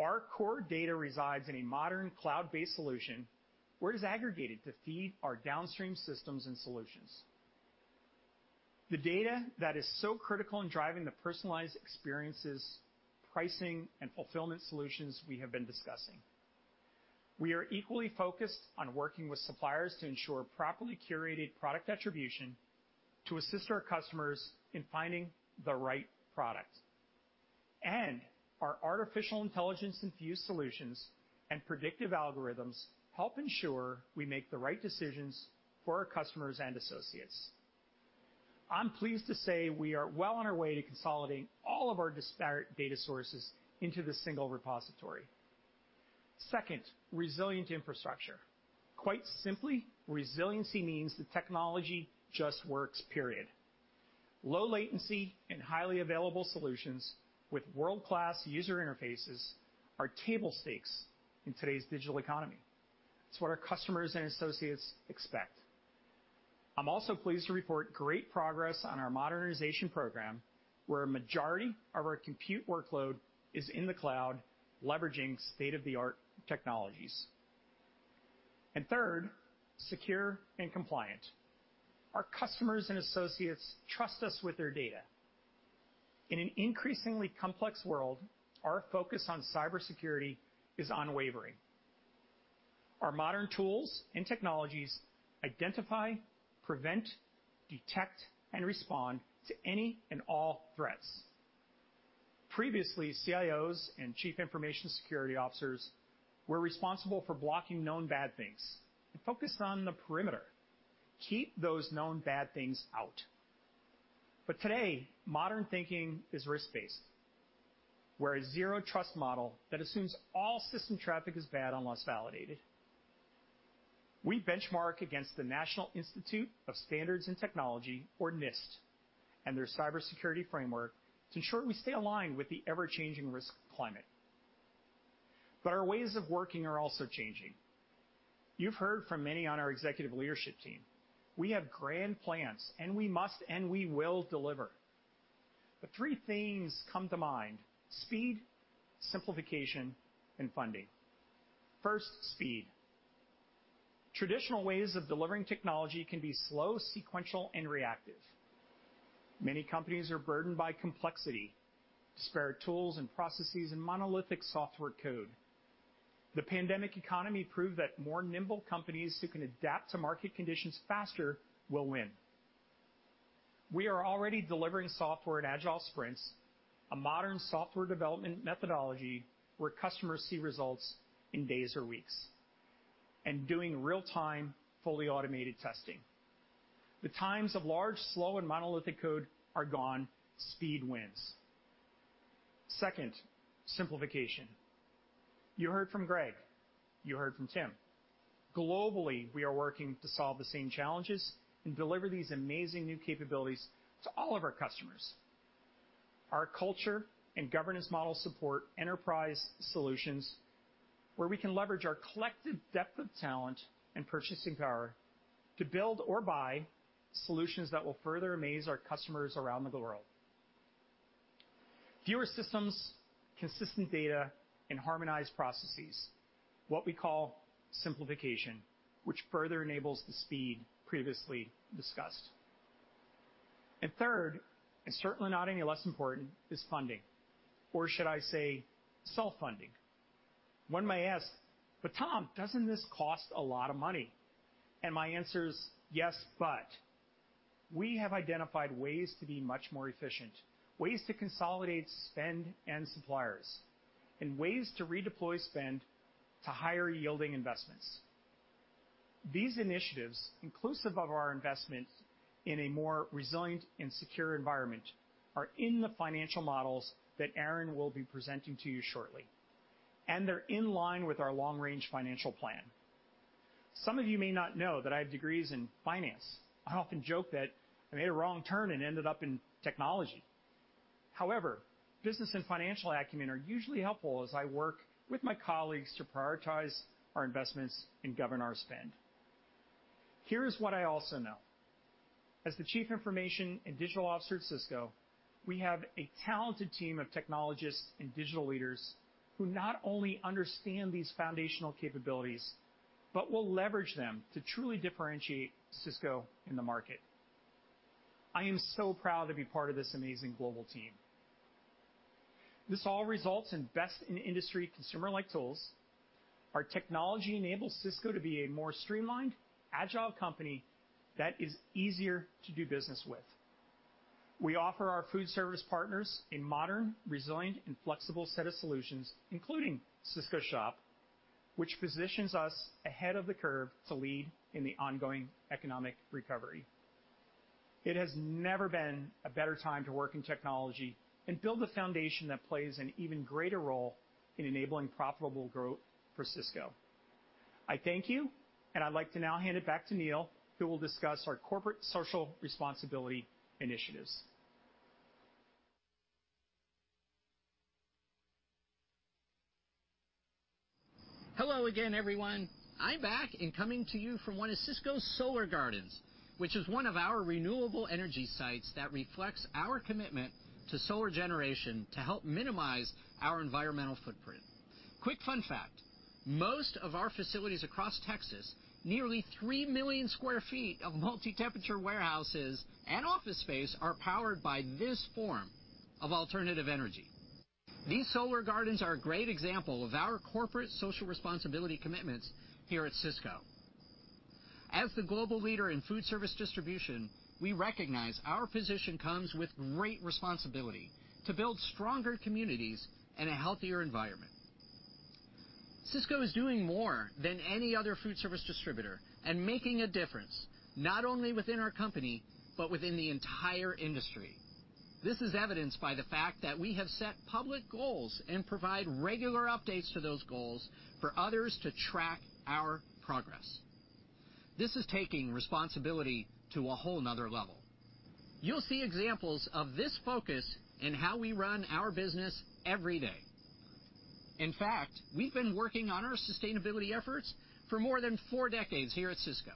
Our core data resides in a modern cloud-based solution where it is aggregated to feed our downstream systems and solutions. The data that is so critical in driving the personalized experiences, pricing, and fulfillment solutions we have been discussing. We are equally focused on working with suppliers to ensure properly curated product attribution to assist our customers in finding the right product. Our artificial intelligence-infused solutions and predictive algorithms help ensure we make the right decisions for our customers and associates. I'm pleased to say we are well on our way to consolidating all of our disparate data sources into this 1 repository. Second, resilient infrastructure. Quite simply, resiliency means the technology just works, period. Low latency and highly available solutions with world-class user interfaces are table stakes in today's digital economy. It's what our customers and associates expect. I'm also pleased to report great progress on our modernization program, where a majority of our compute workload is in the cloud, leveraging state-of-the-art technologies. Third, secure and compliant. Our customers and associates trust us with their data. In an increasingly complex world, our focus on cybersecurity is unwavering. Our modern tools and technologies identify, prevent, detect, and respond to any and all threats. Previously, CIOs and Chief Information Security Officers were responsible for blocking known bad things and focused on the perimeter. Keep those known bad things out. Today, modern thinking is risk-based, where a zero-trust model that assumes all system traffic is bad unless validated. We benchmark against the National Institute of Standards and Technology, or NIST, and their cybersecurity framework to ensure we stay aligned with the ever-changing risk climate. Our ways of working are also changing. You've heard from many on our executive leadership team. We have grand plans, we must, and we will deliver. 3 things come to mind: speed, simplification, and funding. First, speed. Traditional ways of delivering technology can be slow, sequential, and reactive. Many companies are burdened by complexity, disparate tools and processes, and monolithic software code. The pandemic economy proved that more nimble companies who can adapt to market conditions faster will win. We are already delivering software in agile sprints, a modern software development methodology where customers see results in days or weeks, and doing real-time, fully automated testing. The times of large, slow, and monolithic code are gone. Speed wins. Second, simplification. You heard from Greg, you heard from Tim. Globally, we are working to solve the same challenges and deliver these amazing new capabilities to all of our customers. Our culture and governance model support enterprise solutions where we can leverage our collective depth of talent and purchasing power to build or buy solutions that will further amaze our customers around the world. Fewer systems, consistent data, and harmonized processes, what we call simplification, which further enables the speed previously discussed. Third, and certainly not any less important, is funding, or should I say, self-funding. One might ask, "But Tom, doesn't this cost a lot of money?" My answer is yes, but we have identified ways to be much more efficient, ways to consolidate spend and suppliers, and ways to redeploy spend to higher yielding investments. These initiatives, inclusive of our investment in a more resilient and secure environment, are in the financial models that Aaron will be presenting to you shortly, and they're in line with our long range financial plan. Some of you may not know that I have degrees in finance. I often joke that I made a wrong turn and ended up in technology. However, business and financial acumen are usually helpful as I work with my colleagues to prioritize our investments and govern our spend. Here's what I also know. As the Chief Information and Digital Officer at Sysco, we have a talented team of technologists and digital leaders who not only understand these foundational capabilities, but will leverage them to truly differentiate Sysco in the market. I am so proud to be part of this amazing global team. This all results in best in industry consumer-like tools. Our technology enables Sysco to be a more streamlined, agile company that is easier to do business with. We offer our foodservice partners a modern, resilient, and flexible set of solutions, including Sysco Shop, which positions us ahead of the curve to lead in the ongoing economic recovery. It has never been a better time to work in technology and build the foundation that plays an even greater role in enabling profitable growth for Sysco. I thank you, and I'd like to now hand it back to Neil, who will discuss our corporate social responsibility initiatives. Hello again, everyone. I'm back and coming to you from one of Sysco's solar gardens, which is one of our renewable energy sites that reflects our commitment to solar generation to help minimize our environmental footprint. Quick fun fact: most of our facilities across Texas, nearly 3 million sq ft of multi-temperature warehouses and office space are powered by this form of alternative energy. These solar gardens are a great example of our corporate social responsibility commitments here at Sysco. As the global leader in foodservice distribution, we recognize our position comes with great responsibility to build stronger communities and a healthier environment. Sysco is doing more than any other foodservice distributor and making a difference not only within our company, but within the entire industry. This is evidenced by the fact that we have set public goals and provide regular updates to those goals for others to track our progress. This is taking responsibility to a whole another level. You'll see examples of this focus in how we run our business every day. In fact, we've been working on our sustainability efforts for more than four decades here at Sysco.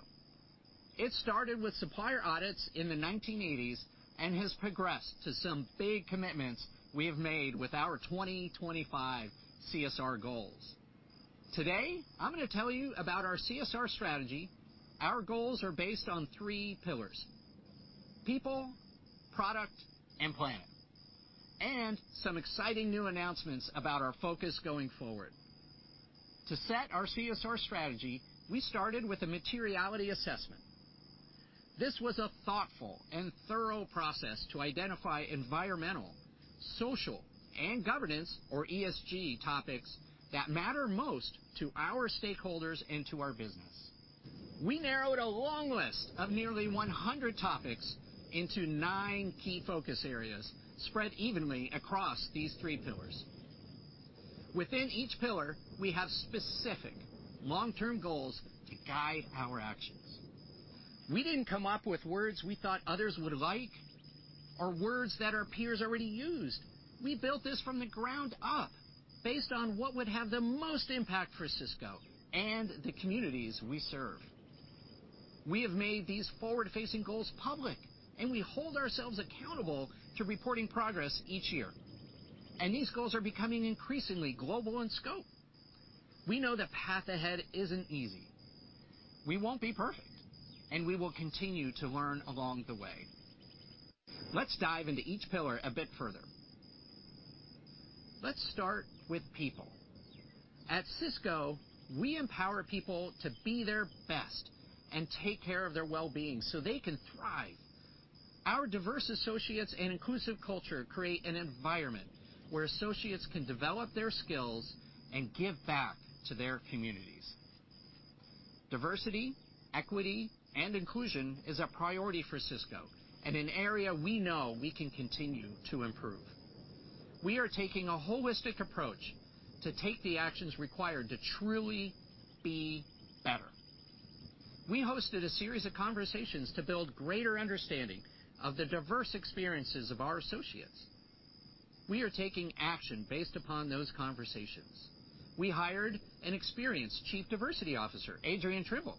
It started with supplier audits in the 1980s and has progressed to some big commitments we have made with our 2025 CSR goals. Today, I'm going to tell you about our CSR strategy. Our goals are based on three pillars: people, product, and planet. Some exciting new announcements about our focus going forward. To set our CSR strategy, we started with a materiality assessment. This was a thoughtful and thorough process to identify environmental, social, and governance, or ESG, topics that matter most to our stakeholders and to our business. We narrowed a long list of nearly 100 topics into nine key focus areas spread evenly across these three pillars. Within each pillar, we have specific long-term goals to guide our actions. We didn't come up with words we thought others would like or words that our peers already used. We built this from the ground up based on what would have the most impact for Sysco and the communities we serve. We have made these forward-facing goals public, we hold ourselves accountable to reporting progress each year. These goals are becoming increasingly global in scope. We know the path ahead isn't easy. We won't be perfect, and we will continue to learn along the way. Let's dive into each pillar a bit further. Let's start with people. At Sysco, we empower people to be their best and take care of their wellbeing so they can thrive. Our diverse associates and inclusive culture create an environment where associates can develop their skills and give back to their communities. Diversity, Equity, and Inclusion is a priority for Sysco and an area we know we can continue to improve. We are taking a holistic approach to take the actions required to truly be better. We hosted a series of conversations to build greater understanding of the diverse experiences of our associates. We are taking action based upon those conversations. We hired an experienced Chief Diversity Officer, Adrienne Trimble,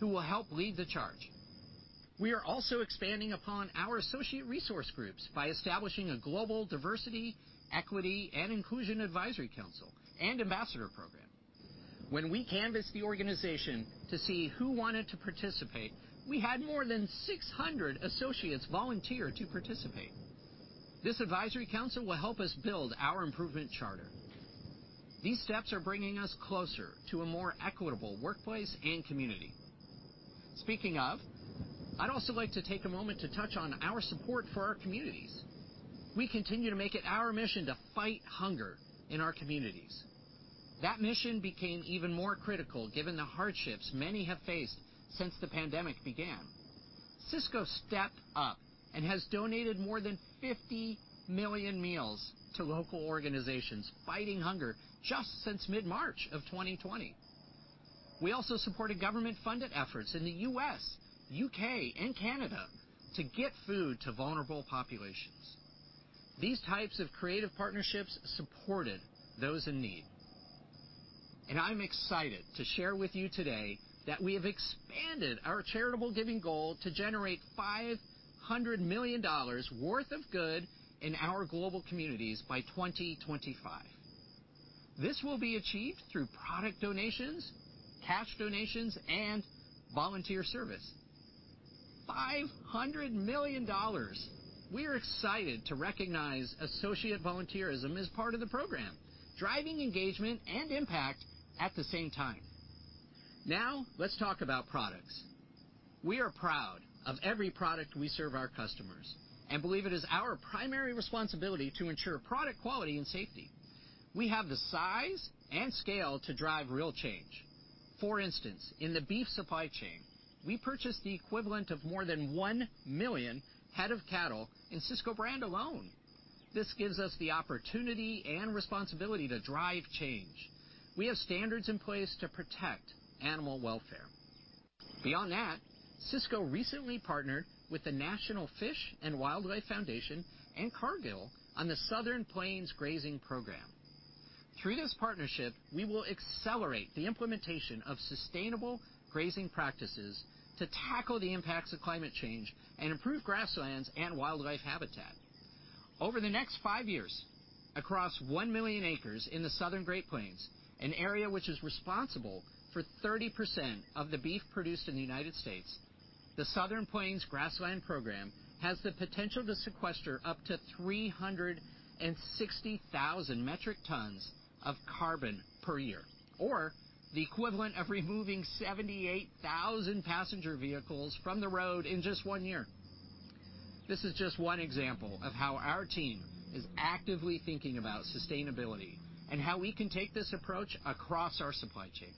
who will help lead the charge. We are also expanding upon our associate resource groups by establishing a global Diversity, Equity, and Inclusion Advisory Council and Ambassador Program. When we canvassed the organization to see who wanted to participate, we had more than 600 associates volunteer to participate. This advisory council will help us build our improvement charter. These steps are bringing us closer to a more equitable workplace and community. Speaking of, I'd also like to take a moment to touch on our support for our communities. We continue to make it our mission to fight hunger in our communities. That mission became even more critical given the hardships many have faced since the pandemic began. Sysco stepped up and has donated more than 50 million meals to local organizations fighting hunger just since mid-March of 2020. We also supported government-funded efforts in the U.S., U.K., and Canada to get food to vulnerable populations. These types of creative partnerships supported those in need. I'm excited to share with you today that we have expanded our charitable giving goal to generate $500 million worth of good in our global communities by 2025. This will be achieved through product donations, cash donations, and volunteer service. $500 million. We're excited to recognize associate volunteerism as part of the program, driving engagement and impact at the same time. Let's talk about products. We are proud of every product we serve our customers and believe it is our primary responsibility to ensure product quality and safety. We have the size and scale to drive real change. For instance, in the beef supply chain, we purchase the equivalent of more than 1 million head of cattle in Sysco Brand alone. This gives us the opportunity and responsibility to drive change. We have standards in place to protect animal welfare. Sysco recently partnered with the National Fish and Wildlife Foundation and Cargill on the Southern Plains Grassland Program. Through this partnership, we will accelerate the implementation of sustainable grazing practices to tackle the impacts of climate change and improve grasslands and wildlife habitat. Over the next five years, across 1 million acres in the Southern Great Plains, an area which is responsible for 30% of the beef produced in the U.S., the Southern Plains Grassland Program has the potential to sequester up to 360,000 metric tons of carbon per year, or the equivalent of removing 78,000 passenger vehicles from the road in just one year. This is just one example of how our team is actively thinking about sustainability and how we can take this approach across our supply chain.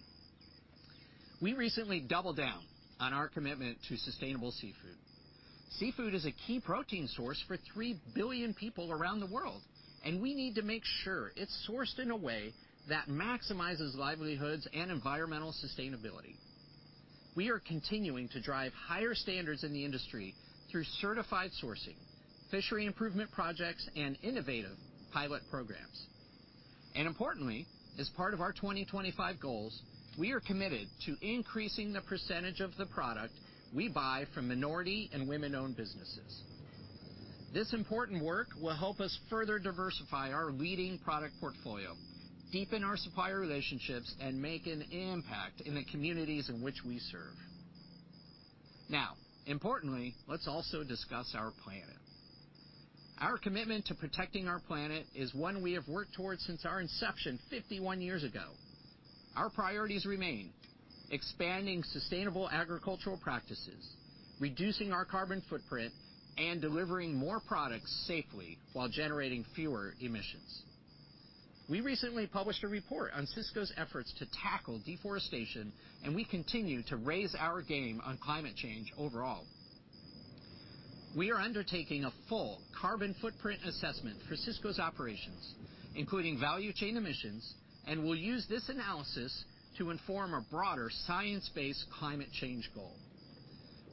We recently doubled down on our commitment to sustainable seafood. Seafood is a key protein source for 3 billion people around the world, and we need to make sure it's sourced in a way that maximizes livelihoods and environmental sustainability. We are continuing to drive higher standards in the industry through certified sourcing, fishery improvement projects, and innovative pilot programs. Importantly, as part of our 2025 goals, we are committed to increasing the percentage of the product we buy from minority and women-owned businesses. This important work will help us further diversify our leading product portfolio, deepen our supplier relationships, and make an impact in the communities in which we serve. Importantly, let's also discuss our planet. Our commitment to protecting our planet is one we have worked towards since our inception 51 years ago. Our priorities remain: expanding sustainable agricultural practices, reducing our carbon footprint, and delivering more products safely while generating fewer emissions. We recently published a report on Sysco's efforts to tackle deforestation. We continue to raise our game on climate change overall. We are undertaking a full carbon footprint assessment for Sysco's operations, including value chain emissions. We will use this analysis to inform a broader science-based climate change goal.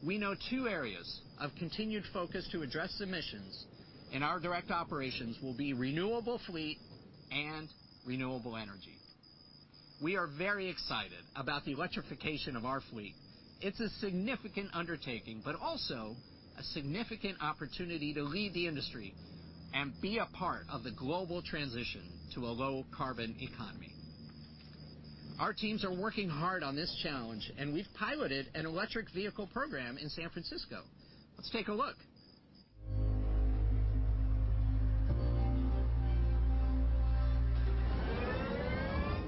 We know two areas of continued focus to address emissions in our direct operations will be renewable fleet and renewable energy. We are very excited about the electrification of our fleet. It's a significant undertaking, but also a significant opportunity to lead the industry and be a part of the global transition to a low-carbon economy. Our teams are working hard on this challenge. We've piloted an electric vehicle program in San Francisco. Let's take a look.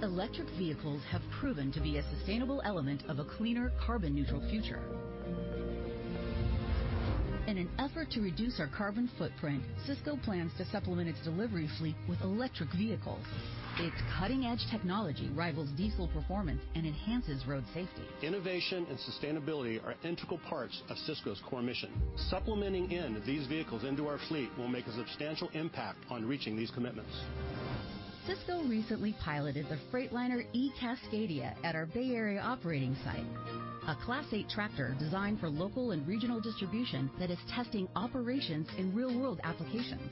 Electric vehicles have proven to be a sustainable element of a cleaner carbon neutral future. In an effort to reduce our carbon footprint, Sysco plans to supplement its delivery fleet with electric vehicles. Its cutting-edge technology rivals diesel performance and enhances road safety. Innovation and sustainability are integral parts of Sysco's core mission. Supplementing in these vehicles into our fleet will make a substantial impact on reaching these commitments. Sysco recently piloted the Freightliner eCascadia at our Bay Area operating site, a Class 8 tractor designed for local and regional distribution that is testing operations in real-world applications.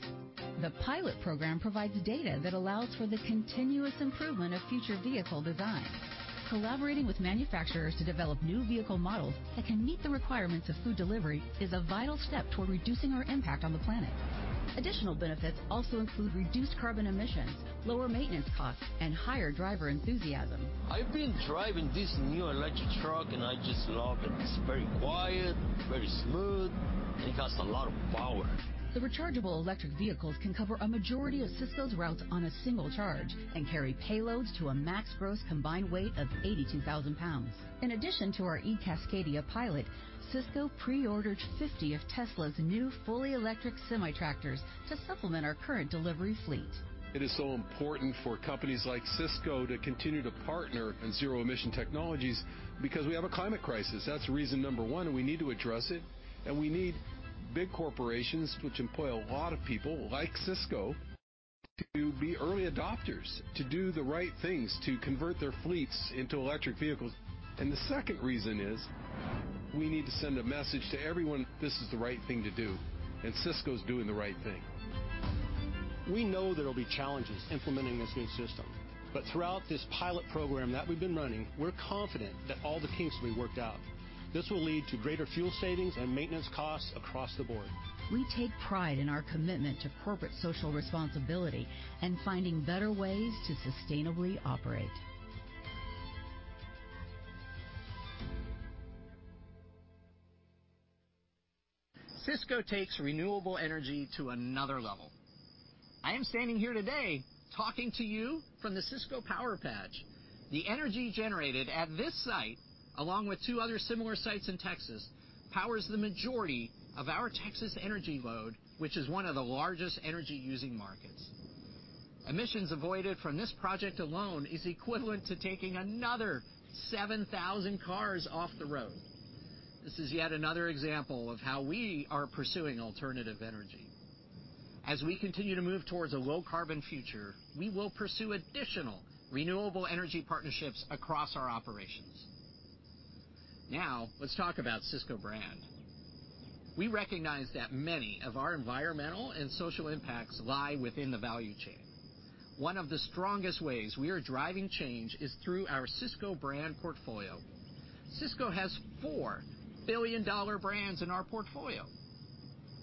The pilot program provides data that allows for the continuous improvement of future vehicle designs. Collaborating with manufacturers to develop new vehicle models that can meet the requirements of food delivery is a vital step toward reducing our impact on the planet. Additional benefits also include reduced carbon emissions, lower maintenance costs, and higher driver enthusiasm. I've been driving this new electric truck, and I just love it. It's very quiet, very smooth, and it has a lot of power. The rechargeable electric vehicles can cover a majority of Sysco's routes on a single charge and carry payloads to a max gross combined weight of 82,000 pounds. In addition to our e-Cascadia pilot, Sysco pre-ordered 50 of Tesla's new fully electric semi-tractors to supplement our current delivery fleet. It is so important for companies like Sysco to continue to partner in zero-emission technologies because we have a climate crisis. That's reason number 1, we need to address it. We need big corporations, which employ a lot of people like Sysco, to be early adopters, to do the right things, to convert their fleets into electric vehicles. The second reason is we need to send a message to everyone this is the right thing to do, and Sysco is doing the right thing. We know there'll be challenges implementing this new system, but throughout this pilot program that we've been running, we're confident that all the kinks will be worked out. This will lead to greater fuel savings and maintenance costs across the board. We take pride in our commitment to corporate social responsibility and finding better ways to sustainably operate. Sysco takes renewable energy to another level. I am standing here today talking to you from the Sysco power patch. The energy generated at this site, along with two other similar sites in Texas, powers the majority of our Texas energy load, which is one of the largest energy-using markets. Emissions avoided from this project alone is equivalent to taking another 7,000 cars off the road. This is yet another example of how we are pursuing alternative energy. As we continue to move towards a low-carbon future, we will pursue additional renewable energy partnerships across our operations. Now, let's talk about Sysco Brand. We recognize that many of our environmental and social impacts lie within the value chain. One of the strongest ways we are driving change is through our Sysco Brand portfolio. Sysco has four billion-dollar brands in our portfolio.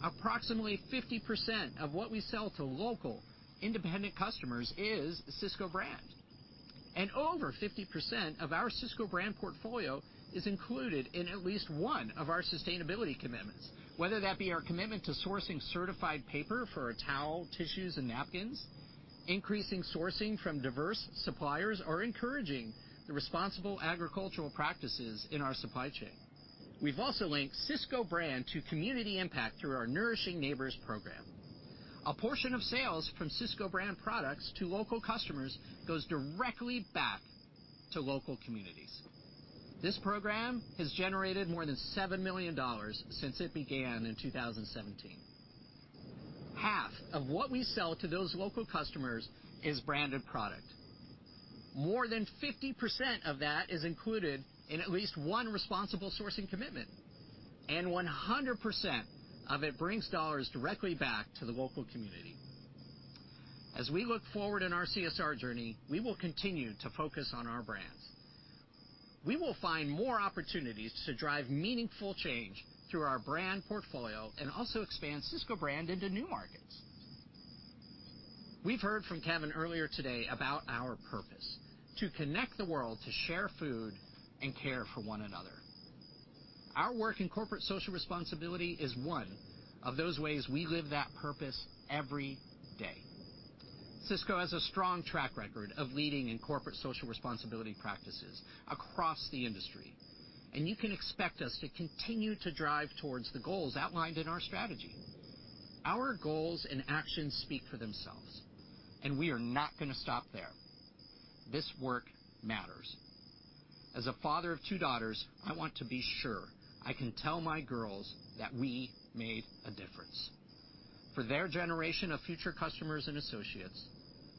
Approximately 50% of what we sell to local independent customers is Sysco Brand. Over 50% of our Sysco Brand portfolio is included in at least one of our sustainability commitments, whether that be our commitment to sourcing certified paper for our towel, tissues, and napkins, increasing sourcing from diverse suppliers, or encouraging the responsible agricultural practices in our supply chain. We've also linked Sysco Brand to community impact through our Nourishing Neighbors program. A portion of sales from Sysco Brand products to local customers goes directly back to local communities. This program has generated more than $7 million since it began in 2017. Half of what we sell to those local customers is branded product. More than 50% of that is included in at least one responsible sourcing commitment, and 100% of it brings dollars directly back to the local community. As we look forward in our CSR journey, we will continue to focus on our brands. We will find more opportunities to drive meaningful change through our brand portfolio and also expand Sysco Brand into new markets. We've heard from Kevin earlier today about our purpose, to connect the world, to share food, and care for one another. Our work in corporate social responsibility is one of those ways we live that purpose every day. Sysco has a strong track record of leading in corporate social responsibility practices across the industry. You can expect us to continue to drive towards the goals outlined in our strategy. Our goals and actions speak for themselves. We are not going to stop there. This work matters. As a father of two daughters, I want to be sure I can tell my girls that we made a difference for their generation of future customers and associates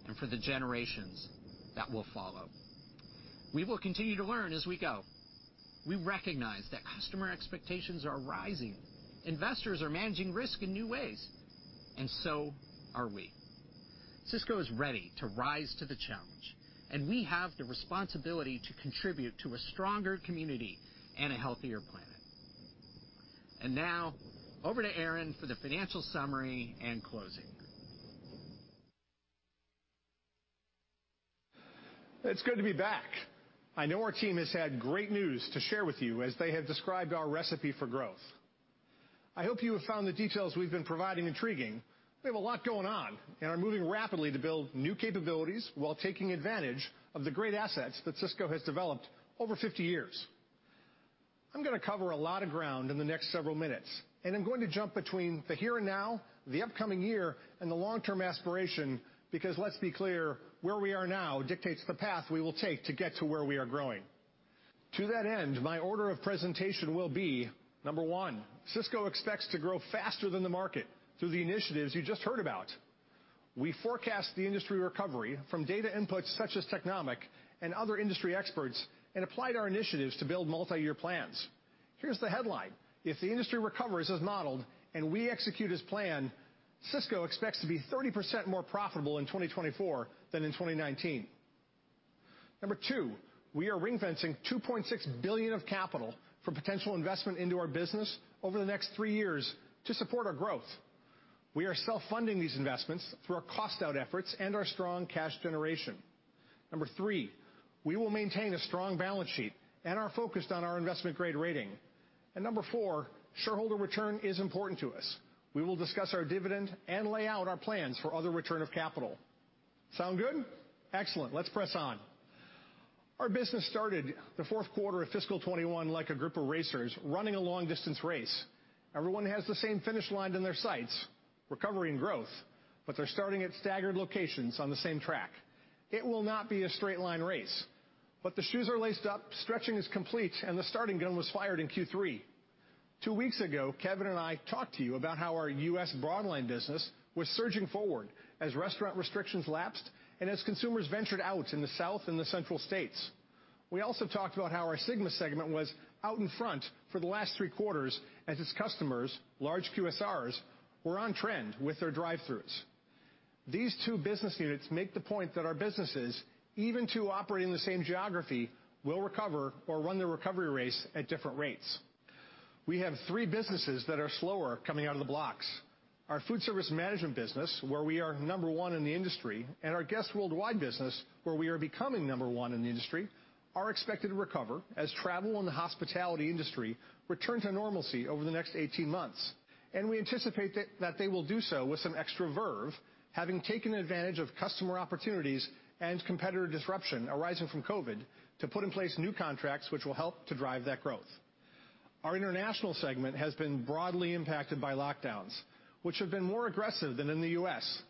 and for the generations that will follow. We will continue to learn as we go. We recognize that customer expectations are rising. Investors are managing risk in new ways. So are we. Sysco is ready to rise to the challenge. We have the responsibility to contribute to a stronger community and a healthier planet. Now over to Aaron for the financial summary and closing. It's good to be back. I know our team has had great news to share with you as they have described our recipe for growth. I hope you have found the details we've been providing intriguing. We have a lot going on and are moving rapidly to build new capabilities while taking advantage of the great assets that Sysco has developed over 50 years. I'm going to cover a lot of ground in the next several minutes, and I'm going to jump between the here and now, the upcoming year, and the long-term aspiration, because let's be clear, where we are now dictates the path we will take to get to where we are growing. To that end, my order of presentation will be, number one, Sysco expects to grow faster than the market through the initiatives you just heard about. We forecast the industry recovery from data inputs such as Technomic and other industry experts, and applied our initiatives to build multi-year plans. Here's the headline: If the industry recovers as modeled and we execute as planned, Sysco expects to be 30% more profitable in 2024 than in 2019. Number two, we are ring-fencing $2.6 billion of capital for potential investment into our business over the next three years to support our growth. We are self-funding these investments through our cost-out efforts and our strong cash generation. Number three, we will maintain a strong balance sheet and are focused on our investment-grade rating. Number four, shareholder return is important to us. We will discuss our dividend and lay out our plans for other return of capital. Sound good? Excellent. Let's press on. Our business started the fourth quarter of fiscal 2021 like a group of racers running a long-distance race. Everyone has the same finish line in their sights, recovery and growth, but they're starting at staggered locations on the same track. It will not be a straight-line race, but the shoes are laced up, stretching is complete, and the starting gun was fired in Q3. Two weeks ago, Kevin and I talked to you about how our U.S. broadline business was surging forward as restaurant restrictions lapsed and as consumers ventured out in the South and the Central states. We also talked about how our SYGMA segment was out in front for the last three quarters as its customers, large QSRs, were on trend with their drive-throughs. These two business units make the point that our businesses, even two operating in the same geography, will recover or run their recovery race at different rates. We have three businesses that are slower coming out of the blocks. Our Foodservice Management business, where we are number one in the industry, and our Guest Worldwide business, where we are becoming number one in the industry, are expected to recover as travel and the hospitality industry return to normalcy over the next 18 months. And we anticipate that they will do so with some extra verve, having taken advantage of customer opportunities and competitor disruption arising from COVID to put in place new contracts which will help to drive that growth. Our International segment has been broadly impacted by lockdowns, which have been more aggressive than in the U.S.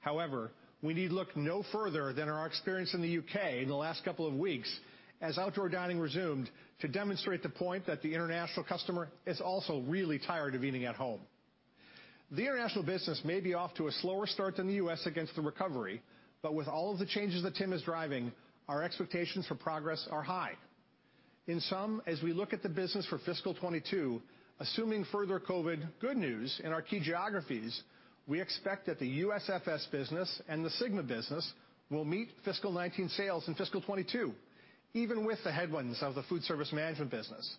However, we need look no further than our experience in the U.K. in the last couple of weeks, as outdoor dining resumed, to demonstrate the point that the international customer is also really tired of eating at home. The International business may be off to a slower start than the U.S. against the recovery, but with all of the changes that Tim is driving, our expectations for progress are high. In sum, as we look at the business for fiscal 2022, assuming further COVID good news in our key geographies, we expect that the USFS business and the SYGMA business will meet fiscal 2019 sales in fiscal 2022, even with the headwinds of the Foodservice Management business.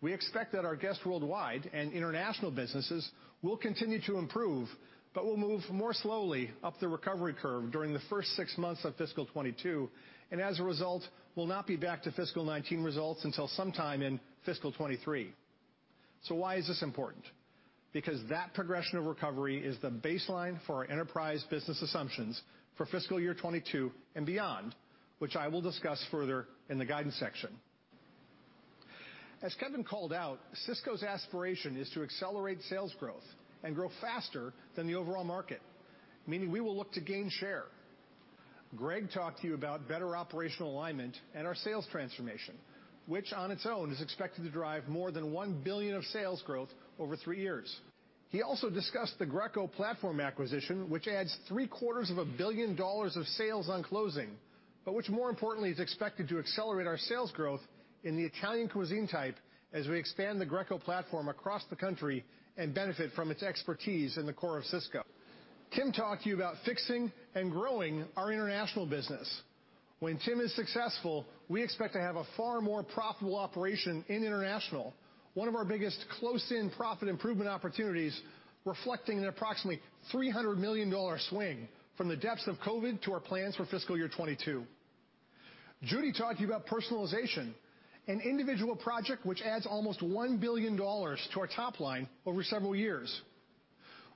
We expect that our Guest Worldwide and International businesses will continue to improve but will move more slowly up the recovery curve during the first six months of fiscal 2022, and as a result, will not be back to fiscal 2019 results until sometime in fiscal 2023. Why is this important? Because that progression of recovery is the baseline for our enterprise business assumptions for fiscal year 2022 and beyond, which I will discuss further in the guidance section. As Kevin called out, Sysco's aspiration is to accelerate sales growth and grow faster than the overall market, meaning we will look to gain share. Greg talked to you about better operational alignment and our sales transformation, which on its own is expected to drive more than $1 billion of sales growth over three years. He also discussed the Greco platform acquisition, which adds three quarters of a billion dollars of sales on closing, but which more importantly, is expected to accelerate our sales growth in the Italian cuisine type as we expand the Greco platform across the country and benefit from its expertise in the core of Sysco. Tim talked to you about fixing and growing our International business. When Tim is successful, we expect to have a far more profitable operation in International, one of our biggest close-in profit improvement opportunities, reflecting an approximately $300 million swing from the depths of COVID to our plans for fiscal year 2022. Judy talked to you about personalization, an individual project which adds almost $1 billion to our top line over several years.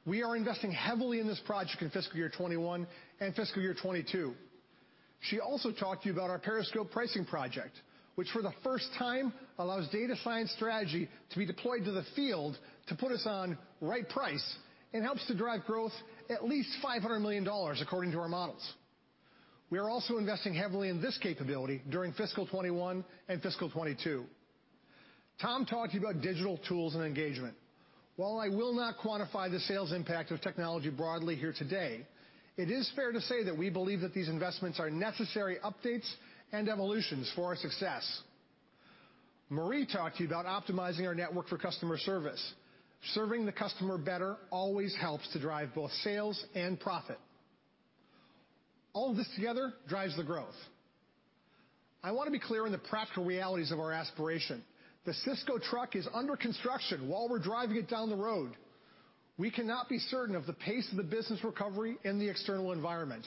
We are investing heavily in this project in fiscal year 2021 and fiscal year 2022. She also talked to you about our Periscope pricing project, which for the first time allows data science strategy to be deployed to the field to put us on right price and helps to drive growth at least $500 million, according to our models. We are also investing heavily in this capability during fiscal 2021 and fiscal 2022. Tom talked to you about digital tools and engagement. While I will not quantify the sales impact of technology broadly here today, it is fair to say that we believe that these investments are necessary updates and evolutions for our success. Marie talked to you about optimizing our network for customer service. Serving the customer better always helps to drive both sales and profit. All this together drives the growth. I want to be clear on the practical realities of our aspiration. The Sysco truck is under construction while we're driving it down the road. We cannot be certain of the pace of the business recovery and the external environment.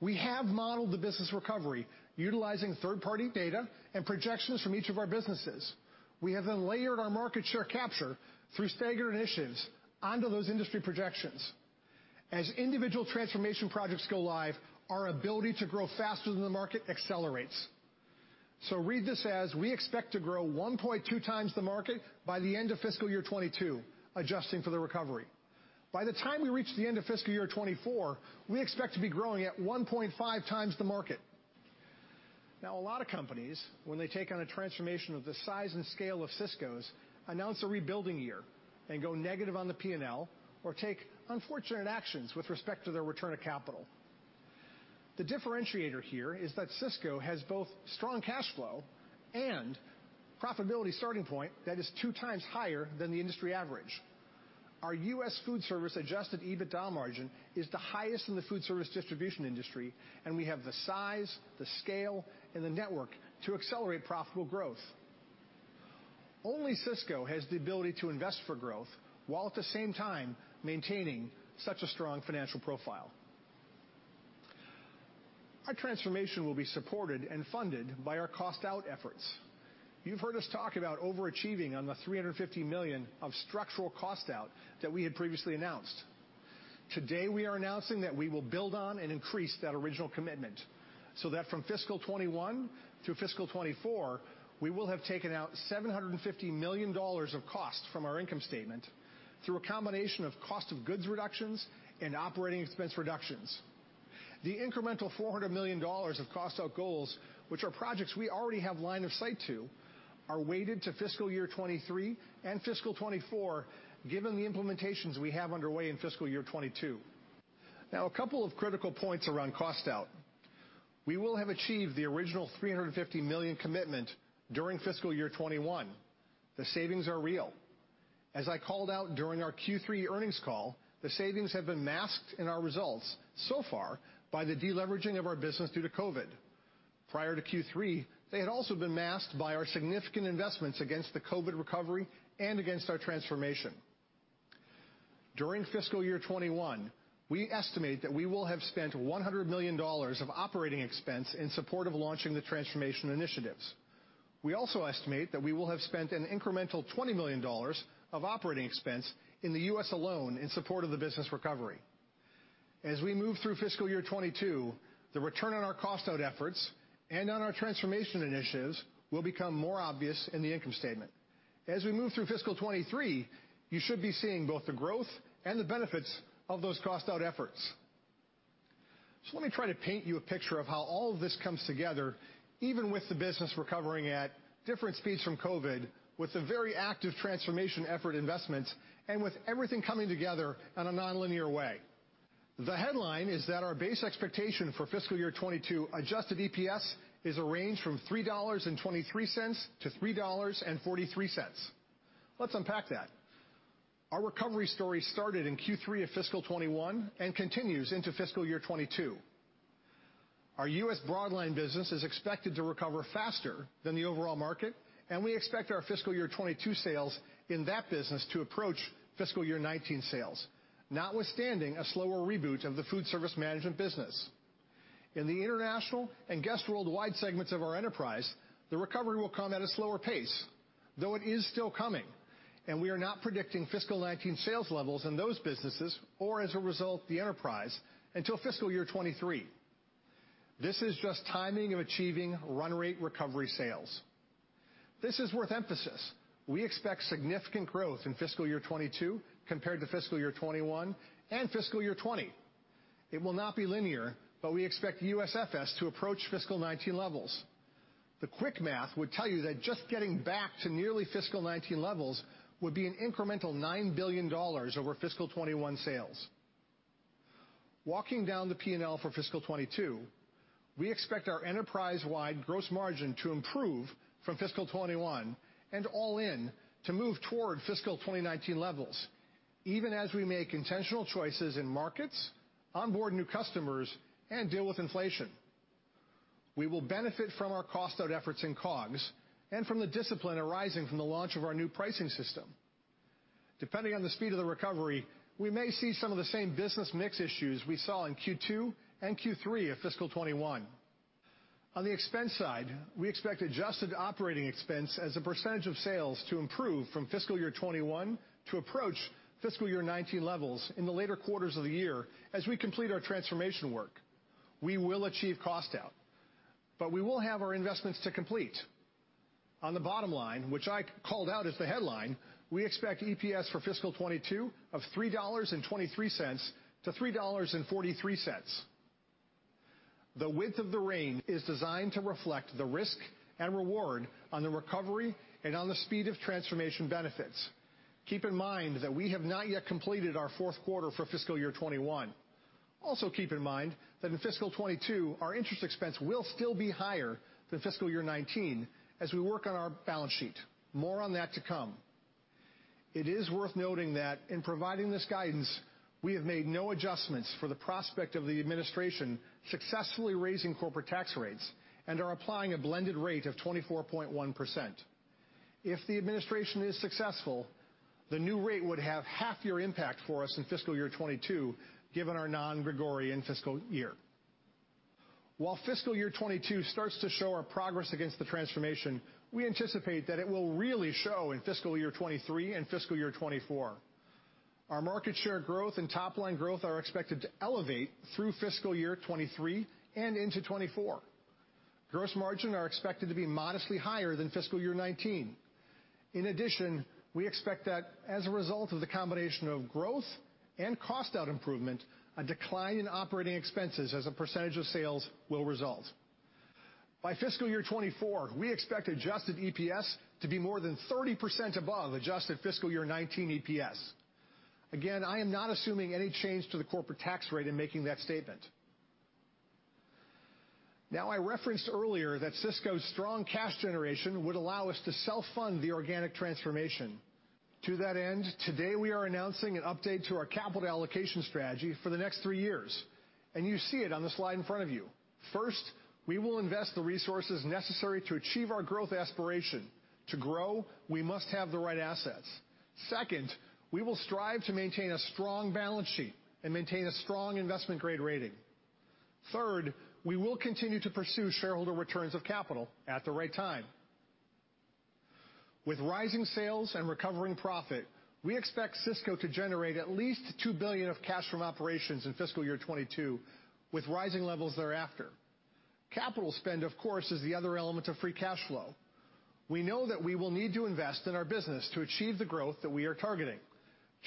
We have modeled the business recovery utilizing third-party data and projections from each of our businesses. We have then layered our market share capture through staggered initiatives onto those industry projections. As individual transformation projects go live, our ability to grow faster than the market accelerates. Read this as, we expect to grow 1.2 times the market by the end of fiscal year 2022, adjusting for the recovery. By the time we reach the end of fiscal year 2024, we expect to be growing at 1.5 times the market. A lot of companies, when they take on a transformation of the size and scale of Sysco's, announce a rebuilding year and go negative on the P&L, or take unfortunate actions with respect to their return of capital. The differentiator here is that Sysco has both strong cash flow and profitability starting point that is two times higher than the industry average. Our U.S. Foodservice adjusted EBITDA margin is the highest in the food service distribution industry, and we have the size, the scale, and the network to accelerate profitable growth. Only Sysco has the ability to invest for growth, while at the same time, maintaining such a strong financial profile. Our transformation will be supported and funded by our cost-out efforts. You've heard us talk about overachieving on the $350 million of structural cost-out that we had previously announced. Today, we are announcing that we will build on and increase that original commitment, so that from fiscal 2021 to fiscal 2024, we will have taken out $750 million of cost from our income statement through a combination of cost of goods reductions and operating expense reductions. The incremental $400 million of cost-out goals, which are projects we already have line of sight to, are weighted to fiscal year 2023 and fiscal year 2024, given the implementations we have underway in fiscal year 2022. A couple of critical points around cost-out. We will have achieved the original $350 million commitment during fiscal year 2021. The savings are real. As I called out during our Q3 earnings call, the savings have been masked in our results so far by the deleveraging of our business due to COVID. Prior to Q3, they had also been masked by our significant investments against the COVID recovery and against our transformation. During fiscal year 2021, we estimate that we will have spent $100 million of operating expense in support of launching the transformation initiatives. We also estimate that we will have spent an incremental $20 million of operating expense in the U.S. alone in support of the business recovery. As we move through fiscal year 2022, the return on our cost-out efforts and on our transformation initiatives will become more obvious in the income statement. As we move through fiscal 2023, you should be seeing both the growth and the benefits of those cost-out efforts. Let me try to paint you a picture of how all of this comes together, even with the business recovering at different speeds from COVID, with the very active transformation effort investments, and with everything coming together in a nonlinear way. The headline is that our base expectation for fiscal year 2022 adjusted EPS is a range from $3.23-$3.43. Let's unpack that. Our recovery story started in Q3 of fiscal 2021 and continues into fiscal year 2022. Our U.S. Broadline business is expected to recover faster than the overall market, and we expect our fiscal year 2022 sales in that business to approach fiscal year 2019 sales, notwithstanding a slower reboot of the foodservice management business. In the international and Guest Worldwide segments of our enterprise, the recovery will come at a slower pace, though it is still coming, and we are not predicting fiscal 2019 sales levels in those businesses, or as a result, the enterprise, until fiscal year 2023. This is just timing of achieving run rate recovery sales. This is worth emphasis. We expect significant growth in fiscal year 2022 compared to fiscal year 2021 and fiscal year 2020. It will not be linear, but we expect USFS to approach fiscal 2019 levels. The quick math would tell you that just getting back to nearly fiscal 2019 levels would be an incremental $9 billion over fiscal 2021 sales. Walking down the P&L for fiscal 2022, we expect our enterprise-wide gross margin to improve from fiscal 2021 and all in to move toward fiscal 2019 levels, even as we make intentional choices in markets, onboard new customers, and deal with inflation. We will benefit from our cost-out efforts in COGS and from the discipline arising from the launch of our new pricing system. Depending on the speed of the recovery, we may see some of the same business mix issues we saw in Q2 and Q3 of fiscal 2021. On the expense side, we expect adjusted operating expense as a percentage of sales to improve from fiscal year 2021 to approach fiscal year 2019 levels in the later quarters of the year, as we complete our transformation work. We will achieve cost-out, we will have our investments to complete. On the bottom line, which I called out as the headline, we expect EPS for fiscal 2022 of $3.23-$3.43. The width of the range is designed to reflect the risk and reward on the recovery and on the speed of transformation benefits. Keep in mind that we have not yet completed our fourth quarter for fiscal year 2021. Also keep in mind that in fiscal 2022, our interest expense will still be higher than fiscal year 2019, as we work on our balance sheet. More on that to come. It is worth noting that in providing this guidance, we have made no adjustments for the prospect of the administration successfully raising corporate tax rates and are applying a blended rate of 24.1%. If the administration is successful, the new rate would have half-year impact for us in fiscal year 2022, given our non-Gregorian fiscal year. While fiscal year 2022 starts to show our progress against the transformation, we anticipate that it will really show in fiscal year 2023 and fiscal year 2024. Our market share growth and top-line growth are expected to elevate through fiscal year 2023 and into 2024. Gross margin are expected to be modestly higher than fiscal year 2019. In addition, we expect that as a result of the combination of growth and cost-out improvement, a decline in operating expenses as a percentage of sales will result. By fiscal year 2024, we expect adjusted EPS to be more than 30% above adjusted fiscal year 2019 EPS. Again, I am not assuming any change to the corporate tax rate in making that statement. I referenced earlier that Sysco's strong cash generation would allow us to self-fund the organic transformation. To that end, today we are announcing an update to our capital allocation strategy for the next three years. You see it on the slide in front of you. First, we will invest the resources necessary to achieve our growth aspiration. To grow, we must have the right assets. Second, we will strive to maintain a strong balance sheet and maintain a strong investment-grade rating. Third, we will continue to pursue shareholder returns of capital at the right time. With rising sales and recovering profit, we expect Sysco to generate at least $2 billion of cash from operations in fiscal year 2022, with rising levels thereafter. Capital spend, of course, is the other element of free cash flow. We know that we will need to invest in our business to achieve the growth that we are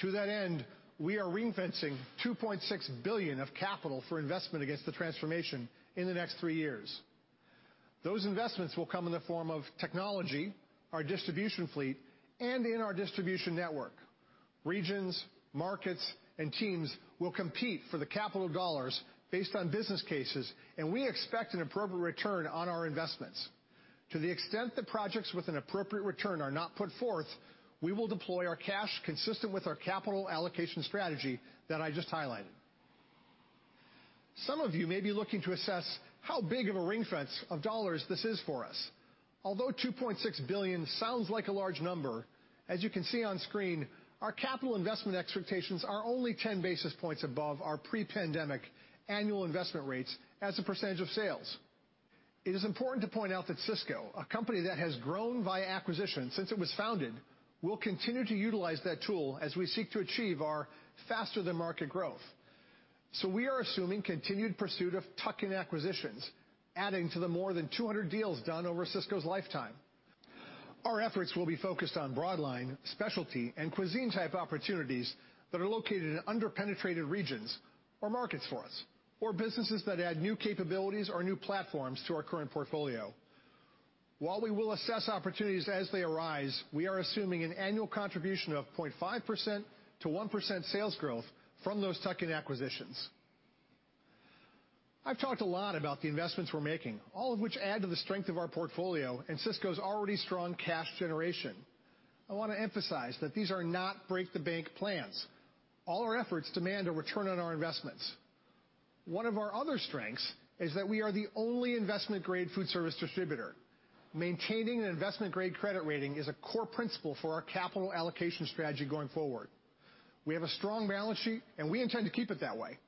targeting. To that end, we are ring-fencing $2.6 billion of capital for investment against the transformation in the next three years. Those investments will come in the form of technology, our distribution fleet, and in our distribution network. Regions, markets, and teams will compete for the capital dollars based on business cases. We expect an appropriate return on our investments. To the extent that projects with an appropriate return are not put forth, we will deploy our cash consistent with our capital allocation strategy that I just highlighted. Some of you may be looking to assess how big of a ring fence of dollars this is for us. Although $2.6 billion sounds like a large number, as you can see on screen, our capital investment expectations are only 10 basis points above our pre-pandemic annual investment rates as a percentage of sales. It is important to point out that Sysco, a company that has grown via acquisition since it was founded, will continue to utilize that tool as we seek to achieve our faster-than-market growth. We are assuming continued pursuit of tuck-in acquisitions, adding to the more than 200 deals done over Sysco's lifetime. Our efforts will be focused on broadline, specialty, and cuisine-type opportunities that are located in under-penetrated regions or markets for us or businesses that add new capabilities or new platforms to our current portfolio. While we will assess opportunities as they arise, we are assuming an annual contribution of 0.5% to 1% sales growth from those tuck-in acquisitions. I've talked a lot about the investments we're making, all of which add to the strength of our portfolio and Sysco's already strong cash generation. I want to emphasize that these are not break-the-bank plans. All our efforts demand a return on our investments. One of our other strengths is that we are the only investment-grade foodservice distributor. Maintaining an investment-grade credit rating is a core principle for our capital allocation strategy going forward. We have a strong balance sheet, and we intend to keep it that way.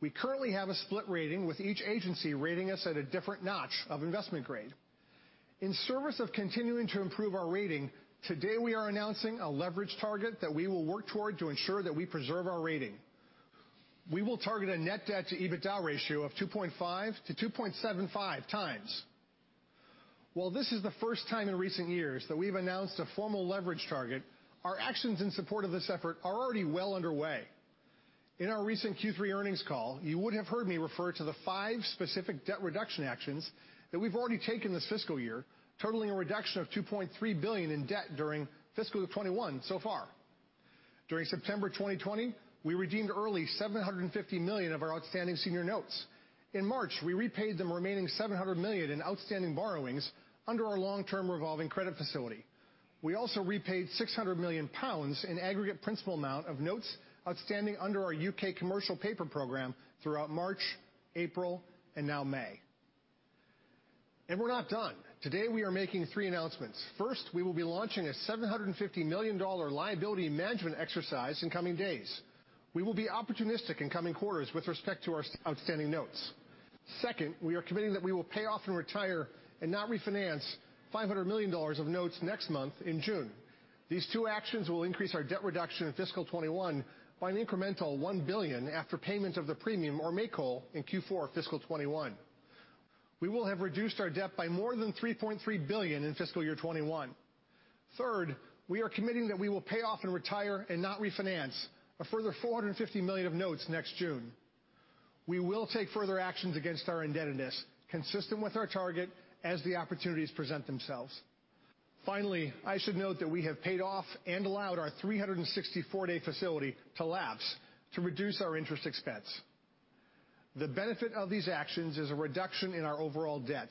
We currently have a split rating, with each agency rating us at a different notch of investment grade. In service of continuing to improve our rating, today we are announcing a leverage target that we will work toward to ensure that we preserve our rating. We will target a net debt to EBITDA ratio of 2.5 to 2.75 times. While this is the first time in recent years that we've announced a formal leverage target, our actions in support of this effort are already well underway. In our recent Q3 earnings call, you would have heard me refer to the five specific debt reduction actions that we've already taken this fiscal year, totaling a reduction of $2.3 billion in debt during FY 2021 so far. During September 2020, we redeemed early $750 million of our outstanding senior notes. In March, we repaid the remaining $700 million in outstanding borrowings under our long-term revolving credit facility. We also repaid 600 million pounds in aggregate principal amount of notes outstanding under our U.K. commercial paper program throughout March, April, and now May. We're not done. Today, we are making three announcements. First, we will be launching a $750 million liability management exercise in coming days. We will be opportunistic in coming quarters with respect to our outstanding notes. Second, we are committing that we will pay off and retire and not refinance $500 million of notes next month in June. These two actions will increase our debt reduction in FY 2021 by an incremental $1 billion after payment of the premium or make whole in Q4 FY 2021. We will have reduced our debt by more than $3.3 billion in FY 2021. Third, we are committing that we will pay off and retire and not refinance a further $450 million of notes next June. We will take further actions against our indebtedness, consistent with our target as the opportunities present themselves. Finally, I should note that we have paid off and allowed our 364-day facility to lapse to reduce our interest expense. The benefit of these actions is a reduction in our overall debt,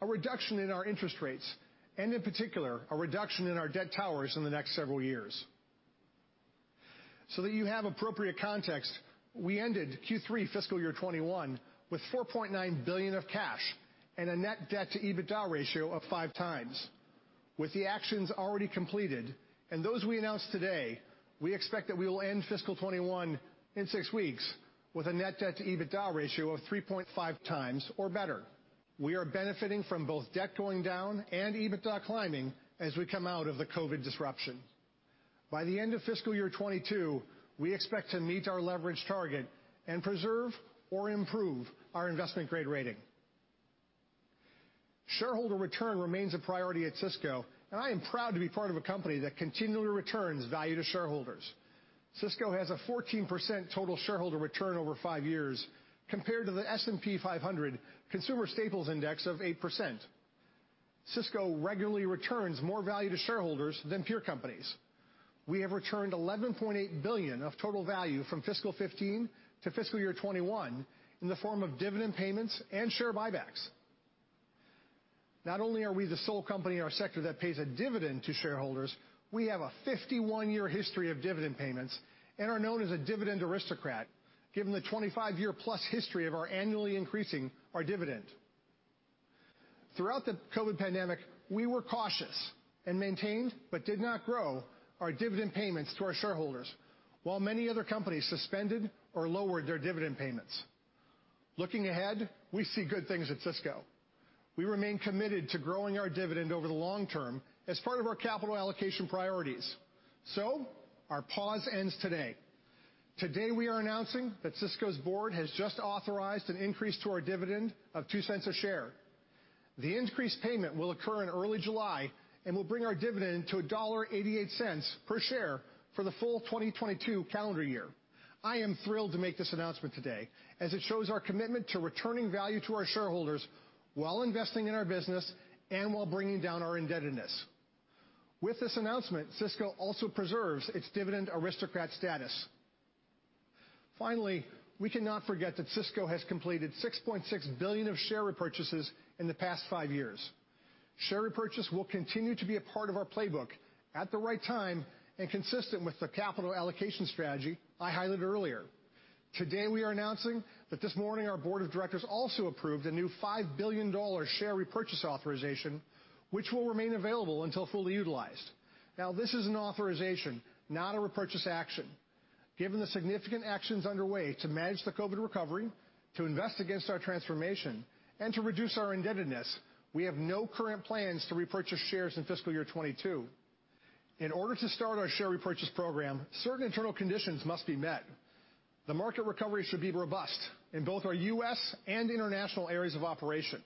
a reduction in our interest rates, and in particular, a reduction in our debt towers in the next several years. That you have appropriate context, we ended Q3 FY 2021 with $4.9 billion of cash and a net debt to EBITDA ratio of five times. With the actions already completed and those we announced today, we expect that we will end FY 2021 in six weeks with a net debt-to-EBITDA ratio of 3.5 times or better. We are benefiting from both debt going down and EBITDA climbing as we come out of the COVID disruption. By the end of FY 2022, we expect to meet our leverage target and preserve or improve our investment-grade rating. Shareholder return remains a priority at Sysco. I am proud to be part of a company that continually returns value to shareholders. Sysco has a 14% total shareholder return over five years compared to the S&P 500 Consumer Staples Index of 8%. Sysco regularly returns more value to shareholders than peer companies. We have returned $11.8 billion of total value from fiscal 2015 to fiscal year 2021 in the form of dividend payments and share buybacks. Not only are we the sole company in our sector that pays a dividend to shareholders, we have a 51-year history of dividend payments and are known as a Dividend Aristocrat, given the 25-year-plus history of our annually increasing our dividend. Throughout the COVID pandemic, we were cautious and maintained but did not grow our dividend payments to our shareholders, while many other companies suspended or lowered their dividend payments. Looking ahead, we see good things at Sysco. We remain committed to growing our dividend over the long term as part of our capital allocation priorities. Our pause ends today. Today, we are announcing that Sysco's board has just authorized an increase to our dividend of $0.02 a share. The increased payment will occur in early July and will bring our dividend to $1.88 per share for the full 2022 calendar year. I am thrilled to make this announcement today as it shows our commitment to returning value to our shareholders while investing in our business and while bringing down our indebtedness. With this announcement, Sysco also preserves its Dividend Aristocrat status. Finally, we cannot forget that Sysco has completed $6.6 billion of share repurchases in the past five years. Share repurchase will continue to be a part of our playbook at the right time and consistent with the capital allocation strategy I highlighted earlier. Today, we are announcing that this morning our board of directors also approved a new $5 billion share repurchase authorization, which will remain available until fully utilized. This is an authorization, not a repurchase action. Given the significant actions underway to manage the COVID recovery, to invest against our transformation, and to reduce our indebtedness, we have no current plans to repurchase shares in fiscal year 2022. In order to start our share repurchase program, certain internal conditions must be met. The market recovery should be robust in both our U.S. and international areas of operation.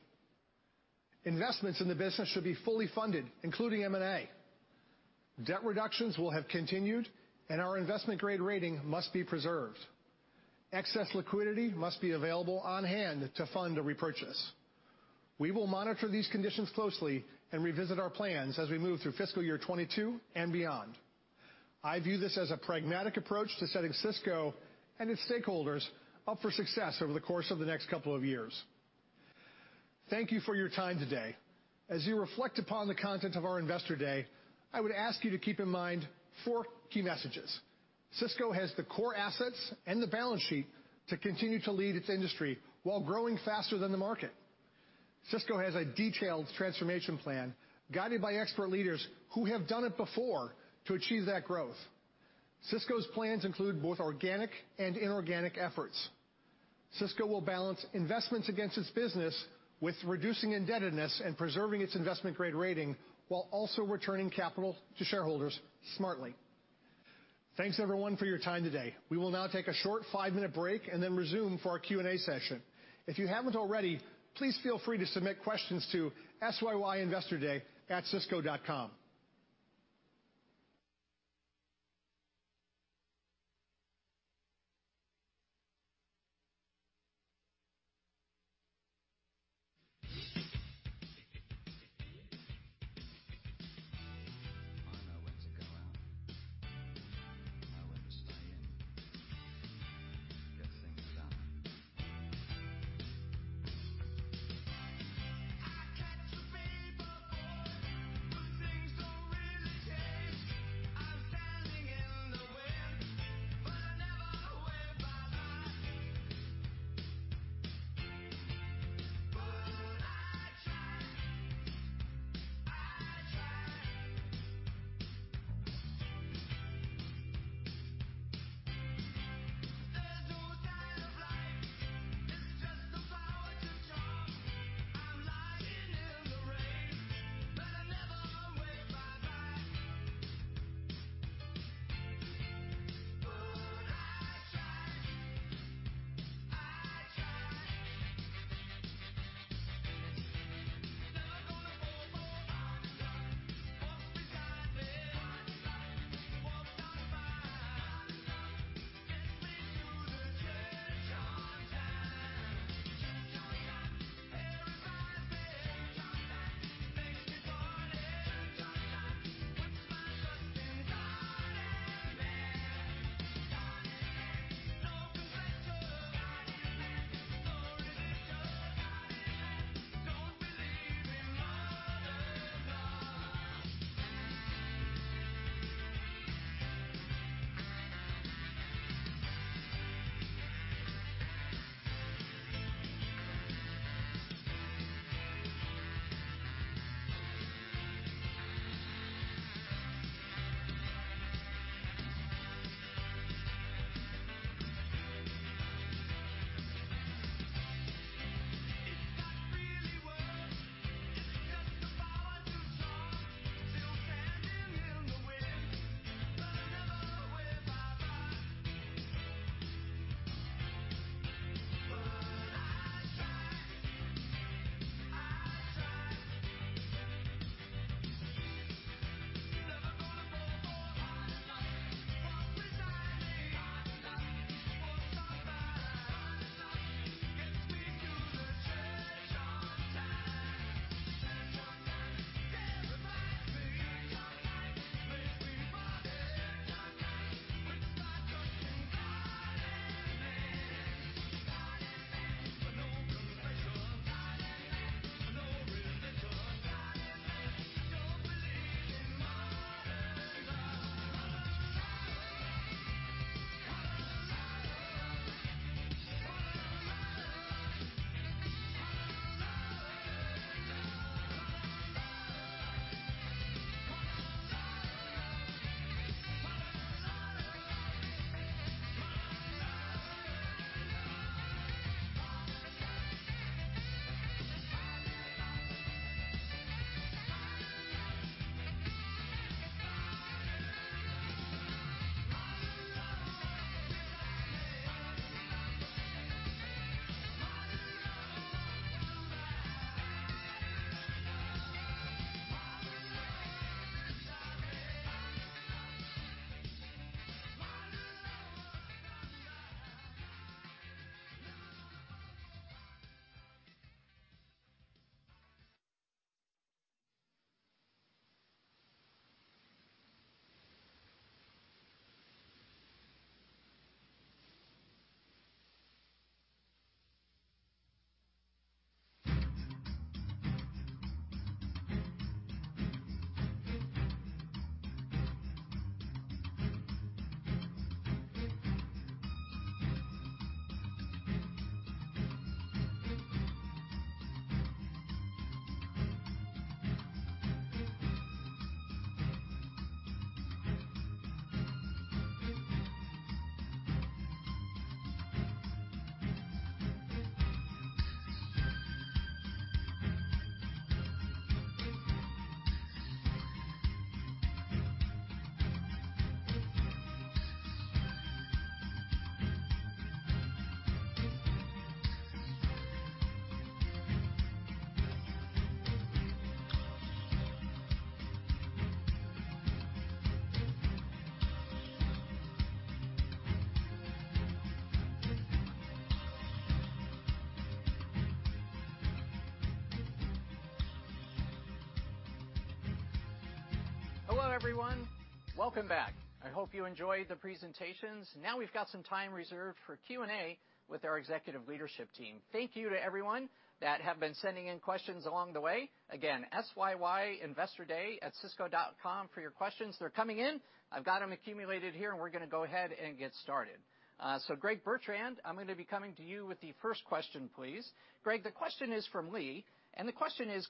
Investments in the business should be fully funded, including M&A. Debt reductions will have continued, and our investment-grade rating must be preserved. Excess liquidity must be available on hand to fund a repurchase. We will monitor these conditions closely and revisit our plans as we move through fiscal year 2022 and beyond. I view this as a pragmatic approach to setting Sysco and its stakeholders up for success over the course of the next couple of years. Thank you for your time today. As you reflect upon the content of our Investor Day, I would ask you to keep in mind four key messages. Sysco has the core assets and the balance sheet to continue to lead its industry while growing faster than the market. Sysco has a detailed transformation plan guided by expert leaders who have done it before to achieve that growth. Sysco's plans include both organic and inorganic efforts. Sysco will balance investments against its business with reducing indebtedness and preserving its investment-grade rating while also returning capital to shareholders smartly. Thanks, everyone, for your time today. We will now take a short five-minute break and then resume for our Q&A session. If you haven't already, please feel free to submit questions to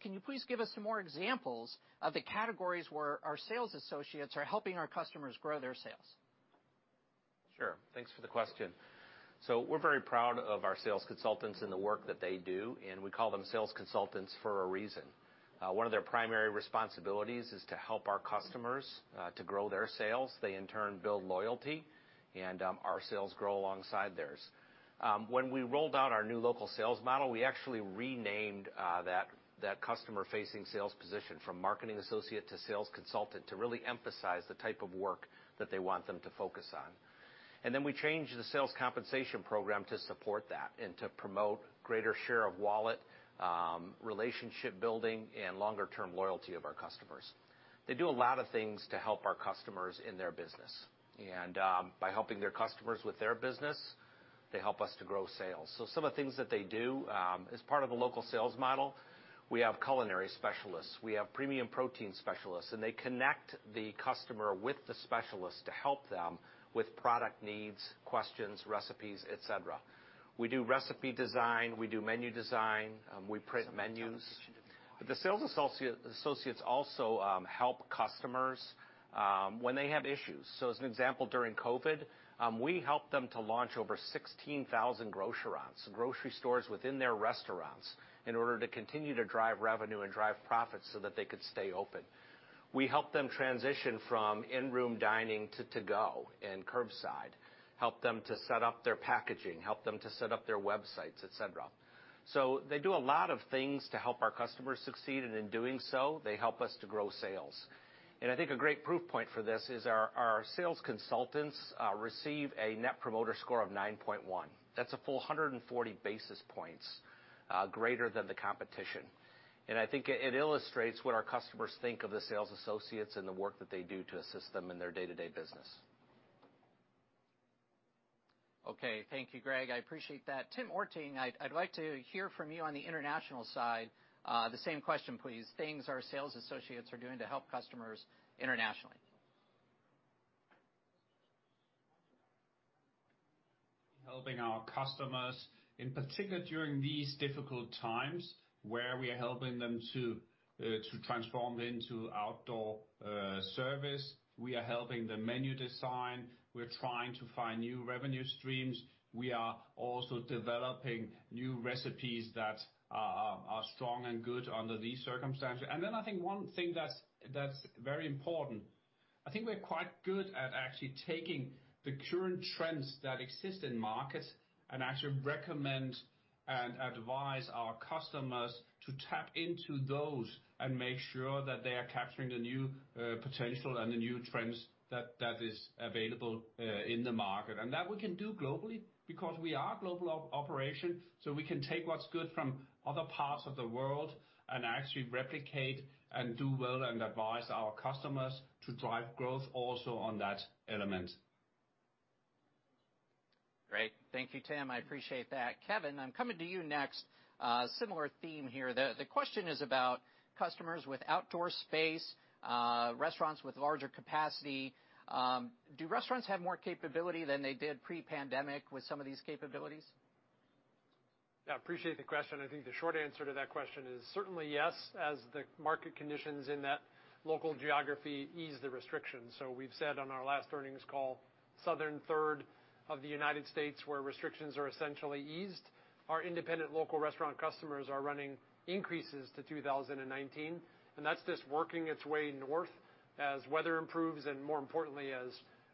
"Can you please give us some more examples of the categories where our sales associates are helping our customers grow their sales? Sure. Thanks for the question. We're very proud of our sales consultants and the work that they do, and we call them sales consultants for a reason. One of their primary responsibilities is to help our customers to grow their sales. They, in turn, build loyalty, and our sales grow alongside theirs. When we rolled out our new local sales model, we actually renamed that customer-facing sales position from marketing associate to sales consultant to really emphasize the type of work that they want them to focus on. We changed the sales compensation program to support that and to promote greater share of wallet, relationship building, and longer-term loyalty of our customers. They do a lot of things to help our customers in their business. By helping their customers with their business, they help us to grow sales. Some of the things that they do as part of a local sales model, we have culinary specialists. We have premium protein specialists, they connect the customer with the specialist to help them with product needs, questions, recipes, et cetera. We do recipe design. We do menu design. We print menus. The sales associates also help customers when they have issues. As an example, during COVID, we helped them to launch over 16,000 grocerants, grocery stores within their restaurants, in order to continue to drive revenue and drive profits so that they could stay open. We helped them transition from in-room dining to to-go and curbside, helped them to set up their packaging, helped them to set up their websites, et cetera. They do a lot of things to help our customers succeed, and in doing so, they help us to grow sales. I think a great proof point for this is our sales consultants receive a Net Promoter Score of 9.1. That's a full 140 basis points greater than the competition. I think it illustrates what our customers think of the sales associates and the work that they do to assist them in their day-to-day business. Okay. Thank you, Greg. I appreciate that. Tim Ørting, I'd like to hear from you on the international side. The same question, please. Things our sales associates are doing to help customers internationally. Helping our customers, in particular during these difficult times, where we are helping them to transform into outdoor service. We are helping the menu design. We're trying to find new revenue streams. We are also developing new recipes that are strong and good under these circumstances. I think one thing that's very important, I think we're quite good at actually taking the current trends that exist in markets and actually recommend and advise our customers to tap into those and make sure that they are capturing the new potential and the new trends that is available in the market. That we can do globally because we are a global operation, so we can take what's good from other parts of the world and actually replicate and do well and advise our customers to drive growth also on that element. Great. Thank you, Tim. I appreciate that. Kevin, I'm coming to you next. Similar theme here. The question is about customers with outdoor space, restaurants with larger capacity. Do restaurants have more capability than they did pre-pandemic with some of these capabilities? Yeah, appreciate the question. I think the short answer to that question is certainly yes, as the market conditions in that local geography ease the restrictions. We've said on our last earnings call, southern third of the U.S., where restrictions are essentially eased, our independent local restaurant customers are running increases to 2019, and that's just working its way north as weather improves and, more importantly, as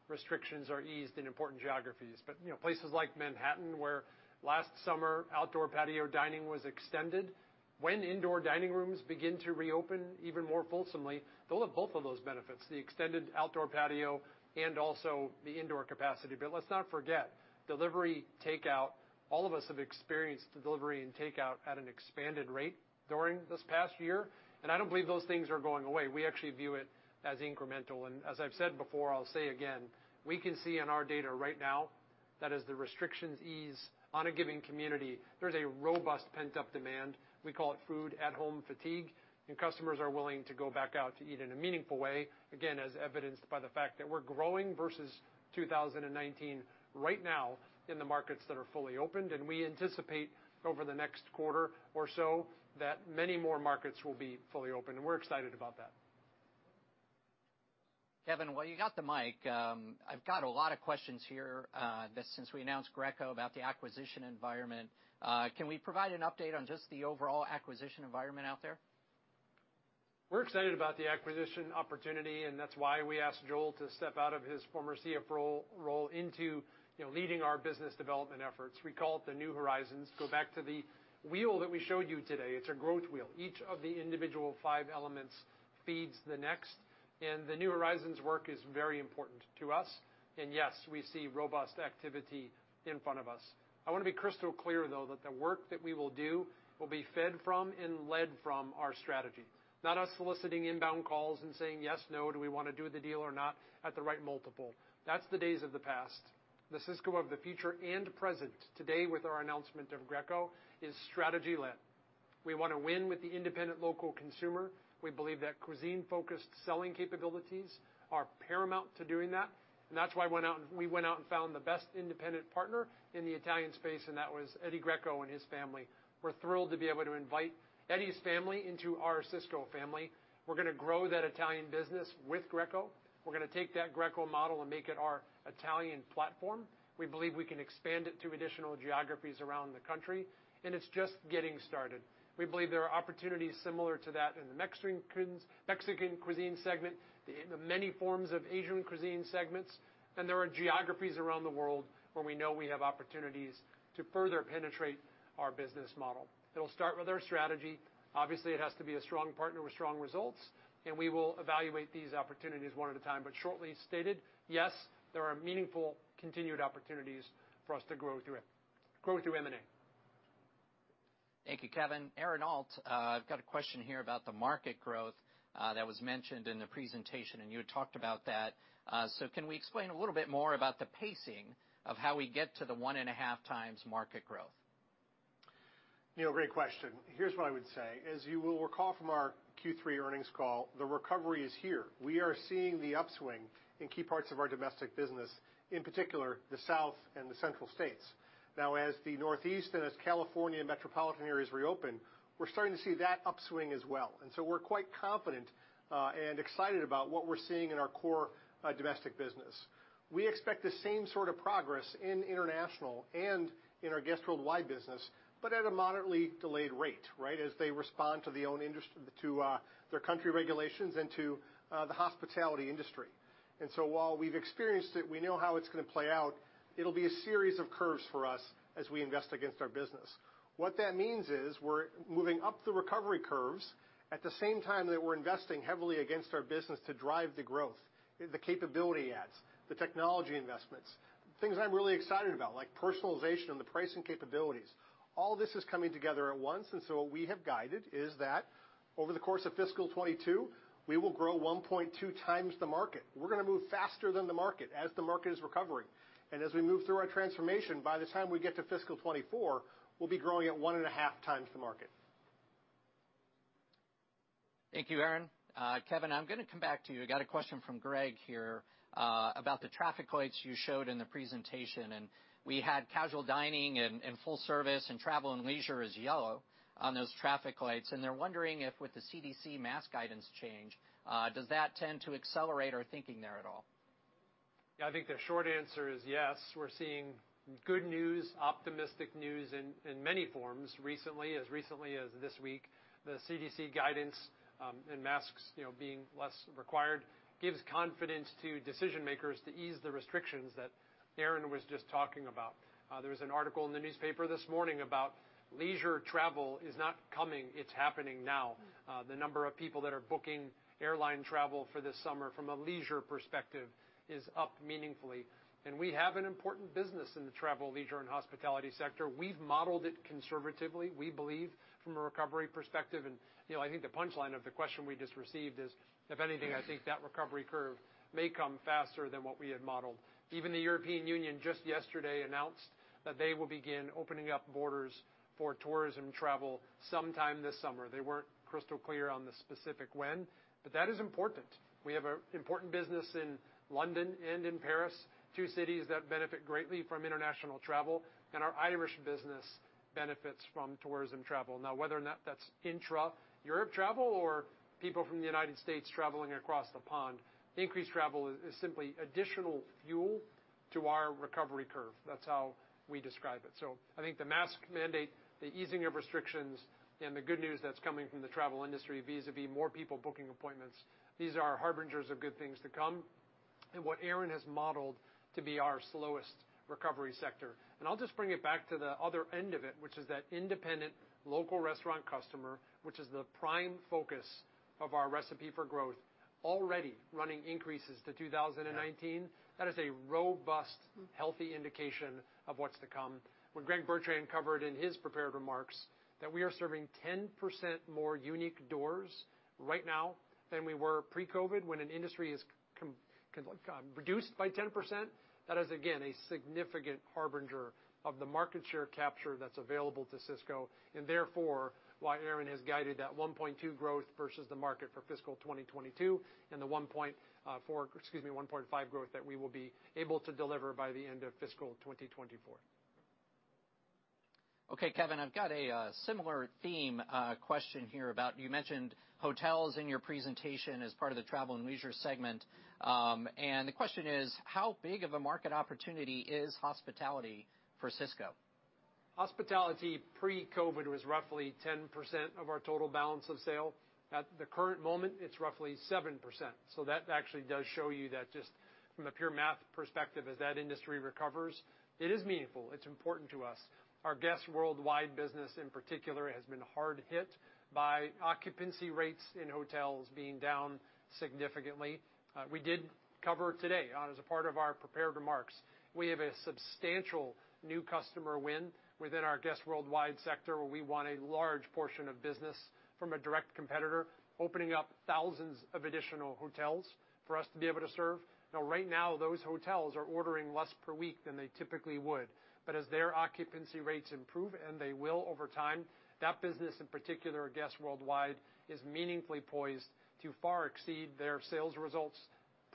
restrictions are eased in important geographies. Places like Manhattan, where last summer, outdoor patio dining was extended, when indoor dining rooms begin to reopen even more fulsomely, they'll have both of those benefits, the extended outdoor patio and also the indoor capacity. Let's not forget, delivery, takeout, all of us have experienced delivery and takeout at an expanded rate during this past year, and I don't believe those things are going away. We actually view it as incremental. As I've said before, I'll say again, we can see in our data right now that as the restrictions ease on a given community, there's a robust pent-up demand. We call it food at home fatigue, customers are willing to go back out to eat in a meaningful way, again, as evidenced by the fact that we're growing versus 2019 right now in the markets that are fully opened. We anticipate over the next quarter or so that many more markets will be fully open, and we're excited about that. Kevin, while you got the mic, I've got a lot of questions here, that since we announced Greco about the acquisition environment. Can we provide an update on just the overall acquisition environment out there? We're excited about the acquisition opportunity, that's why we asked Joel to step out of his former CFO role into leading our business development efforts. We call it the new horizons. Go back to the wheel that we showed you today. It's a growth wheel. Each of the individual five elements feeds the next. The new horizons work is very important to us. Yes, we see robust activity in front of us. I want to be crystal clear, though, that the work that we will do will be fed from and led from our strategy. Not us soliciting inbound calls and saying, "Yes, no, do we want to do the deal or not at the right multiple?" That's the days of the past. The Sysco of the future and present today with our announcement of Greco is strategy led. We want to win with the independent local consumer. We believe that cuisine-focused selling capabilities are paramount to doing that's why we went out and found the best independent partner in the Italian space, and that was Eddie Greco and his family. We're thrilled to be able to invite Eddie's family into our Sysco family. We're going to grow that Italian business with Greco. We're going to take that Greco model and make it our Italian platform. We believe we can expand it to additional geographies around the country. It's just getting started. We believe there are opportunities similar to that in the Mexican cuisine segment, the many forms of Asian cuisine segments. There are geographies around the world where we know we have opportunities to further penetrate our business model. It'll start with our strategy. Obviously, it has to be a strong partner with strong results. We will evaluate these opportunities one at a time. Shortly stated, yes, there are meaningful continued opportunities for us to grow through M&A. Thank you, Kevin. Aaron Alt, I've got a question here about the market growth that was mentioned in the presentation, and you had talked about that. Can we explain a little bit more about the pacing of how we get to the 1.5 times market growth? Neil, great question. Here's what I would say. As you will recall from our Q3 earnings call, the recovery is here. We are seeing the upswing in key parts of our domestic business, in particular, the South and the Central states. As the Northeast and as California metropolitan areas reopen, we're starting to see that upswing as well. We're quite confident and excited about what we're seeing in our core domestic business. We expect the same sort of progress in international and in our Guest Worldwide business, but at a moderately delayed rate, right? As they respond to their country regulations and to the hospitality industry. While we've experienced it, we know how it's going to play out. It'll be a series of curves for us as we invest against our business. What that means is we're moving up the recovery curves at the same time that we're investing heavily against our business to drive the growth, the capability adds, the technology investments, things I'm really excited about, like personalization and the pricing capabilities. All this is coming together at once. What we have guided is that over the course of fiscal 2022, we will grow 1.2 times the market. We're going to move faster than the market as the market is recovering. As we move through our transformation, by the time we get to fiscal 2024, we'll be growing at 1.5 times the market. Thank you, Aaron. Kevin, I'm going to come back to you. Got a question from Greg here about the traffic lights you showed in the presentation. We had casual dining and full service and travel and leisure as yellow on those traffic lights, and they're wondering if with the CDC mask guidance change, does that tend to accelerate our thinking there at all? Yeah, I think the short answer is yes. We're seeing good news, optimistic news in many forms recently, as recently as this week. The CDC guidance and masks being less required gives confidence to decision-makers to ease the restrictions that Aaron was just talking about. There was an article in the newspaper this morning about leisure travel is not coming, it's happening now. The number of people that are booking airline travel for this summer from a leisure perspective is up meaningfully. We have an important business in the travel, leisure, and hospitality sector. We've modeled it conservatively, we believe, from a recovery perspective. I think the punchline of the question we just received is, if anything, I think that recovery curve may come faster than what we had modeled. Even the European Union just yesterday announced that they will begin opening up borders for tourism travel sometime this summer. They weren't crystal clear on the specific when, that is important. We have an important business in London and in Paris, two cities that benefit greatly from international travel, and our Irish business benefits from tourism travel. Now, whether or not that's intra-Europe travel or people from the U.S. traveling across the pond, increased travel is simply additional fuel to our recovery curve. That's how we describe it. I think the mask mandate, the easing of restrictions, and the good news that's coming from the travel industry, vis-a-vis more people booking appointments, these are harbingers of good things to come in what Aaron has modeled to be our slowest recovery sector. I'll just bring it back to the other end of it, which is that independent local restaurant customer, which is the prime focus of our recipe for growth, already running increases to 2019. That is a robust, healthy indication of what's to come. What Greg Bertrand covered in his prepared remarks, that we are serving 10% more unique doors right now than we were pre-COVID. When an industry is reduced by 10%, that is, again, a significant harbinger of the market share capture that's available to Sysco. Therefore, why Aaron has guided that 1.2 growth versus the market for fiscal 2022, and the 1.5 growth that we will be able to deliver by the end of fiscal 2024. Okay, Kevin, I've got a similar theme question here about, you mentioned hotels in your presentation as part of the travel and leisure segment. The question is, how big of a market opportunity is hospitality for Sysco? Hospitality pre-COVID was roughly 10% of our total balance of sale. At the current moment, it's roughly 7%. That actually does show you that just from the pure math perspective, as that industry recovers, it is meaningful. It's important to us. Our Guest Worldwide business, in particular, has been hard hit by occupancy rates in hotels being down significantly. We did cover today, as a part of our prepared remarks, we have a substantial new customer win within our Guest Worldwide sector, where we won a large portion of business from a direct competitor, opening up thousands of additional hotels for us to be able to serve. Right now, those hotels are ordering less per week than they typically would. As their occupancy rates improve, and they will over time, that business, in particular, Guest Worldwide, is meaningfully poised to far exceed their sales results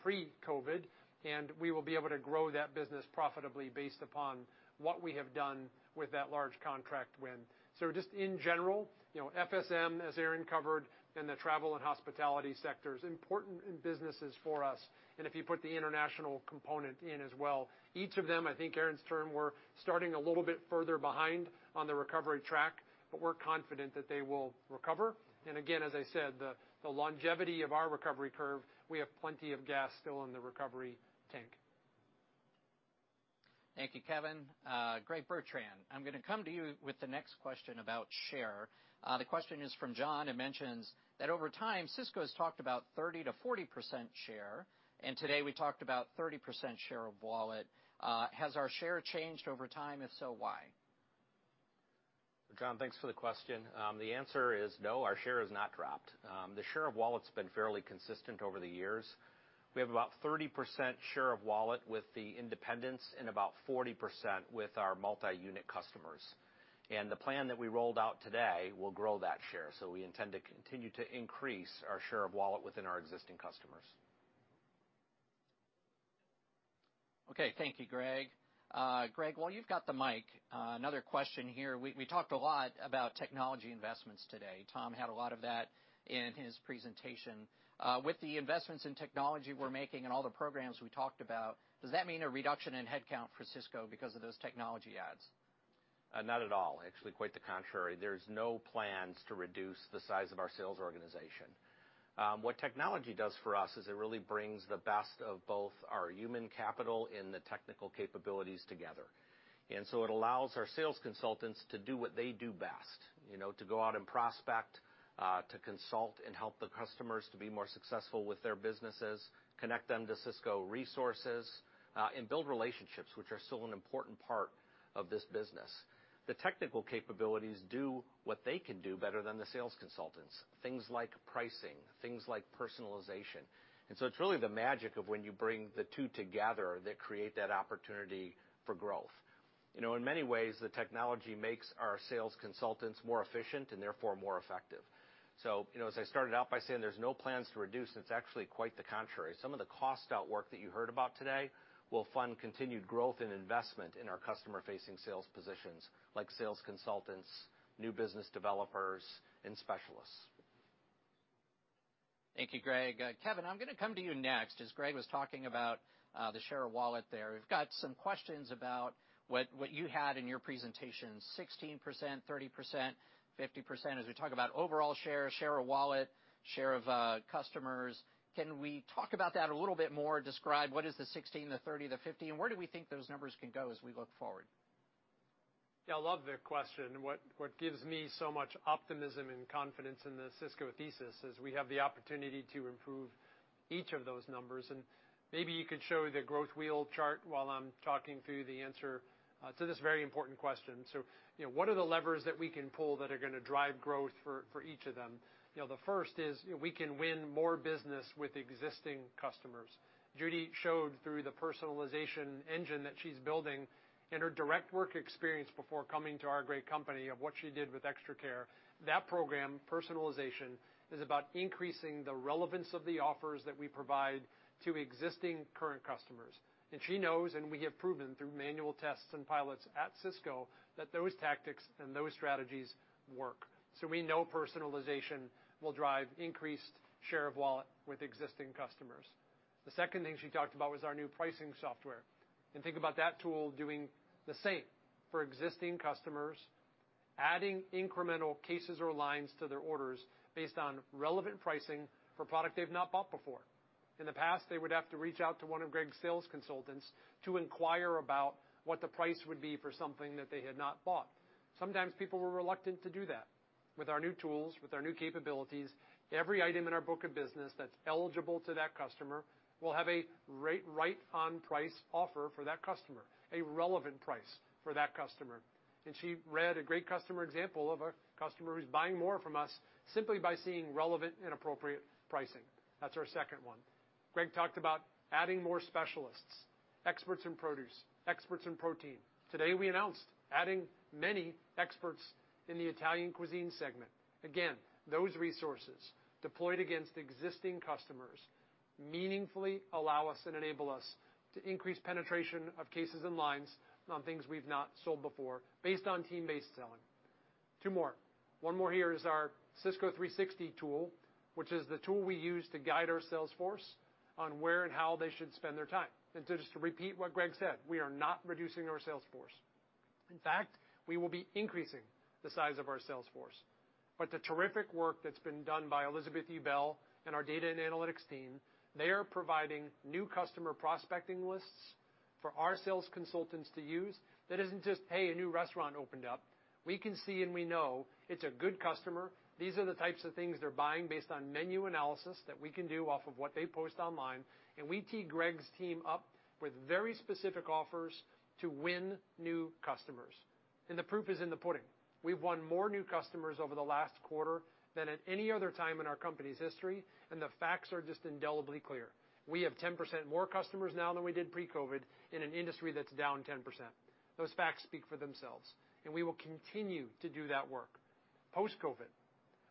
pre-COVID, and we will be able to grow that business profitably based upon what we have done with that large contract win. Just in general, FSM, as Aaron covered, and the travel and hospitality sectors, important in businesses for us, and if you put the international component in as well. Each of them, I think Aaron's term, we're starting a little bit further behind on the recovery track, but we're confident that they will recover. And again, as I said, the longevity of our recovery curve, we have plenty of gas still in the recovery tank. Thank you, Kevin. Greg Bertrand, I'm going to come to you with the next question about share. The question is from John, who mentions that over time, Sysco's talked about 30%-40% share, and today we talked about 30% share of wallet. Has our share changed over time? If so, why? John, thanks for the question. The answer is no, our share has not dropped. The share of wallet's been fairly consistent over the years. We have about 30% share of wallet with the independents and about 40% with our multi-unit customers. We intend to continue to increase our share of wallet within our existing customers. Thank you, Greg. Greg, while you've got the mic, another question here. We talked a lot about technology investments today. Tom had a lot of that in his presentation. With the investments in technology we're making and all the programs we talked about, does that mean a reduction in headcount for Sysco because of those technology adds? Not at all. Actually, quite the contrary. There's no plans to reduce the size of our sales organization. What technology does for us is it really brings the best of both our human capital and the technical capabilities together. It allows our sales consultants to do what they do best. To go out and prospect, to consult, and help the customers to be more successful with their businesses, connect them to Sysco resources, and build relationships, which are still an important part of this business. The technical capabilities do what they can do better than the sales consultants, things like pricing, things like personalization. It's really the magic of when you bring the two together that create that opportunity for growth. In many ways, the technology makes our sales consultants more efficient and therefore more effective. As I started out by saying, there's no plans to reduce, and it's actually quite the contrary. Some of the cost outwork that you heard about today will fund continued growth and investment in our customer-facing sales positions, like sales consultants, new business developers, and specialists. Thank you, Greg. Kevin, I'm going to come to you next. Greg was talking about the share of wallet there, we've got some questions about what you had in your presentation, 16%, 30%, 50%, as we talk about overall share of wallet, share of customers. Can we talk about that a little bit more? Describe what is the 16, the 30, the 50, and where do we think those numbers can go as we look forward? I love the question. What gives me so much optimism and confidence in the Sysco thesis is we have the opportunity to improve each of those numbers. Maybe you could show the growth wheel chart while I'm talking through the answer to this very important question. What are the levers that we can pull that are going to drive growth for each of them? The first is we can win more business with existing customers. Judy showed through the personalization engine that she's building and her direct work experience before coming to our great company of what she did with ExtraCare. That program, personalization, is about increasing the relevance of the offers that we provide to existing current customers. She knows, and we have proven through manual tests and pilots at Sysco, that those tactics and those strategies work. We know personalization will drive increased share of wallet with existing customers. The second thing she talked about was our new pricing software. Think about that tool doing the same for existing customers, adding incremental cases or lines to their orders based on relevant pricing for product they've not bought before. In the past, they would have to reach out to one of Greg's sales consultants to inquire about what the price would be for something that they had not bought. Sometimes people were reluctant to do that. With our new tools, with our new capabilities, every item in our book of business that's eligible to that customer will have a right on price offer for that customer, a relevant price for that customer. She read a great customer example of a customer who's buying more from us simply by seeing relevant and appropriate pricing. That's our second one. Greg talked about adding more specialists, experts in produce, experts in protein. Today, we announced adding many experts in the Italian cuisine segment. Again, those resources deployed against existing customers meaningfully allow us and enable us to increase penetration of cases and lines on things we've not sold before based on team-based selling. Two more. One more here is our Sysco360 tool, which is the tool we use to guide our sales force on where and how they should spend their time. Just to repeat what Greg said, we are not reducing our sales force. In fact, we will be increasing the size of our sales force. The terrific work that's been done by Elizabeth Ebel and our data and analytics team, they are providing new customer prospecting lists for our sales consultants to use that isn't just, "Hey, a new restaurant opened up." We can see and we know it's a good customer. These are the types of things they're buying based on menu analysis that we can do off of what they post online, and we tee Greg's team up with very specific offers to win new customers. The proof is in the pudding. We've won more new customers over the last quarter than at any other time in our company's history. The facts are just indelibly clear. We have 10% more customers now than we did pre-COVID in an industry that's down 10%. Those facts speak for themselves, and we will continue to do that work post-COVID.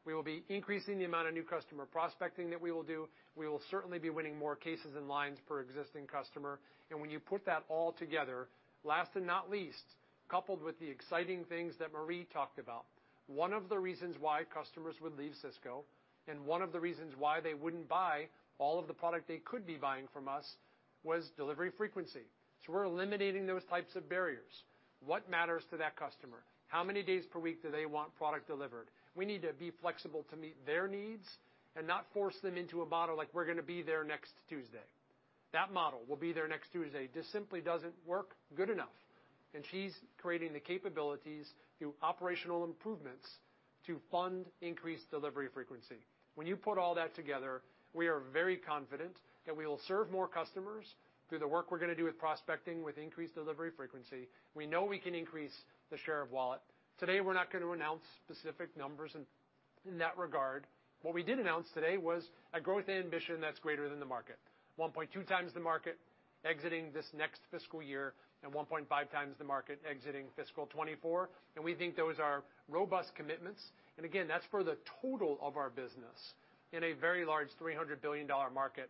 We will be increasing the amount of new customer prospecting that we will do. We will certainly be winning more cases and lines per existing customer. When you put that all together, last and not least, coupled with the exciting things that Marie talked about, one of the reasons why customers would leave Sysco, and one of the reasons why they wouldn't buy all of the product they could be buying from us was delivery frequency. We're eliminating those types of barriers. What matters to that customer? How many days per week do they want product delivered? We need to be flexible to meet their needs and not force them into a model like we're going to be there next Tuesday. That model, we'll be there next Tuesday, just simply doesn't work good enough. She's creating the capabilities through operational improvements to fund increased delivery frequency. When you put all that together, we are very confident that we will serve more customers through the work we're going to do with prospecting, with increased delivery frequency. We know we can increase the share of wallet. Today, we're not going to announce specific numbers in that regard. What we did announce today was a growth ambition that's greater than the market, 1.2 times the market exiting this next fiscal year and 1.5 times the market exiting fiscal 2024. We think those are robust commitments. Again, that's for the total of our business in a very large $300 billion market.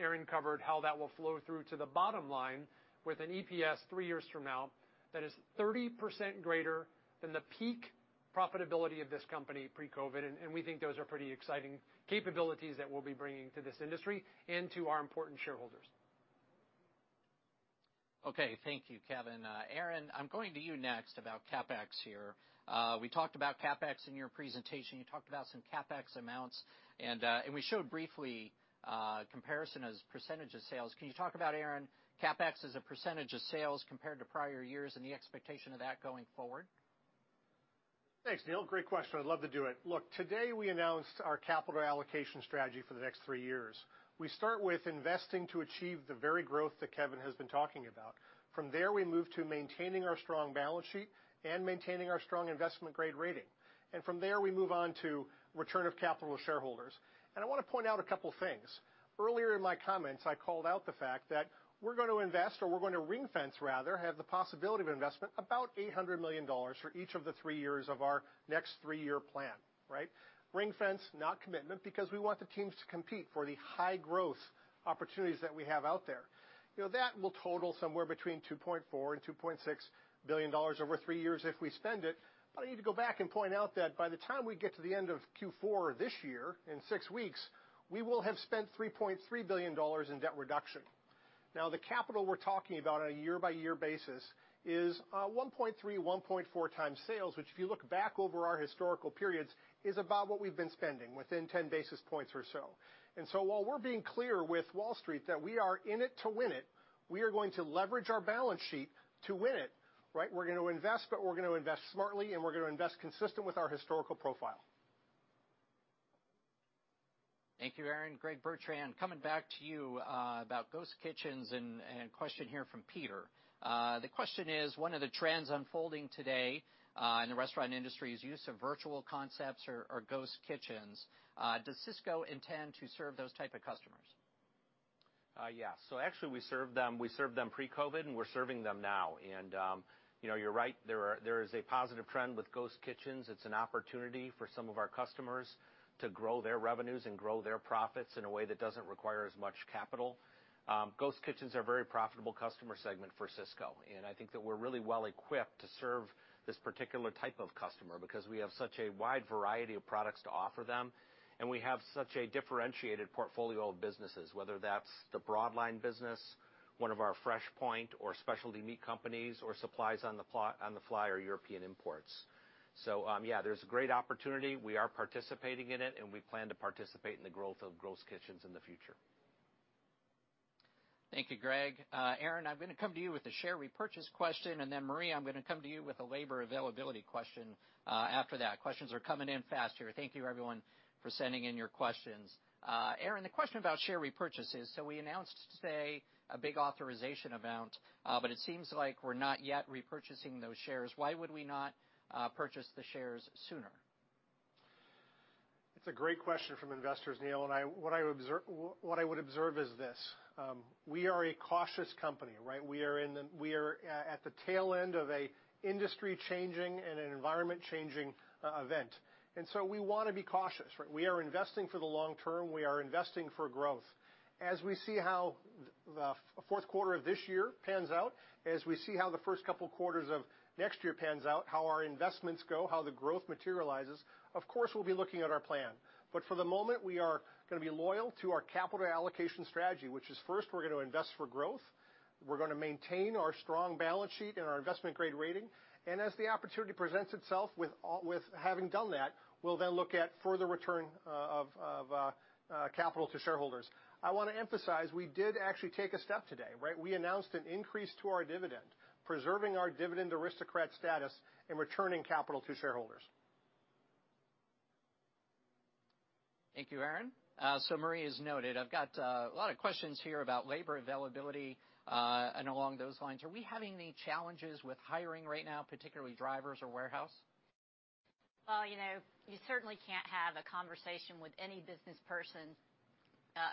Aaron covered how that will flow through to the bottom line with an EPS three years from now that is 30% greater than the peak profitability of this company pre-COVID. We think those are pretty exciting capabilities that we'll be bringing to this industry and to our important shareholders. Okay. Thank you, Kevin. Aaron, I'm going to you next about CapEx here. We talked about CapEx in your presentation. You talked about some CapEx amounts, and we showed briefly comparison as percentage of sales. Can you talk about, Aaron, CapEx as a percentage of sales compared to prior years and the expectation of that going forward? Thanks, Neil. Great question. I'd love to do it. Today we announced our capital allocation strategy for the next three years. We start with investing to achieve the very growth that Kevin has been talking about. From there, we move to maintaining our strong balance sheet and maintaining our strong investment-grade rating. From there, we move on to return of capital to shareholders. I want to point out a couple things. Earlier in my comments, I called out the fact that we are going to invest, or we are going to ring-fence, rather, have the possibility of investment, about $800 million for each of the three years of our next three-year plan. Ring-fence, not commitment, because we want the teams to compete for the high-growth opportunities that we have out there. That will total somewhere between $2.4 billion-$2.6 billion over three years if we spend it. I need to go back and point out that by the time we get to the end of Q4 this year, in six weeks, we will have spent $3.3 billion in debt reduction. The capital we are talking about on a year-by-year basis is 1.3, 1.4 times sales, which, if you look back over our historical periods, is about what we have been spending, within 10 basis points or so. While we are being clear with Wall Street that we are in it to win it, we are going to leverage our balance sheet to win it. We are going to invest, but we are going to invest smartly, and we are going to invest consistent with our historical profile. Thank you, Aaron. Greg Bertrand, coming back to you, about ghost kitchens and a question here from Peter. The question is, one of the trends unfolding today in the restaurant industry is use of virtual concepts or ghost kitchens. Does Sysco intend to serve those type of customers? Yes. Actually, we served them pre-COVID, and we are serving them now. You are right, there is a positive trend with ghost kitchens. It is an opportunity for some of our customers to grow their revenues and grow their profits in a way that does not require as much capital. Ghost kitchens are a very profitable customer segment for Sysco, and I think that we are really well-equipped to serve this particular type of customer, because we have such a wide variety of products to offer them, and we have such a differentiated portfolio of businesses, whether that is the broad line business, one of our FreshPoint or specialty meat companies, or Supplies on the Fly or European Imports. Yeah, there is a great opportunity. We are participating in it, and we plan to participate in the growth of ghost kitchens in the future. Thank you, Greg. Aaron, I'm going to come to you with a share repurchase question, and then Marie, I'm going to come to you with a labor availability question after that. Questions are coming in fast here. Thank you, everyone, for sending in your questions. Aaron, the question about share repurchases. We announced today a big authorization amount, but it seems like we're not yet repurchasing those shares. Why would we not purchase the shares sooner? It's a great question from investors, Neil. What I would observe is this. We are a cautious company. We are at the tail end of an industry-changing and an environment-changing event. We want to be cautious. We are investing for the long term. We are investing for growth. As we see how the fourth quarter of this year pans out, as we see how the first couple quarters of next year pans out, how our investments go, how the growth materializes, of course, we'll be looking at our plan. For the moment, we are going to be loyal to our capital allocation strategy, which is first, we're going to invest for growth. We're going to maintain our strong balance sheet and our investment-grade rating. As the opportunity presents itself with having done that, we'll then look at further return of capital to shareholders. I want to emphasize, we did actually take a step today. We announced an increase to our dividend, preserving our Dividend Aristocrat status and returning capital to shareholders. Thank you, Aaron. Marie, as noted, I've got a lot of questions here about labor availability, and along those lines. Are we having any challenges with hiring right now, particularly drivers or warehouse? Well, you certainly can't have a conversation with any business person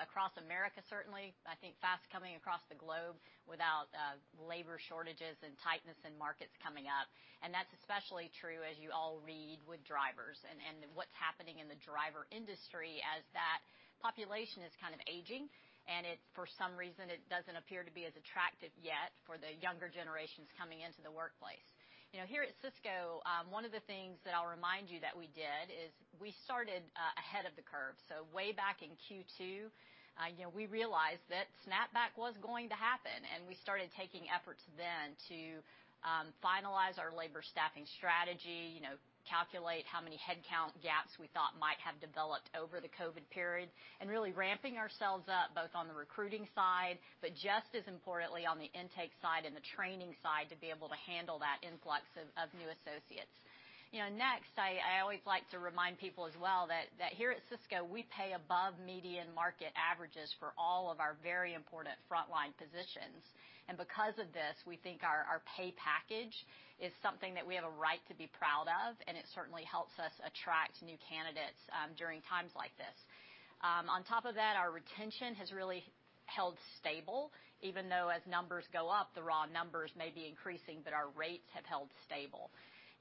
across the U.S., certainly, I think fast coming across the globe, without labor shortages and tightness in markets coming up. That's especially true, as you all read, with drivers and what's happening in the driver industry as that population is kind of aging, and for some reason, it doesn't appear to be as attractive yet for the younger generations coming into the workplace. Here at Sysco, one of the things that I'll remind you that we did is we started ahead of the curve. Way back in Q2, we realized that snap-back was going to happen, and we started taking efforts then to finalize our labor staffing strategy, calculate how many headcount gaps we thought might have developed over the COVID period, and really ramping ourselves up, both on the recruiting side, but just as importantly on the intake side and the training side to be able to handle that influx of new associates. Next, I always like to remind people as well that here at Sysco, we pay above median market averages for all of our very important frontline positions. Because of this, we think our pay package is something that we have a right to be proud of, and it certainly helps us attract new candidates during times like this. On top of that, our retention has really held stable, even though as numbers go up, the raw numbers may be increasing, but our rates have held stable.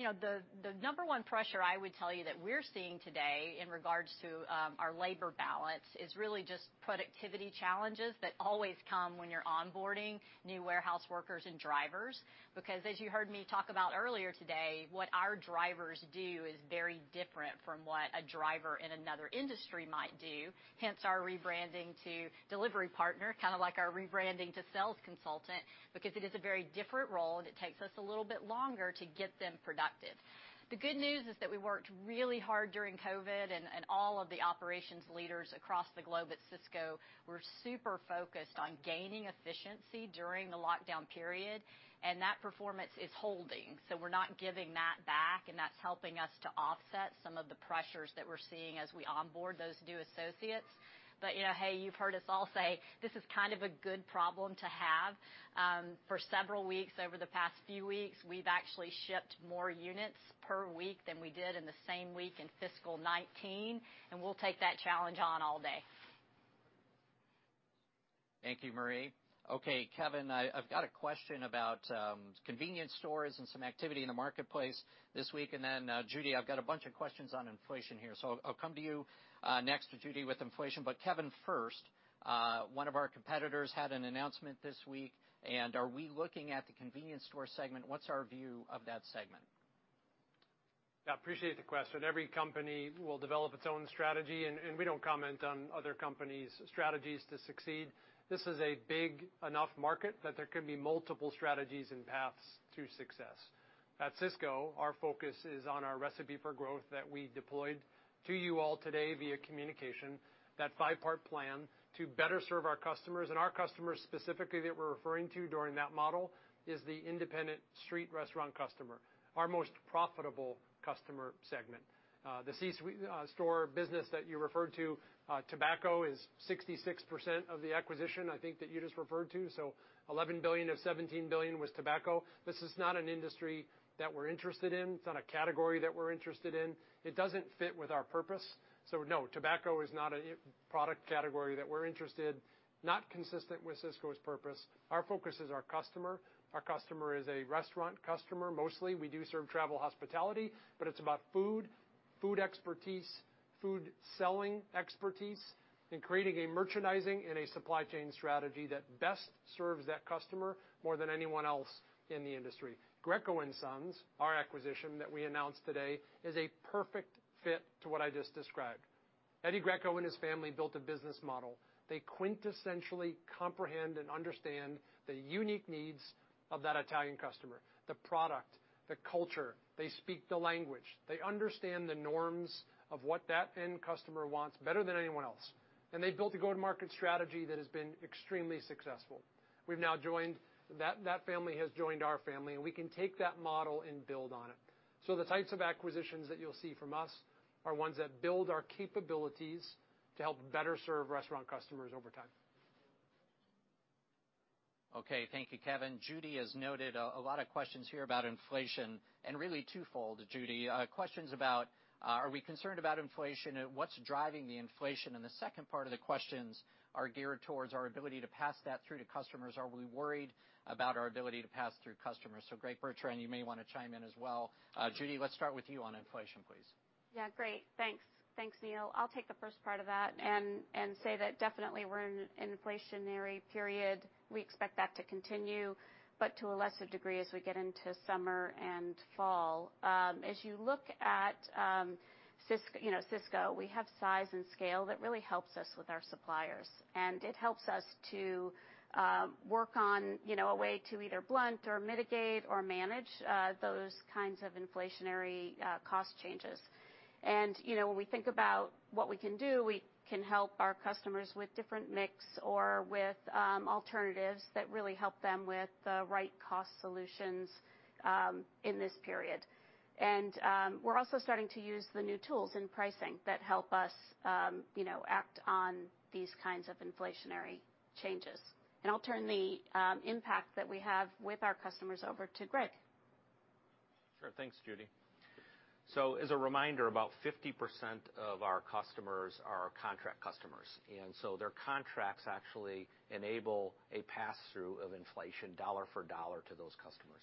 The number one pressure I would tell you that we're seeing today in regards to our labor balance is really just productivity challenges that always come when you're onboarding new warehouse workers and drivers. As you heard me talk about earlier today, what our drivers do is very different from what a driver in another industry might do, hence our rebranding to delivery partner, kind of like our rebranding to sales consultant, because it is a very different role, and it takes us a little bit longer to get them productive. The good news is that we worked really hard during COVID, and all of the operations leaders across the globe at Sysco were super focused on gaining efficiency during the lockdown period, and that performance is holding. We're not giving that back, and that's helping us to offset some of the pressures that we're seeing as we onboard those new associates. Hey, you've heard us all say, this is kind of a good problem to have. For several weeks, over the past few weeks, we've actually shipped more units per week than we did in the same week in fiscal 2019, and we'll take that challenge on all day. Thank you, Marie. Okay, Kevin, I've got a question about convenience stores and some activity in the marketplace this week. Judy, I've got a bunch of questions on inflation here. I'll come to you next, Judy, with inflation. Kevin first, one of our competitors had an announcement this week, and are we looking at the convenience store segment? What's our view of that segment? Yeah, appreciate the question. Every company will develop its own strategy, and we don't comment on other companies' strategies to succeed. This is a big enough market that there can be multiple strategies and paths to success. At Sysco, our focus is on our recipe for growth that we deployed to you all today via communication. That five-part plan to better serve our customers, and our customers specifically that we're referring to during that model is the independent street restaurant customer, our most profitable customer segment. The c-store business that you referred to, tobacco is 66% of the acquisition, I think, that you just referred to. $11 billion of $17 billion was tobacco. This is not an industry that we're interested in. It's not a category that we're interested in. It doesn't fit with our purpose. No, tobacco is not a product category that we're interested, not consistent with Sysco's purpose. Our focus is our customer. Our customer is a restaurant customer, mostly. We do serve travel hospitality, but it's about food expertise, food selling expertise, and creating a merchandising and a supply chain strategy that best serves that customer more than anyone else in the industry. Greco and Sons, our acquisition that we announced today, is a perfect fit to what I just described. Eddie Greco and his family built a business model. They quintessentially comprehend and understand the unique needs of that Italian customer, the product, the culture. They speak the language. They understand the norms of what that end customer wants better than anyone else. They built a go-to-market strategy that has been extremely successful. That family has joined our family, and we can take that model and build on it. The types of acquisitions that you'll see from us are ones that build our capabilities to help better serve restaurant customers over time. Okay. Thank you, Kevin. Judy has noted a lot of questions here about inflation and really twofold, Judy. Questions about, are we concerned about inflation? What's driving the inflation? The second part of the questions are geared towards our ability to pass that through to customers. Are we worried about our ability to pass through customers? Greg Bertrand, you may want to chime in as well. Judy, let's start with you on inflation, please. Yeah, great. Thanks, Neil. I'll take the first part of that and say that definitely we're in an inflationary period. We expect that to continue, but to a lesser degree as we get into summer and fall. As you look at Sysco, we have size and scale that really helps us with our suppliers. It helps us to work on a way to either blunt or mitigate or manage those kinds of inflationary cost changes. When we think about what we can do, we can help our customers with different mix or with alternatives that really help them with the right cost solutions in this period. We're also starting to use the new tools in pricing that help us act on these kinds of inflationary changes. I'll turn the impact that we have with our customers over to Greg. Sure. Thanks, Judy. As a reminder, about 50% of our customers are our contract customers, and so their contracts actually enable a pass-through of inflation dollar for dollar to those customers.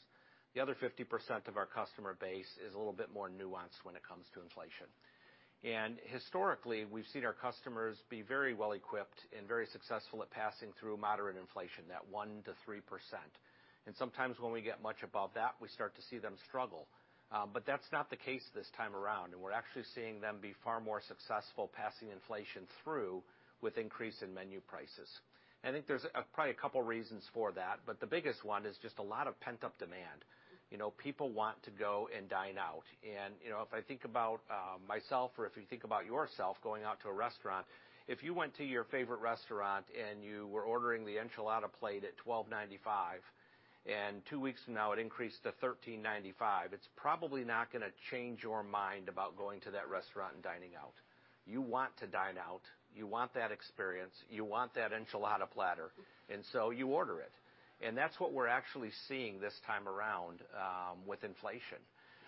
The other 50% of our customer base is a little bit more nuanced when it comes to inflation. Historically, we've seen our customers be very well-equipped and very successful at passing through moderate inflation, that 1%-3%. Sometimes when we get much above that, we start to see them struggle. That's not the case this time around, and we're actually seeing them be far more successful passing inflation through with increase in menu prices. I think there's probably a couple reasons for that, but the biggest one is just a lot of pent-up demand. People want to go and dine out. If I think about myself or if you think about yourself going out to a restaurant, if you went to your favorite restaurant and you were ordering the enchilada plate at $12.95, and two weeks from now it increased to $13.95, it's probably not going to change your mind about going to that restaurant and dining out. You want to dine out. You want that experience. You want that enchilada platter, and so you order it. That's what we're actually seeing this time around with inflation.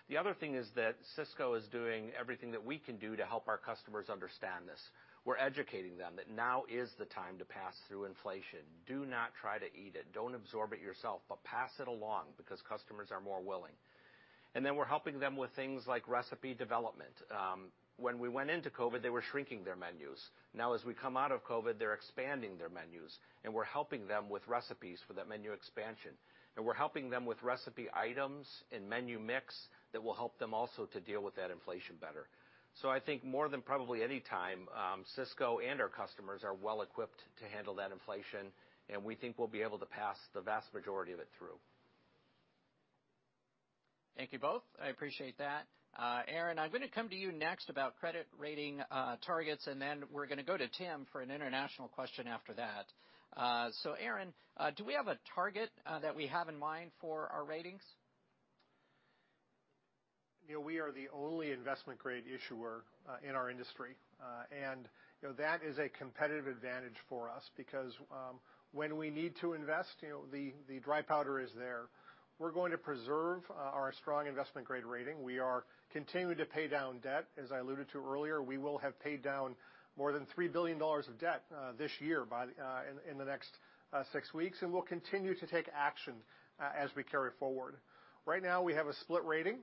The other thing is that Sysco is doing everything that we can do to help our customers understand this. We're educating them that now is the time to pass through inflation. Do not try to eat it. Don't absorb it yourself, but pass it along because customers are more willing. Then we're helping them with things like recipe development. When we went into COVID, they were shrinking their menus. Now, as we come out of COVID, they're expanding their menus, and we're helping them with recipes for that menu expansion. We're helping them with recipe items and menu mix that will help them also to deal with that inflation better. I think more than probably any time, Sysco and our customers are well-equipped to handle that inflation, and we think we'll be able to pass the vast majority of it through. Thank you both. I appreciate that. Aaron, I'm going to come to you next about credit rating targets, and then we're going to go to Tim for an international question after that. Aaron, do we have a target that we have in mind for our ratings? We are the only investment-grade issuer in our industry. That is a competitive advantage for us because when we need to invest, the dry powder is there. We're going to preserve our strong investment-grade rating. We are continuing to pay down debt. As I alluded to earlier, we will have paid down more than $3 billion of debt this year in the next six weeks. We'll continue to take action as we carry forward. Right now, we have a split rating.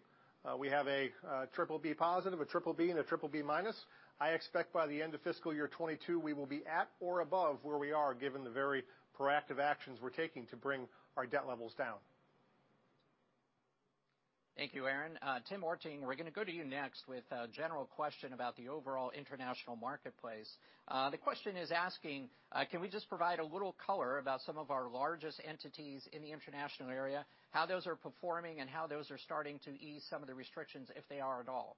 We have a triple B positive, a triple B, and a triple B minus. I expect by the end of fiscal year 2022, we will be at or above where we are, given the very proactive actions we're taking to bring our debt levels down. Thank you, Aaron. Tim Ørting, we're going to go to you next with a general question about the overall international marketplace. The question is asking, can we just provide a little color about some of our largest entities in the international area, how those are performing, and how those are starting to ease some of the restrictions, if they are at all?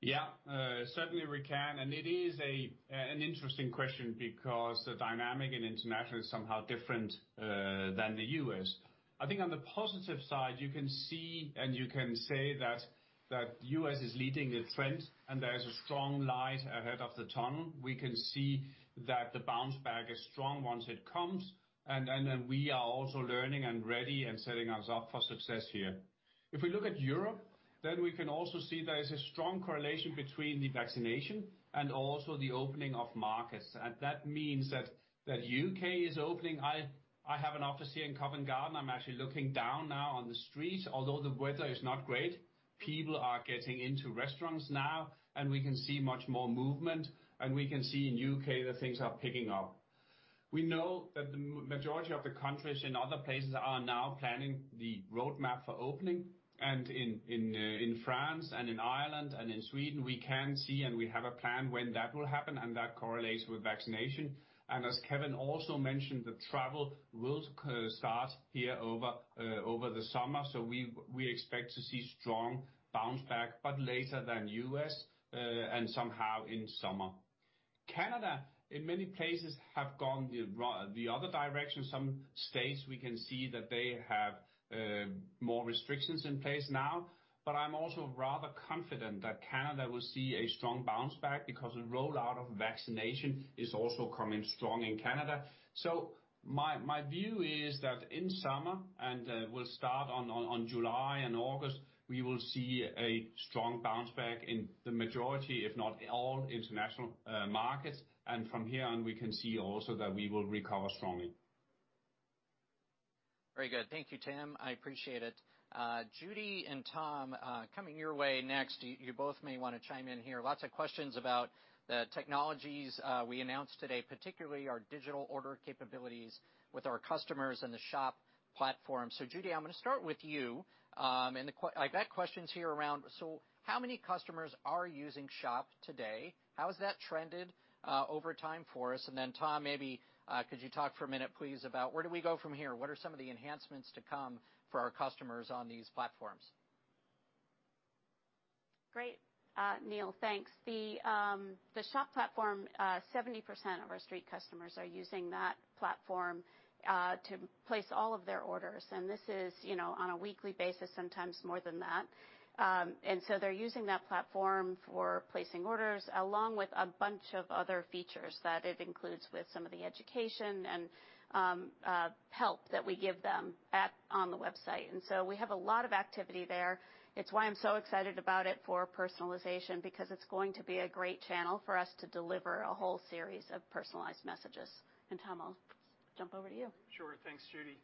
Yeah. Certainly, we can. It is an interesting question because the dynamic in international is somehow different than the U.S. I think on the positive side, you can see and you can say that U.S. is leading the trend and there is a strong light ahead of the tunnel. We can see that the bounce back is strong once it comes, we are also learning and ready and setting ourselves up for success here. If we look at Europe, we can also see there is a strong correlation between the vaccination and also the opening of markets. That means that U.K. is opening. I have an office here in Covent Garden. I'm actually looking down now on the street. Although the weather is not great, people are getting into restaurants now, we can see much more movement, and we can see in U.K. that things are picking up. We know that the majority of the countries in other places are now planning the roadmap for opening. In France and in Ireland and in Sweden, we can see and we have a plan when that will happen, and that correlates with vaccination. As Kevin also mentioned, the travel will start here over the summer. We expect to see strong bounce back, but later than U.S., and somehow in summer. Canada, in many places, have gone the other direction. Some states we can see that they have more restrictions in place now, I'm also rather confident that Canada will see a strong bounce back because the rollout of vaccination is also coming strong in Canada. My view is that in summer, we'll start on July and August, we will see a strong bounce back in the majority, if not all international markets. From here on, we can see also that we will recover strongly. Very good. Thank you, Tim. I appreciate it. Judy and Tom, coming your way next. You both may want to chime in here. Lots of questions about the technologies we announced today, particularly our digital order capabilities with our customers and the Sysco Shop platform. Judy, I'm going to start with you. I've got questions here around, how many customers are using Sysco Shop today? How has that trended over time for us? Tom, maybe could you talk for a minute, please, about where do we go from here? What are some of the enhancements to come for our customers on these platforms? Great. Neil, thanks. The Sysco Shop platform, 70% of our street customers are using that platform to place all of their orders, and this is on a weekly basis, sometimes more than that. They're using that platform for placing orders, along with a bunch of other features that it includes with some of the education and help that we give them on the website. We have a lot of activity there. It's why I'm so excited about it for personalization because it's going to be a great channel for us to deliver a whole series of personalized messages. Tom, I'll jump over to you. Sure. Thanks, Judy.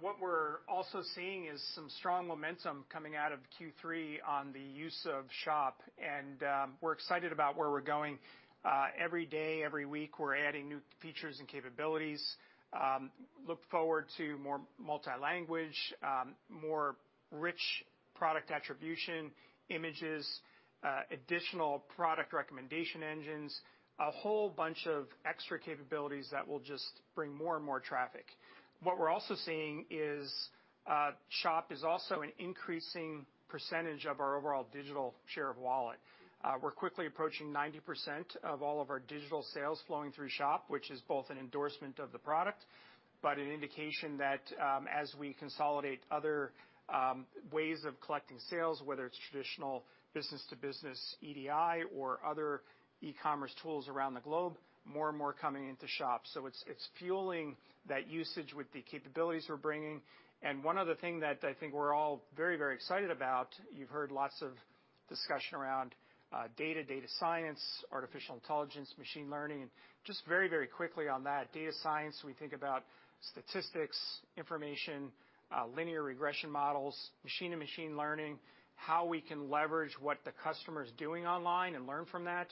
What we're also seeing is some strong momentum coming out of Q3 on the use of Shop, and we're excited about where we're going. Every day, every week, we're adding new features and capabilities. Look forward to more multi-language, more rich product attribution, images, additional product recommendation engines, a whole bunch of extra capabilities that will just bring more and more traffic. What we're also seeing is SHOP is also an increasing percentage of our overall digital share of wallet. We're quickly approaching 90% of all of our digital sales flowing through SHOP, which is both an endorsement of the product, but an indication that as we consolidate other ways of collecting sales, whether it's traditional business-to-business EDI or other e-commerce tools around the globe, more and more coming into SHOP. It's fueling that usage with the capabilities we're bringing. One other thing that I think we're all very excited about, you've heard lots of discussion around data science, artificial intelligence, machine learning, and just very quickly on that, data science, we think about statistics, information, linear regression models, machine and machine learning, how we can leverage what the customer's doing online and learn from that.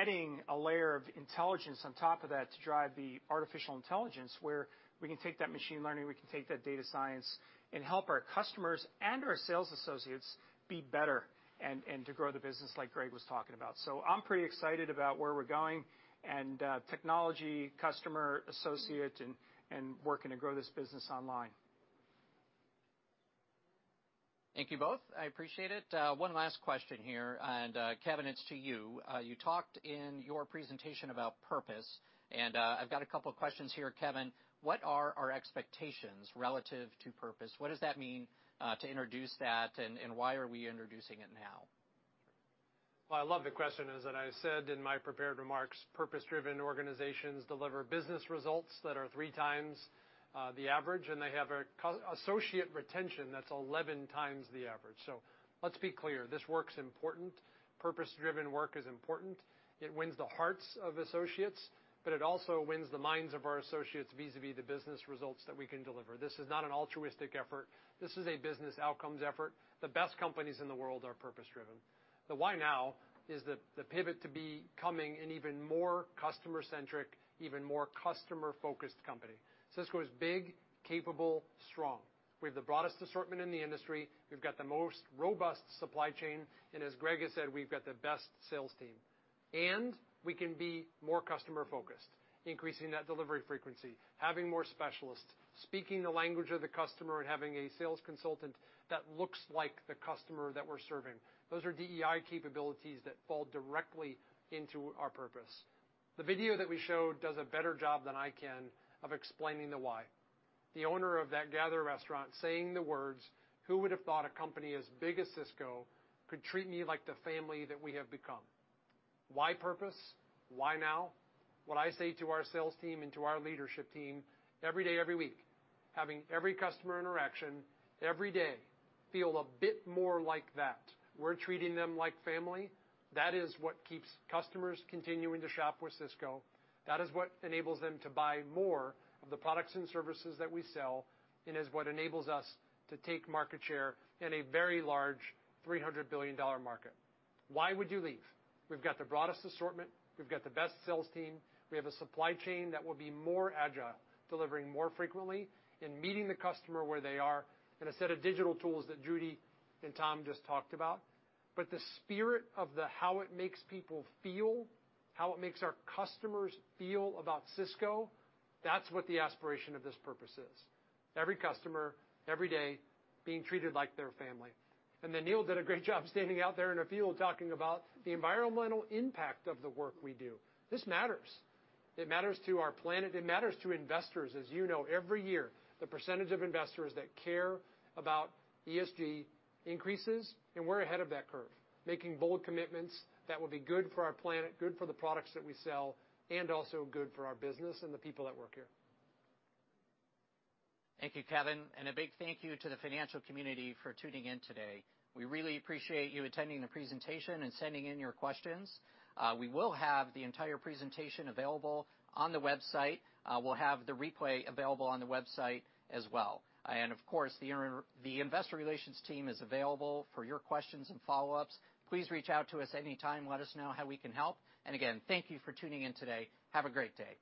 Adding a layer of intelligence on top of that to drive the artificial intelligence where we can take that machine learning, we can take that data science and help our customers and our sales associates be better and to grow the business like Greg was talking about. I'm pretty excited about where we're going and technology, customer, associate, and working to grow this business online. Thank you both. I appreciate it. One last question here, Kevin, it's to you. You talked in your presentation about purpose, I've got a couple questions here, Kevin. What are our expectations relative to purpose? What does that mean to introduce that, and why are we introducing it now? I love the question. As I said in my prepared remarks, purpose-driven organizations deliver business results that are three times the average, and they have associate retention that's 11 times the average. Let's be clear. This work's important. Purpose-driven work is important. It wins the hearts of associates, but it also wins the minds of our associates vis-a-vis the business results that we can deliver. This is not an altruistic effort. This is a business outcomes effort. The best companies in the world are purpose driven. The why now is the pivot to becoming an even more customer-centric, even more customer-focused company. Sysco is big, capable, strong. We have the broadest assortment in the industry. We've got the most robust supply chain, and as Greg has said, we've got the best sales team. We can be more customer-focused, increasing that delivery frequency, having more specialists, speaking the language of the customer, and having a sales consultant that looks like the customer that we're serving. Those are DEI capabilities that fall directly into our purpose. The video that we showed does a better job than I can of explaining the why. The owner of that Gather restaurant saying the words, "Who would have thought a company as big as Sysco could treat me like the family that we have become?" Why purpose? Why now? What I say to our sales team and to our leadership team every day, every week, having every customer interaction, every day feel a bit more like that. We're treating them like family. That is what keeps customers continuing to shop with Sysco. That is what enables them to buy more of the products and services that we sell, and is what enables us to take market share in a very large $300 billion market. Why would you leave? We've got the broadest assortment, we've got the best sales team, we have a supply chain that will be more agile, delivering more frequently, and meeting the customer where they are, and a set of digital tools that Judy and Tom just talked about. The spirit of the how it makes people feel, how it makes our customers feel about Sysco, that's what the aspiration of this purpose is. Every customer, every day, being treated like they're family. Neil did a great job standing out there in a field talking about the environmental impact of the work we do. This matters. It matters to our planet. It matters to investors. As you know, every year the percentage of investors that care about ESG increases. We're ahead of that curve, making bold commitments that will be good for our planet, good for the products that we sell, and also good for our business and the people that work here. Thank you, Kevin, a big thank you to the financial community for tuning in today. We really appreciate you attending the presentation and sending in your questions. We will have the entire presentation available on the website. We'll have the replay available on the website as well. Of course, the investor relations team is available for your questions and follow-ups. Please reach out to us anytime. Let us know how we can help. Again, thank you for tuning in today. Have a great day.